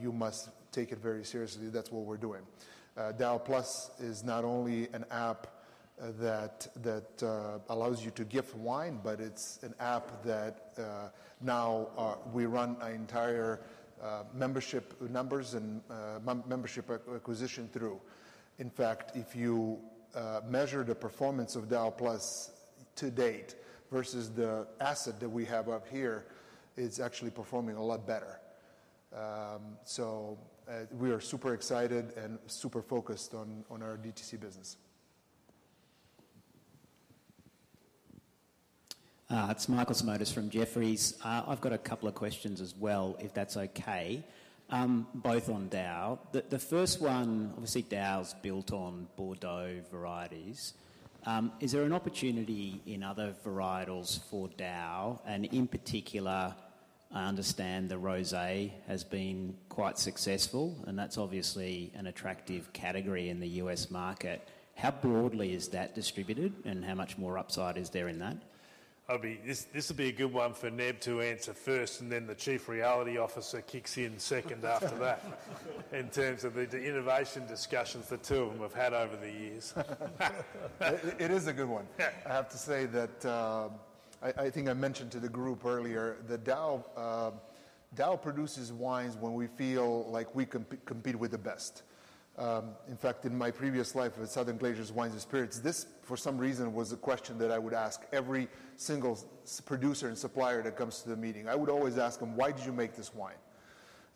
you must take it very seriously. That's what we're doing. DAOU+ is not only an app that allows you to gift wine, but it's an app that now we run our entire membership numbers and membership acquisition through. In fact, if you measure the performance of DAOU+ to date versus the asset that we have up here, it's actually performing a lot better. So we are super excited and super focused on our DTC business. It's Michael Simotas from Jefferies. I've got a couple of questions as well, if that's okay, both on Daou. The, the first one, obviously, Daou's built on Bordeaux varieties. Is there an opportunity in other varietals for Daou? And in particular, I understand the rosé has been quite successful, and that's obviously an attractive category in the U.S. market. How broadly is that distributed, and how much more upside is there in that? This would be a good one for Neb to answer first, and then the chief reality officer kicks in second after that... in terms of the innovation discussions the two of them have had over the years. It is a good one. Yeah. I have to say that, I think I mentioned to the group earlier that DAOU, DAOU produces wines when we feel like we compete with the best. In fact, in my previous life with Southern Glazer's Wine & Spirits, this, for some reason, was a question that I would ask every single producer and supplier that comes to the meeting. I would always ask them: "Why did you make this wine?"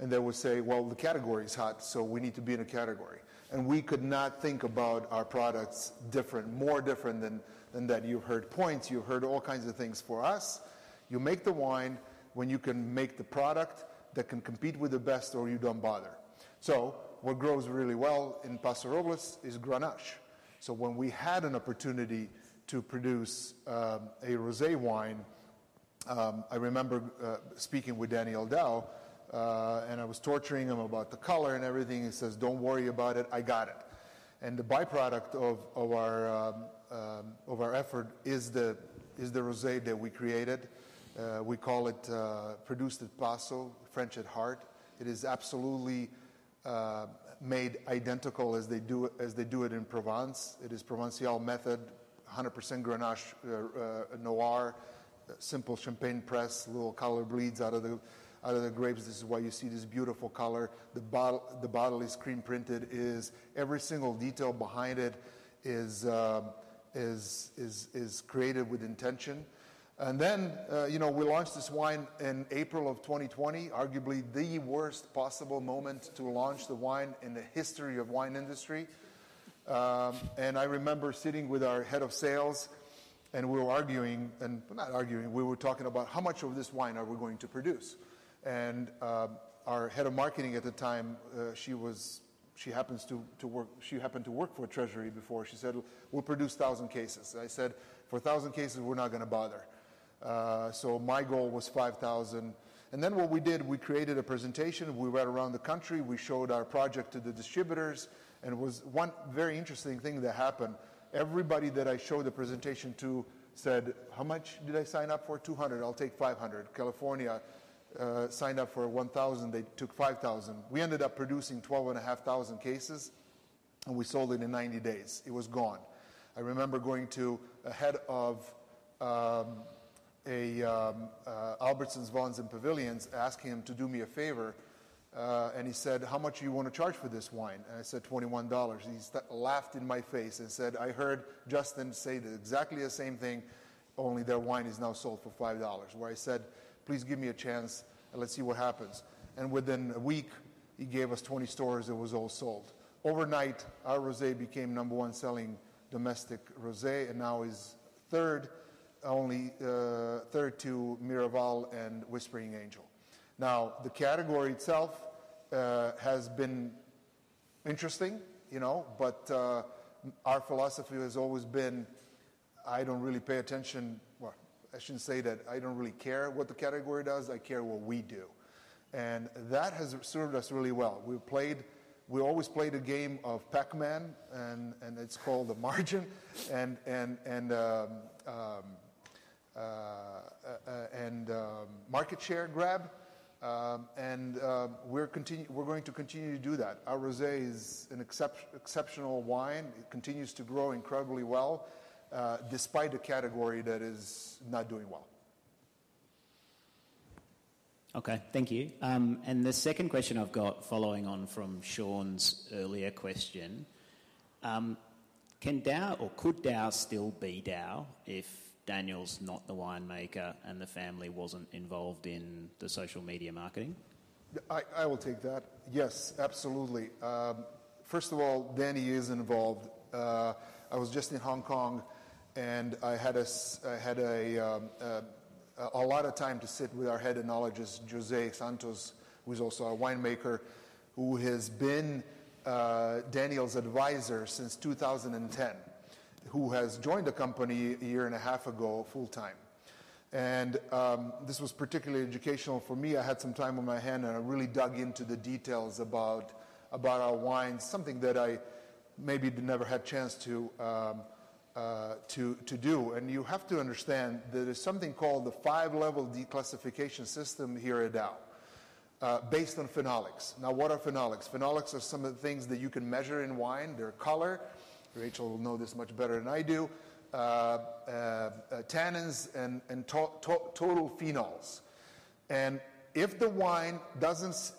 And they would say: "Well, the category is hot, so we need to be in a category." And we could not think about our products different, more different than, than that. You heard points, you heard all kinds of things. For us, you make the wine when you can make the product that can compete with the best or you don't bother. So what grows really well in Paso Robles is Grenache. So when we had an opportunity to produce a rosé wine, I remember speaking with Daniel Daou, and I was torturing him about the color and everything. He says: "Don't worry about it. I got it." And the by-product of our effort is the rosé that we created. We call it Produced at Paso, French at Heart. It is absolutely made identical as they do it in Provence. It is Provençal method, 100% Grenache Noir, simple champagne press, little color bleeds out of the grapes. This is why you see this beautiful color. The bottle is screen printed. It is... Every single detail behind it is creative with intention. Then, you know, we launched this wine in April of 2020, arguably the worst possible moment to launch the wine in the history of the wine industry. I remember sitting with our head of sales, and we were arguing, not arguing, we were talking about how much of this wine are we going to produce? Our head of marketing at the time, she happened to work for Treasury before. She said: "We'll produce 1,000 cases." I said: "For 1,000 cases, we're not gonna bother." So my goal was 5,000. Then what we did, we created a presentation. We went around the country, we showed our project to the distributors, and it was one very interesting thing that happened. Everybody that I showed the presentation to said, "How much did I sign up for? 200? I'll take 500." California signed up for 1,000, they took 5,000. We ended up producing 12,500 cases, and we sold it in 90 days. It was gone. I remember going to a head of Albertsons, Vons, and Pavilions, asking him to do me a favor, and he said, "How much do you want to charge for this wine?" And I said, "$21." And he laughed in my face and said, "I heard Justin say the exactly the same thing, only their wine is now sold for $5." Where I said, "Please give me a chance, and let's see what happens." And within a week, he gave us 20 stores, it was all sold. Overnight, our rosé became number one selling domestic rosé, and now is third, only third to Miraval and Whispering Angel. Now, the category itself has been interesting, you know, but our philosophy has always been, I don't really pay attention—Well, I shouldn't say that I don't really care what the category does, I care what we do, and that has served us really well. We've played, we always played a game of Pac-Man, and it's called the margin, and market share grab, and we're going to continue to do that. Our rosé is an exceptional wine. It continues to grow incredibly well, despite a category that is not doing well. Okay, thank you. The second question I've got, following on from Shaun's earlier question, can DAOU or could DAOU still be DAOU if Daniel's not the winemaker and the family wasn't involved in the social media marketing? I will take that. Yes, absolutely. First of all, Danny is involved. I was just in Hong Kong, and I had a lot of time to sit with our head enologist, José Santos, who is also our winemaker, who has been Daniel's advisor since 2010, who has joined the company a year and a half ago, full-time. This was particularly educational for me. I had some time on my hand, and I really dug into the details about our wine, something that I maybe never had chance to do. You have to understand there is something called the five-level declassification system here at DAOU, based on phenolics. Now, what are phenolics? Phenolics are some of the things that you can measure in wine. Their color, Rachel will know this much better than I do, tannins and total phenols. And if the wine doesn't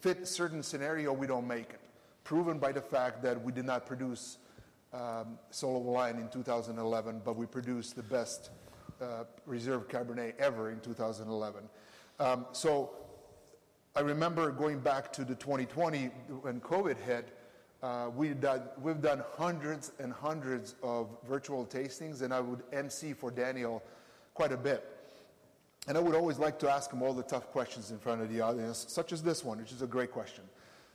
fit a certain scenario, we don't make it. Proven by the fact that we did not produce Soul of a Lion in 2011, but we produced the best reserve Cabernet ever in 2011. So I remember going back to the 2020, when COVID hit, we've done hundreds and hundreds of virtual tastings, and I would emcee for Daniel quite a bit. And I would always like to ask him all the tough questions in front of the audience, such as this one, which is a great question: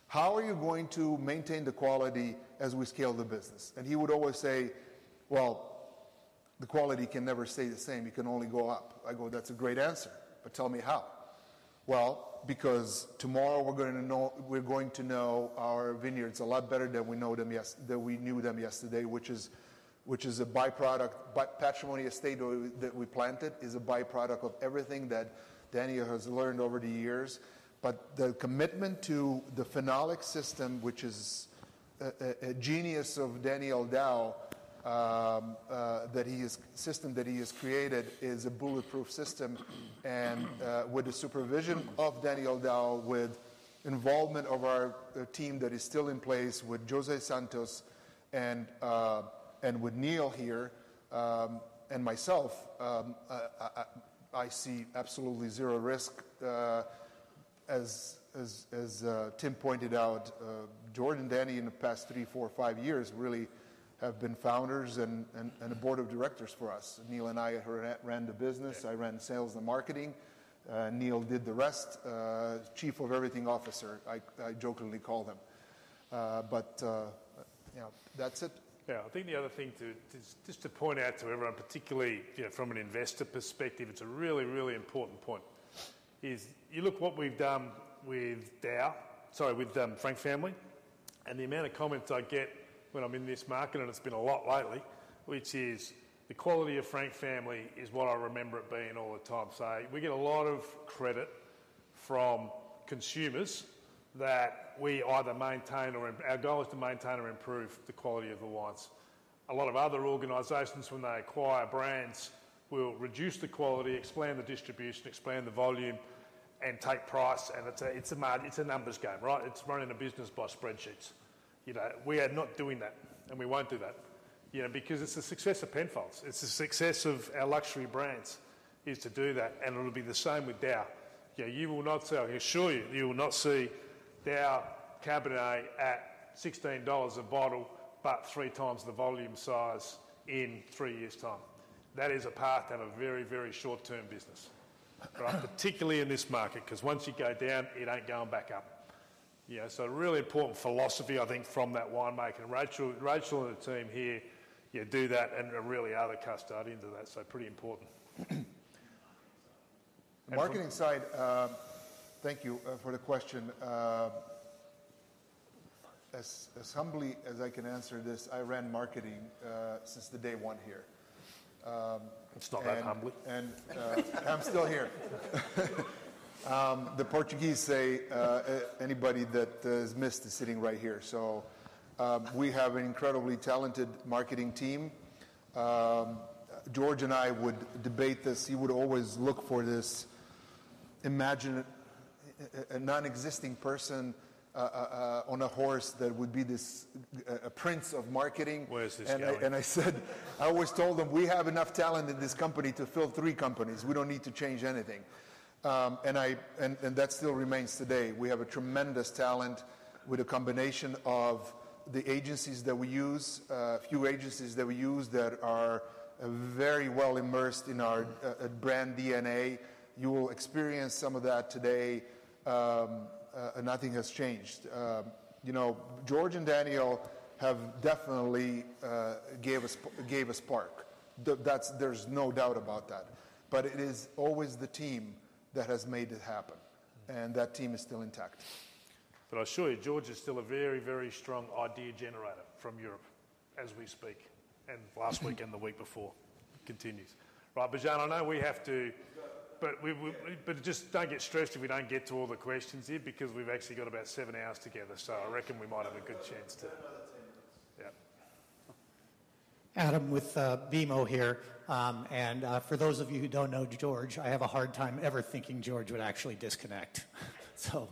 "How are you going to maintain the quality as we scale the business?" And he would always say, "Well, the quality can never stay the same. It can only go up." I go, "That's a great answer, but tell me how." "Well, because tomorrow we're gonna know we're going to know our vineyards a lot better than we know them than we knew them yesterday," which is a by-product. But Patrimony Estate that we planted is a by-product of everything that Daniel has learned over the years. But the commitment to the phenolic system, which is a genius of Daniel Daou, system that he has created, is a bulletproof system. And with the supervision of Daniel Daou, with involvement of our team that is still in place, with José Santos, and with Neil here, and myself, I see absolutely zero risk. As Tim pointed out, George and Daniel, in the past three, four, or five years, really have been founders and a board of directors for us. Neil and I ran the business. I ran sales and marketing, Neil did the rest. Chief of Everything Officer, I jokingly call him. But you know, that's it. Yeah. I think the other thing to just to point out to everyone, particularly, you know, from an investor perspective, it's a really, really important point, is you look what we've done with DAOU, sorry, with Frank Family, and the amount of comments I get when I'm in this market, and it's been a lot lately, which is: The quality of Frank Family is what I remember it being all the time. So we get a lot of credit from consumers that we either maintain or our goal is to maintain or improve the quality of the wines. A lot of other organizations, when they acquire brands, will reduce the quality, expand the distribution, expand the volume, and take price, and it's a numbers game, right? It's running a business by spreadsheets. You know, we are not doing that, and we won't do that, you know, because it's the success of Penfolds. It's the success of our luxury brands is to do that, and it'll be the same with DAOU. Yeah, you will not see, I assure you, you will not see DAOU Cabernet at $16 a bottle, but 3 times the volume size in 3 years' time. That is a path to a very, very short-term business.... particularly in this market, because once you go down, it ain't going back up. You know, so a really important philosophy, I think, from that winemaker. And Rachel, Rachel and the team here, you do that, and they really are the custodians of that, so pretty important. The marketing side, thank you, for the question. As humbly as I can answer this, I ran marketing, since the day one here. It's not that humbly. And, I'm still here. The Portuguese say, anybody that is missed is sitting right here. So, we have an incredibly talented marketing team. George and I would debate this. He would always look for this, imagine a non-existing person on a horse that would be this, a prince of marketing. Where is this going? I said, "We have enough talent in this company to fill three companies. We don't need to change anything." And that still remains today. We have a tremendous talent with a combination of the agencies that we use, a few agencies that we use that are very well immersed in our brand DNA. You will experience some of that today. Nothing has changed. You know, George and Daniel have definitely gave us a spark. That's. There's no doubt about that, but it is always the team that has made it happen, and that team is still intact. But I assure you, George is still a very, very strong idea generator from Europe as we speak, and last week and the week before. Continues. Right, Bijan, I know we have to... But we, but just don't get stressed if we don't get to all the questions here, because we've actually got about seven hours together, so I reckon we might have a good chance to- We've got another 10 minutes. Yeah. Adam with BMO here. For those of you who don't know George, I have a hard time ever thinking George would actually disconnect. So,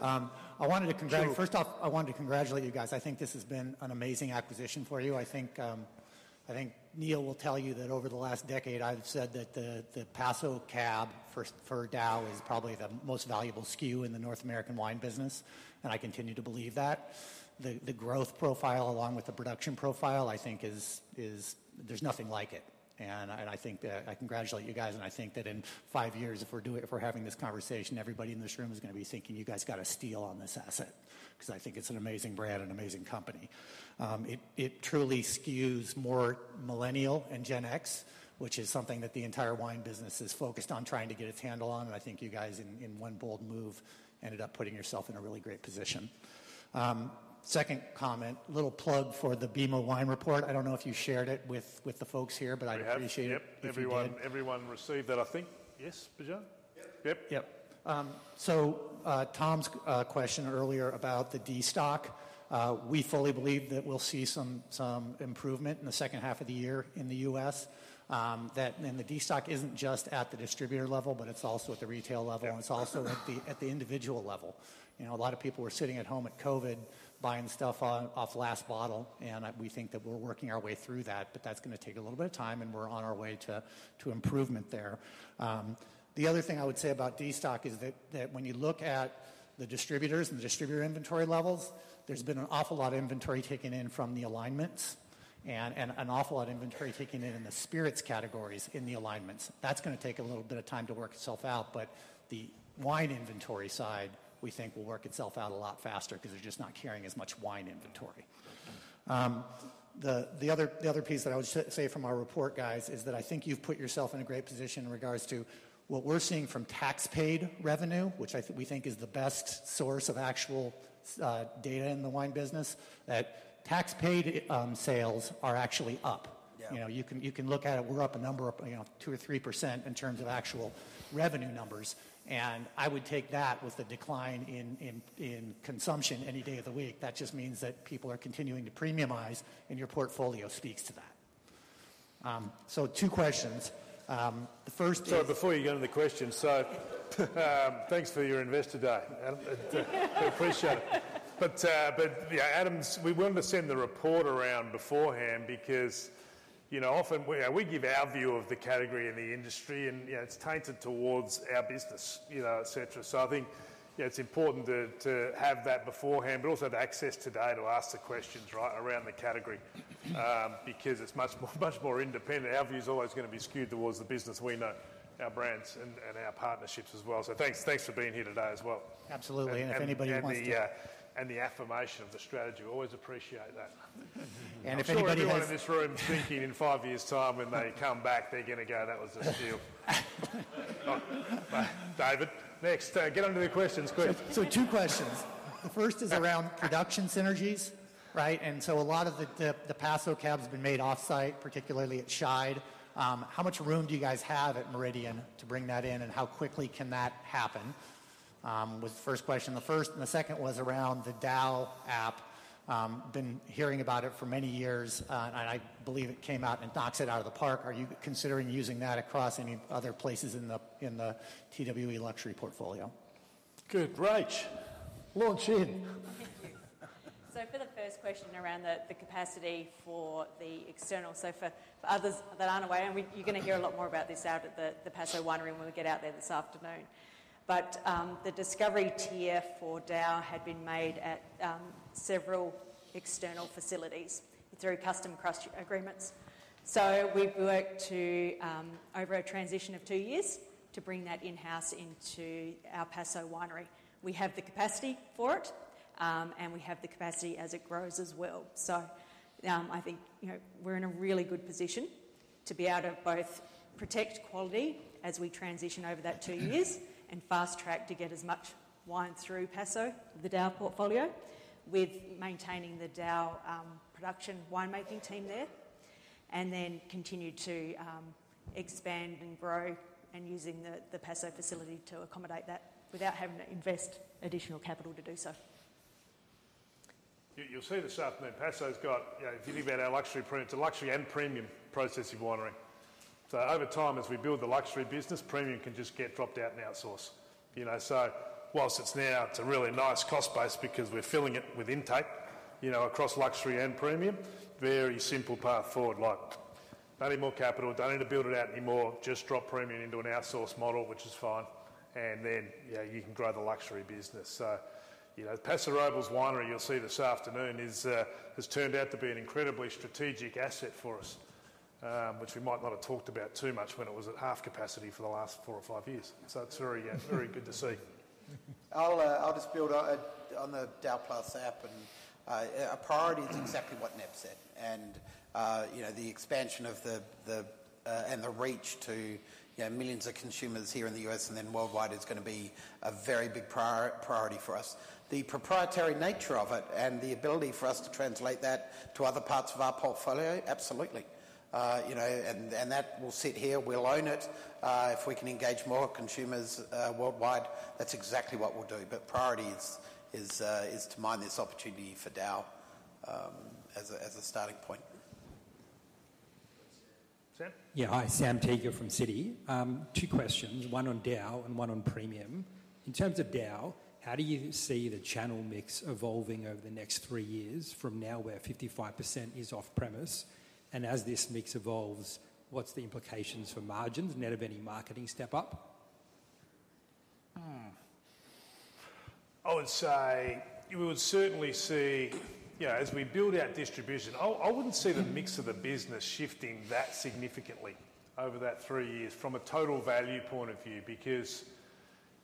I wanted to con- True. First off, I wanted to congratulate you guys. I think this has been an amazing acquisition for you. I think, I think Neil will tell you that over the last decade, I've said that the Paso Cab for DAOU is probably the most valuable SKU in the North American wine business, and I continue to believe that. The growth profile along with the production profile, I think is... There's nothing like it. And I think that- I congratulate you guys, and I think that in five years, if we're doing, if we're having this conversation, everybody in this room is gonna be thinking, "You guys got a steal on this asset." Because I think it's an amazing brand and an amazing company. It truly skews more millennial and Gen X, which is something that the entire wine business is focused on trying to get its handle on, and I think you guys, in one bold move, ended up putting yourself in a really great position. Second comment, a little plug for the BMO Wine Report. I don't know if you shared it with the folks here, but I appreciate it. We have... yep, everyone- Everyone received it, I think. Yes, Bijan? Yep. Yep. Yep. So, Tom's question earlier about the destock. We fully believe that we'll see some improvement in the second half of the year in the US. That, and the destock isn't just at the distributor level, but it's also at the retail level, and it's also at the individual level. You know, a lot of people were sitting at home at COVID, buying stuff on, off Last Bottle, and we think that we're working our way through that, but that's gonna take a little bit of time, and we're on our way to improvement there. The other thing I would say about destock is that when you look at the distributors and the distributor inventory levels, there's been an awful lot of inventory taken in from the alignments and an awful lot of inventory taken in in the spirits categories in the alignments. That's gonna take a little bit of time to work itself out, but the wine inventory side, we think, will work itself out a lot faster because they're just not carrying as much wine inventory. The other piece that I would say from our report, guys, is that I think you've put yourself in a great position in regards to what we're seeing from tax-paid revenue, which we think is the best source of actual data in the wine business, that tax-paid sales are actually up. Yeah. You know, you can look at it. We're up, you know, 2 or 3% in terms of actual revenue numbers, and I would take that with the decline in consumption any day of the week. That just means that people are continuing to premiumize, and your portfolio speaks to that. So two questions. The first is- Sorry, before you get into the questions, so, thanks for your investor day. We appreciate it. But, yeah, Adam, we wanted to send the report around beforehand because, you know, often we give our view of the category and the industry, and, you know, it's tainted towards our business, you know, et cetera. So I think, you know, it's important to have that beforehand, but also to access today to ask the questions, right, around the category, because it's much more independent. Our view is always gonna be skewed towards the business we know, our brands and our partnerships as well. So thanks for being here today as well. Absolutely, and if anybody wants to- The affirmation of the strategy, we always appreciate that. If anybody has- I'm sure everyone in this room is thinking in five years' time, when they come back, they're gonna go, "That was a steal." David, next, get on to the questions, quick. So two questions. The first is around production synergies, right? And so a lot of the Paso Cabs have been made off-site, particularly at Scheid. How much room do you guys have at Meridian to bring that in, and how quickly can that happen? Was the first question, the first. And the second was around the DAOU app. Been hearing about it for many years, and I believe it came out, and it knocks it out of the park. Are you considering using that across any other places in the TWE Luxury portfolio? Good. Rach, launch in. Thank you. So for the first question around the capacity for the external, so for others that aren't aware, and we're gonna hear a lot more about this out at the Paso Winery when we get out there this afternoon.... but, the Discovery tier for DAOU had been made at, several external facilities through custom crush agreements. So we've worked to, over a transition of two years, to bring that in-house into our Paso winery. We have the capacity for it, and we have the capacity as it grows as well. So, I think, you know, we're in a really good position to be able to both protect quality as we transition over that two years and fast-track to get as much wine through Paso, the DAOU portfolio, with maintaining the DAOU production winemaking team there, and then continue to, expand and grow and using the Paso facility to accommodate that without having to invest additional capital to do so. You'll see this afternoon, Paso's got, you know, if you think about our luxury premium, it's a luxury and premium processing winery. So over time, as we build the luxury business, premium can just get dropped out and outsourced, you know. So whilst it's now, it's a really nice cost base because we're filling it with intake, you know, across luxury and premium, very simple path forward, like, don't need more capital, don't need to build it out anymore, just drop premium into an outsource model, which is fine, and then, you know, you can grow the luxury business. So, you know, Paso Robles Winery, you'll see this afternoon, is, has turned out to be an incredibly strategic asset for us, which we might not have talked about too much when it was at half capacity for the last four or five years. It's very, very good to see. I'll just build on the DAOU+ app, and you know, the expansion of the and the reach to you know, millions of consumers here in the US and then worldwide is gonna be a very big priority for us. The proprietary nature of it and the ability for us to translate that to other parts of our portfolio, absolutely. You know, and that will sit here, we'll own it. If we can engage more consumers worldwide, that's exactly what we'll do, but priority is to mine this opportunity for DAOU as a starting point. Sam? Yeah. Hi, Sam Teeger from Citi. Two questions, one on DAOU and one on premium. In terms of DAOU, how do you see the channel mix evolving over the next three years from now, where 55% is off-premise? And as this mix evolves, what's the implications for margins, net of any marketing step up? Hmm. I would say we would certainly see... You know, as we build our distribution, I wouldn't see the mix of the business shifting that significantly over that three years from a total value point of view. Because,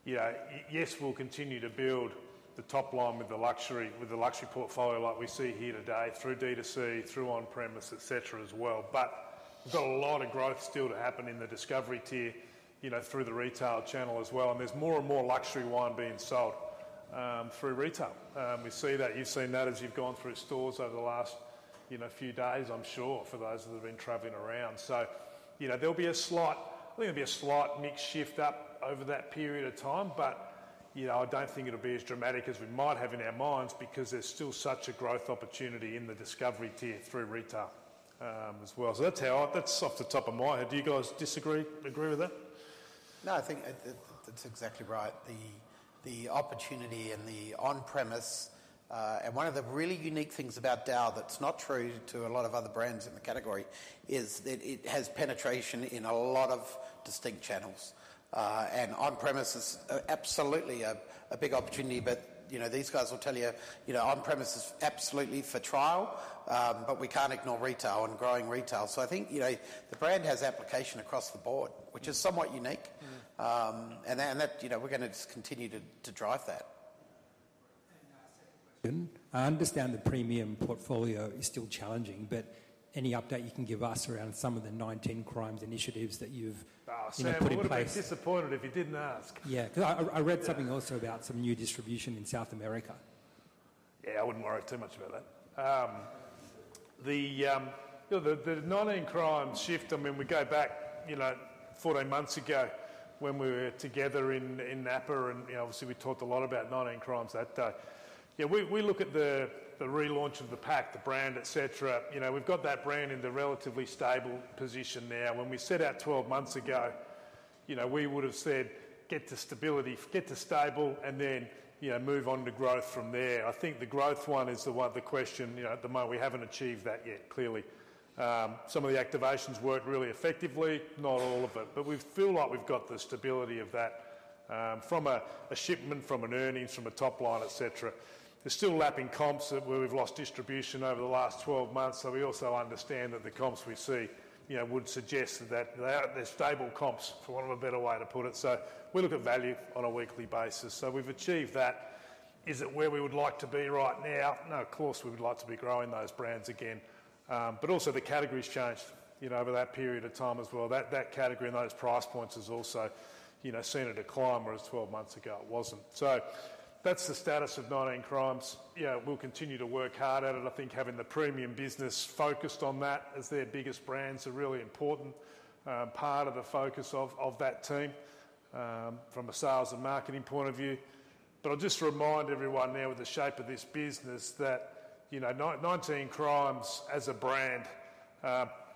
you know, yes, we'll continue to build the top line with the luxury, with the luxury portfolio like we see here today, through D2C, through on-premise, et cetera, as well. But we've got a lot of growth still to happen in the discovery tier, you know, through the retail channel as well, and there's more and more luxury wine being sold through retail. We see that, you've seen that as you've gone through stores over the last, you know, few days, I'm sure, for those that have been traveling around. So, you know, there'll be a slight, I think there'll be a slight mix shift up over that period of time, but, you know, I don't think it'll be as dramatic as we might have in our minds because there's still such a growth opportunity in the Discovery tier through retail, as well. So that's how I... That's off the top of my head. Do you guys disagree or agree with that? No, I think that that's exactly right. The opportunity and the on-premise, and one of the really unique things about DAOU that's not true to a lot of other brands in the category, is that it has penetration in a lot of distinct channels. And on-premise is absolutely a big opportunity, but you know, these guys will tell you, you know, on-premise is absolutely for trial, but we can't ignore retail and growing retail. So I think, you know, the brand has application across the board- Mm-hmm. which is somewhat unique. Mm. You know, we're gonna just continue to drive that. Second question. I understand the premium portfolio is still challenging, but any update you can give us around some of the 19 Crimes initiatives that you've, you know, put in place? Oh, Sam, I would have been disappointed if you didn't ask. Yeah, 'cause I read- Yeah... something also about some new distribution in South America. Yeah, I wouldn't worry too much about that. You know, the 19 Crimes shift, I mean, we go back, you know, 14 months ago when we were together in Napa, and, you know, obviously, we talked a lot about 19 Crimes that day. Yeah, we look at the relaunch of the pack, the brand, et cetera, you know, we've got that brand in the relatively stable position now. When we set out 12 months ago, you know, we would have said, "Get to stability, get to stable, and then, you know, move on to growth from there." I think the growth one is the one, the question, you know, at the moment, we haven't achieved that yet, clearly. Some of the activations worked really effectively, not all of it. But we feel like we've got the stability of that, from a shipment, from an earnings, from a top line, et cetera. They're still lapping comps where we've lost distribution over the last 12 months, so we also understand that the comps we see, you know, would suggest that they're stable comps, for want of a better way to put it. So we look at value on a weekly basis, so we've achieved that. Is it where we would like to be right now? No, of course, we would like to be growing those brands again. But also, the category's changed, you know, over that period of time as well. That category and those price points has also, you know, seen a decline, whereas 12 months ago, it wasn't. So that's the status of 19 Crimes. Yeah, we'll continue to work hard at it. I think having the premium business focused on that as their biggest brands are really important, part of the focus of that team from a sales and marketing point of view. But I'll just remind everyone now with the shape of this business that, you know, 19 Crimes as a brand,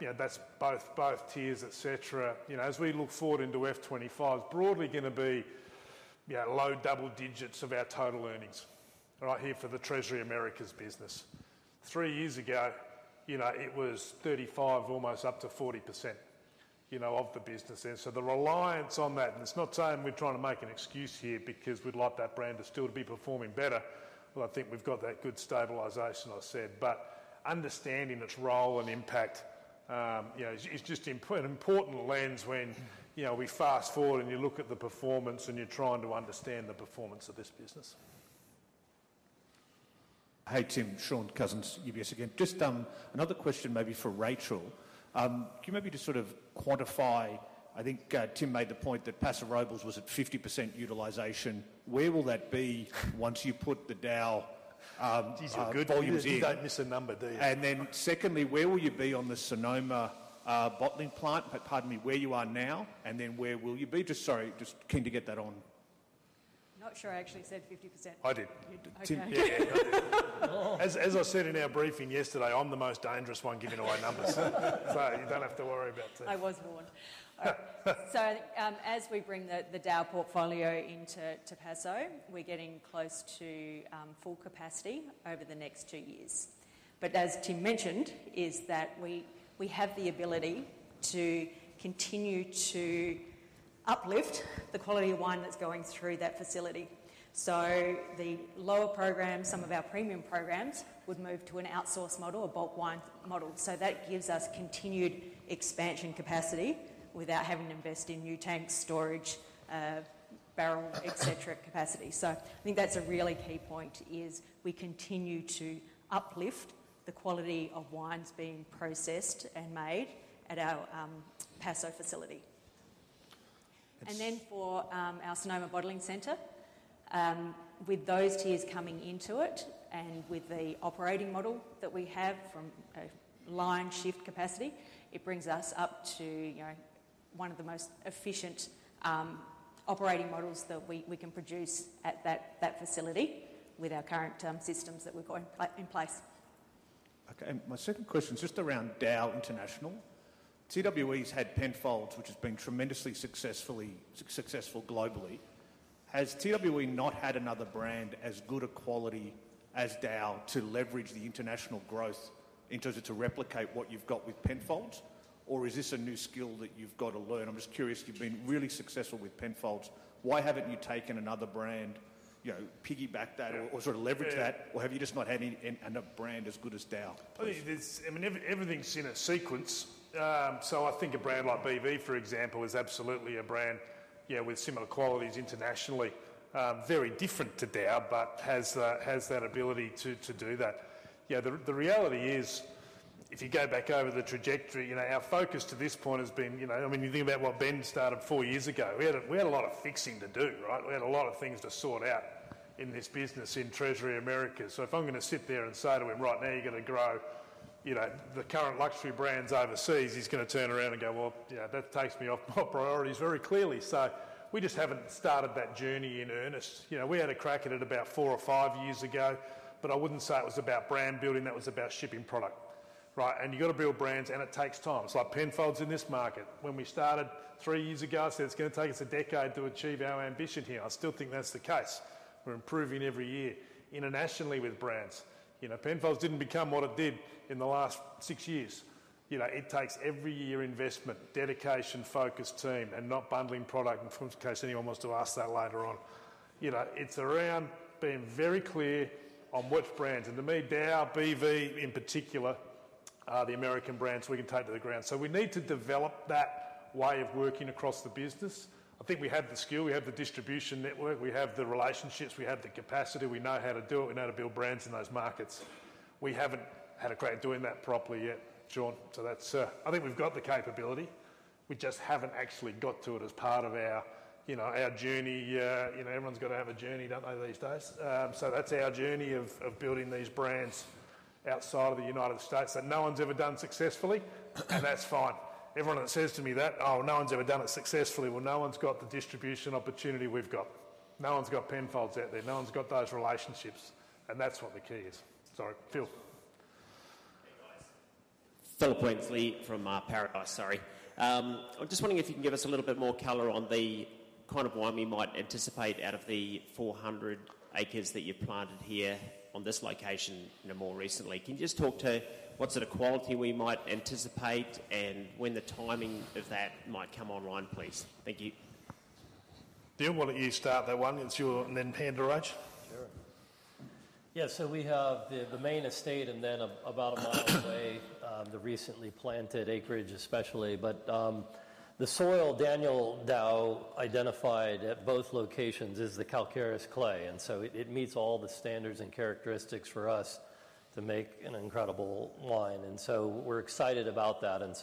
you know, that's both tiers, et cetera, you know, as we look forward into FY 2025, broadly gonna be, yeah, low double digits of our total earnings right here for the Treasury Americas business. Three years ago, you know, it was 35, almost up to 40% of the business then. So the reliance on that, and it's not saying we're trying to make an excuse here, because we'd like that brand to still be performing better, but I think we've got that good stabilization, I said. But understanding its role and impact, you know, is just an important lens when, you know, we fast-forward and you look at the performance and you're trying to understand the performance of this business. Hey, Tim, Shaun Cousins, UBS, again. Just, another question maybe for Rachel. Can you maybe just sort of quantify... I think, Tim made the point that Paso Robles was at 50% utilization. Where will that be once you put the DAOU, volumes in? Geez, you're good. You don't miss a number, do you? And then secondly, where will you be on the Sonoma bottling plant? Pardon me, where you are now, and then where will you be? Just sorry, just keen to get that on. I'm not sure I actually said 50%. I did. You did. Okay. Yeah, I did. As, as I said in our briefing yesterday, I'm the most dangerous one giving away numbers. So you don't have to worry about it. I was warned. So, as we bring the DAOU portfolio into, to Paso, we're getting close to full capacity over the next two years. But as Tim mentioned, is that we have the ability to continue to uplift the quality of wine that's going through that facility. So the lower program, some of our premium programs, would move to an outsource model, a bulk wine model. So that gives us continued expansion capacity without having to invest in new tanks, storage, barrel, et cetera, capacity. So I think that's a really key point, is we continue to uplift the quality of wines being processed and made at our Paso facility. That's- For our Sonoma bottling center, with those tiers coming into it, and with the operating model that we have from a line shift capacity, it brings us up to, you know, one of the most efficient operating models that we can produce at that facility with our current systems that we've got in place. Okay, and my second question is just around DAOU International. TWE's had Penfolds, which has been tremendously successful, successful globally. Has TWE not had another brand as good a quality as DAOU to leverage the international growth, in terms of to replicate what you've got with Penfolds? Or is this a new skill that you've got to learn? I'm just curious, you've been really successful with Penfolds. Why haven't you taken another brand, you know, piggybacked that or, or sort of leveraged that? Yeah. Or have you just not had a brand as good as DAOU? I think there's... I mean, everything's in a sequence. So I think a brand like BV, for example, is absolutely a brand, yeah, with similar qualities internationally. Very different to DAOU, but has that ability to do that. Yeah, the reality is, if you go back over the trajectory, you know, our focus to this point has been, you know, I mean, you think about what Ben started four years ago. We had a lot of fixing to do, right? We had a lot of things to sort out in this business in Treasury Americas. So if I'm gonna sit there and say to him, "Right now, you're gonna grow, you know, the current luxury brands overseas," he's gonna turn around and go, "Well, yeah, that takes me off my priorities very clearly." So we just haven't started that journey in earnest. You know, we had a crack at it about four or five years ago, but I wouldn't say it was about brand building, that was about shipping product, right? And you've got to build brands, and it takes time. It's like Penfolds in this market. When we started three years ago, I said, "It's gonna take us a decade to achieve our ambition here." I still think that's the case. We're improving every year. Internationally with brands, you know, Penfolds didn't become what it did in the last six years. You know, it takes every year investment, dedication, focus, team, and not bundling product, in case anyone wants to ask that later on. You know, it's around being very clear on which brands, and to me, DAOU, BV in particular, are the American brands we can take to the ground. So we need to develop that way of working across the business. I think we have the skill, we have the distribution network, we have the relationships, we have the capacity, we know how to do it, we know how to build brands in those markets. We haven't had a crack at doing that properly yet, Shaun, so that's... I think we've got the capability, we just haven't actually got to it as part of our, you know, our journey. You know, everyone's got to have a journey, don't they, these days? So that's our journey of building these brands outside of the United States, that no one's ever done successfully, and that's fine. Everyone that says to me that, "Oh, no one's ever done it successfully," well, no one's got the distribution opportunity we've got. No one's got Penfolds out there. No one's got those relationships, and that's what the key is. Sorry. Phil? Hey, guys. Phil Kimber from Evans & Partners, sorry. I'm just wondering if you can give us a little bit more color on the kind of wine we might anticipate out of the 400 acres that you planted here on this location, you know, more recently. Can you just talk to what sort of quality we might anticipate, and when the timing of that might come online, please? Thank you. Phil, why don't you start that one? It's your... And then pass to Rach. Sure. Yeah, so we have the, the main estate and then about a mile away, the recently planted acreage especially. But, the soil Daniel Daou identified at both locations is the calcareous clay, and so it, it meets all the standards and characteristics for us to make an incredible wine, and so we're excited about that. And,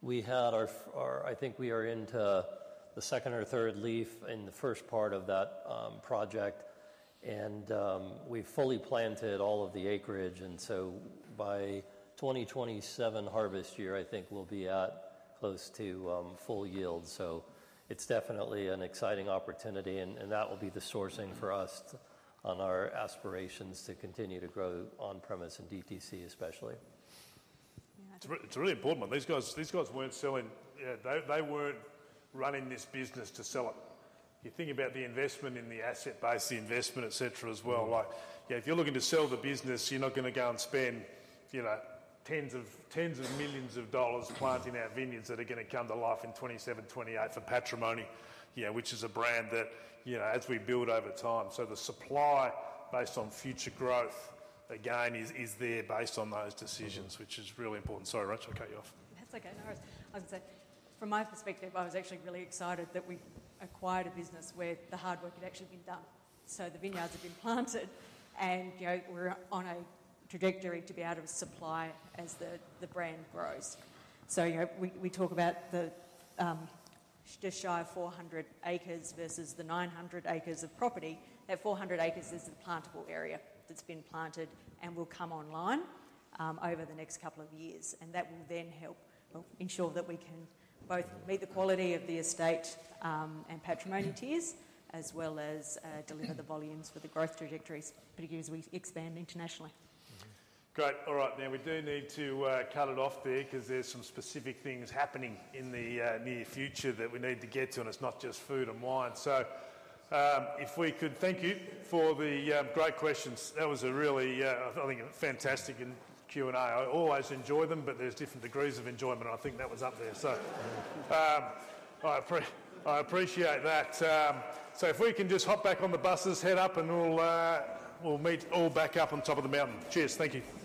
we had our, our, I think we are into the second or third leaf in the first part of that, project, and, we've fully planted all of the acreage, and so by 2027 harvest year, I think we'll be at close to, full yield. So it's definitely an exciting opportunity, and that will be the sourcing for us on our aspirations to continue to grow on-premise and DTC especially. Yeah. It's a really important one. These guys weren't selling, they weren't running this business to sell it. You think about the investment in the asset base, the investment, et cetera, as well. Mm-hmm. Like, yeah, if you're looking to sell the business, you're not gonna go and spend, you know, $10s of millions planting out vineyards that are gonna come to life in 2027, 2028 for Patrimony, you know, which is a brand that, you know, as we build over time. So the supply based on future growth, again, is, is there based on those decisions- Mm-hmm... which is really important. Sorry, Rach, I'll cut you off. That's okay, no worries. I was gonna say, from my perspective, I was actually really excited that we acquired a business where the hard work had actually been done. So the vineyards have been planted, and, you know, we're on a trajectory to be out of supply as the brand grows. So, you know, we talk about the just shy of 400 acres versus the 900 acres of property. That 400 acres is the plantable area that's been planted and will come online over the next couple of years, and that will then help, well, ensure that we can both meet the quality of the Estate and Patrimony tiers, as well as deliver the volumes for the growth trajectories, particularly as we expand internationally. Mm-hmm. Great. All right, now we do need to cut it off there because there's some specific things happening in the near future that we need to get to, and it's not just food and wine. So, if we could thank you for the great questions. That was a really, I think, a fantastic Q&A. I always enjoy them, but there's different degrees of enjoyment. I think that was up there, so. I appreciate that. So if we can just hop back on the buses, head up, and we'll meet all back up on top of the mountain. Cheers. Thank you.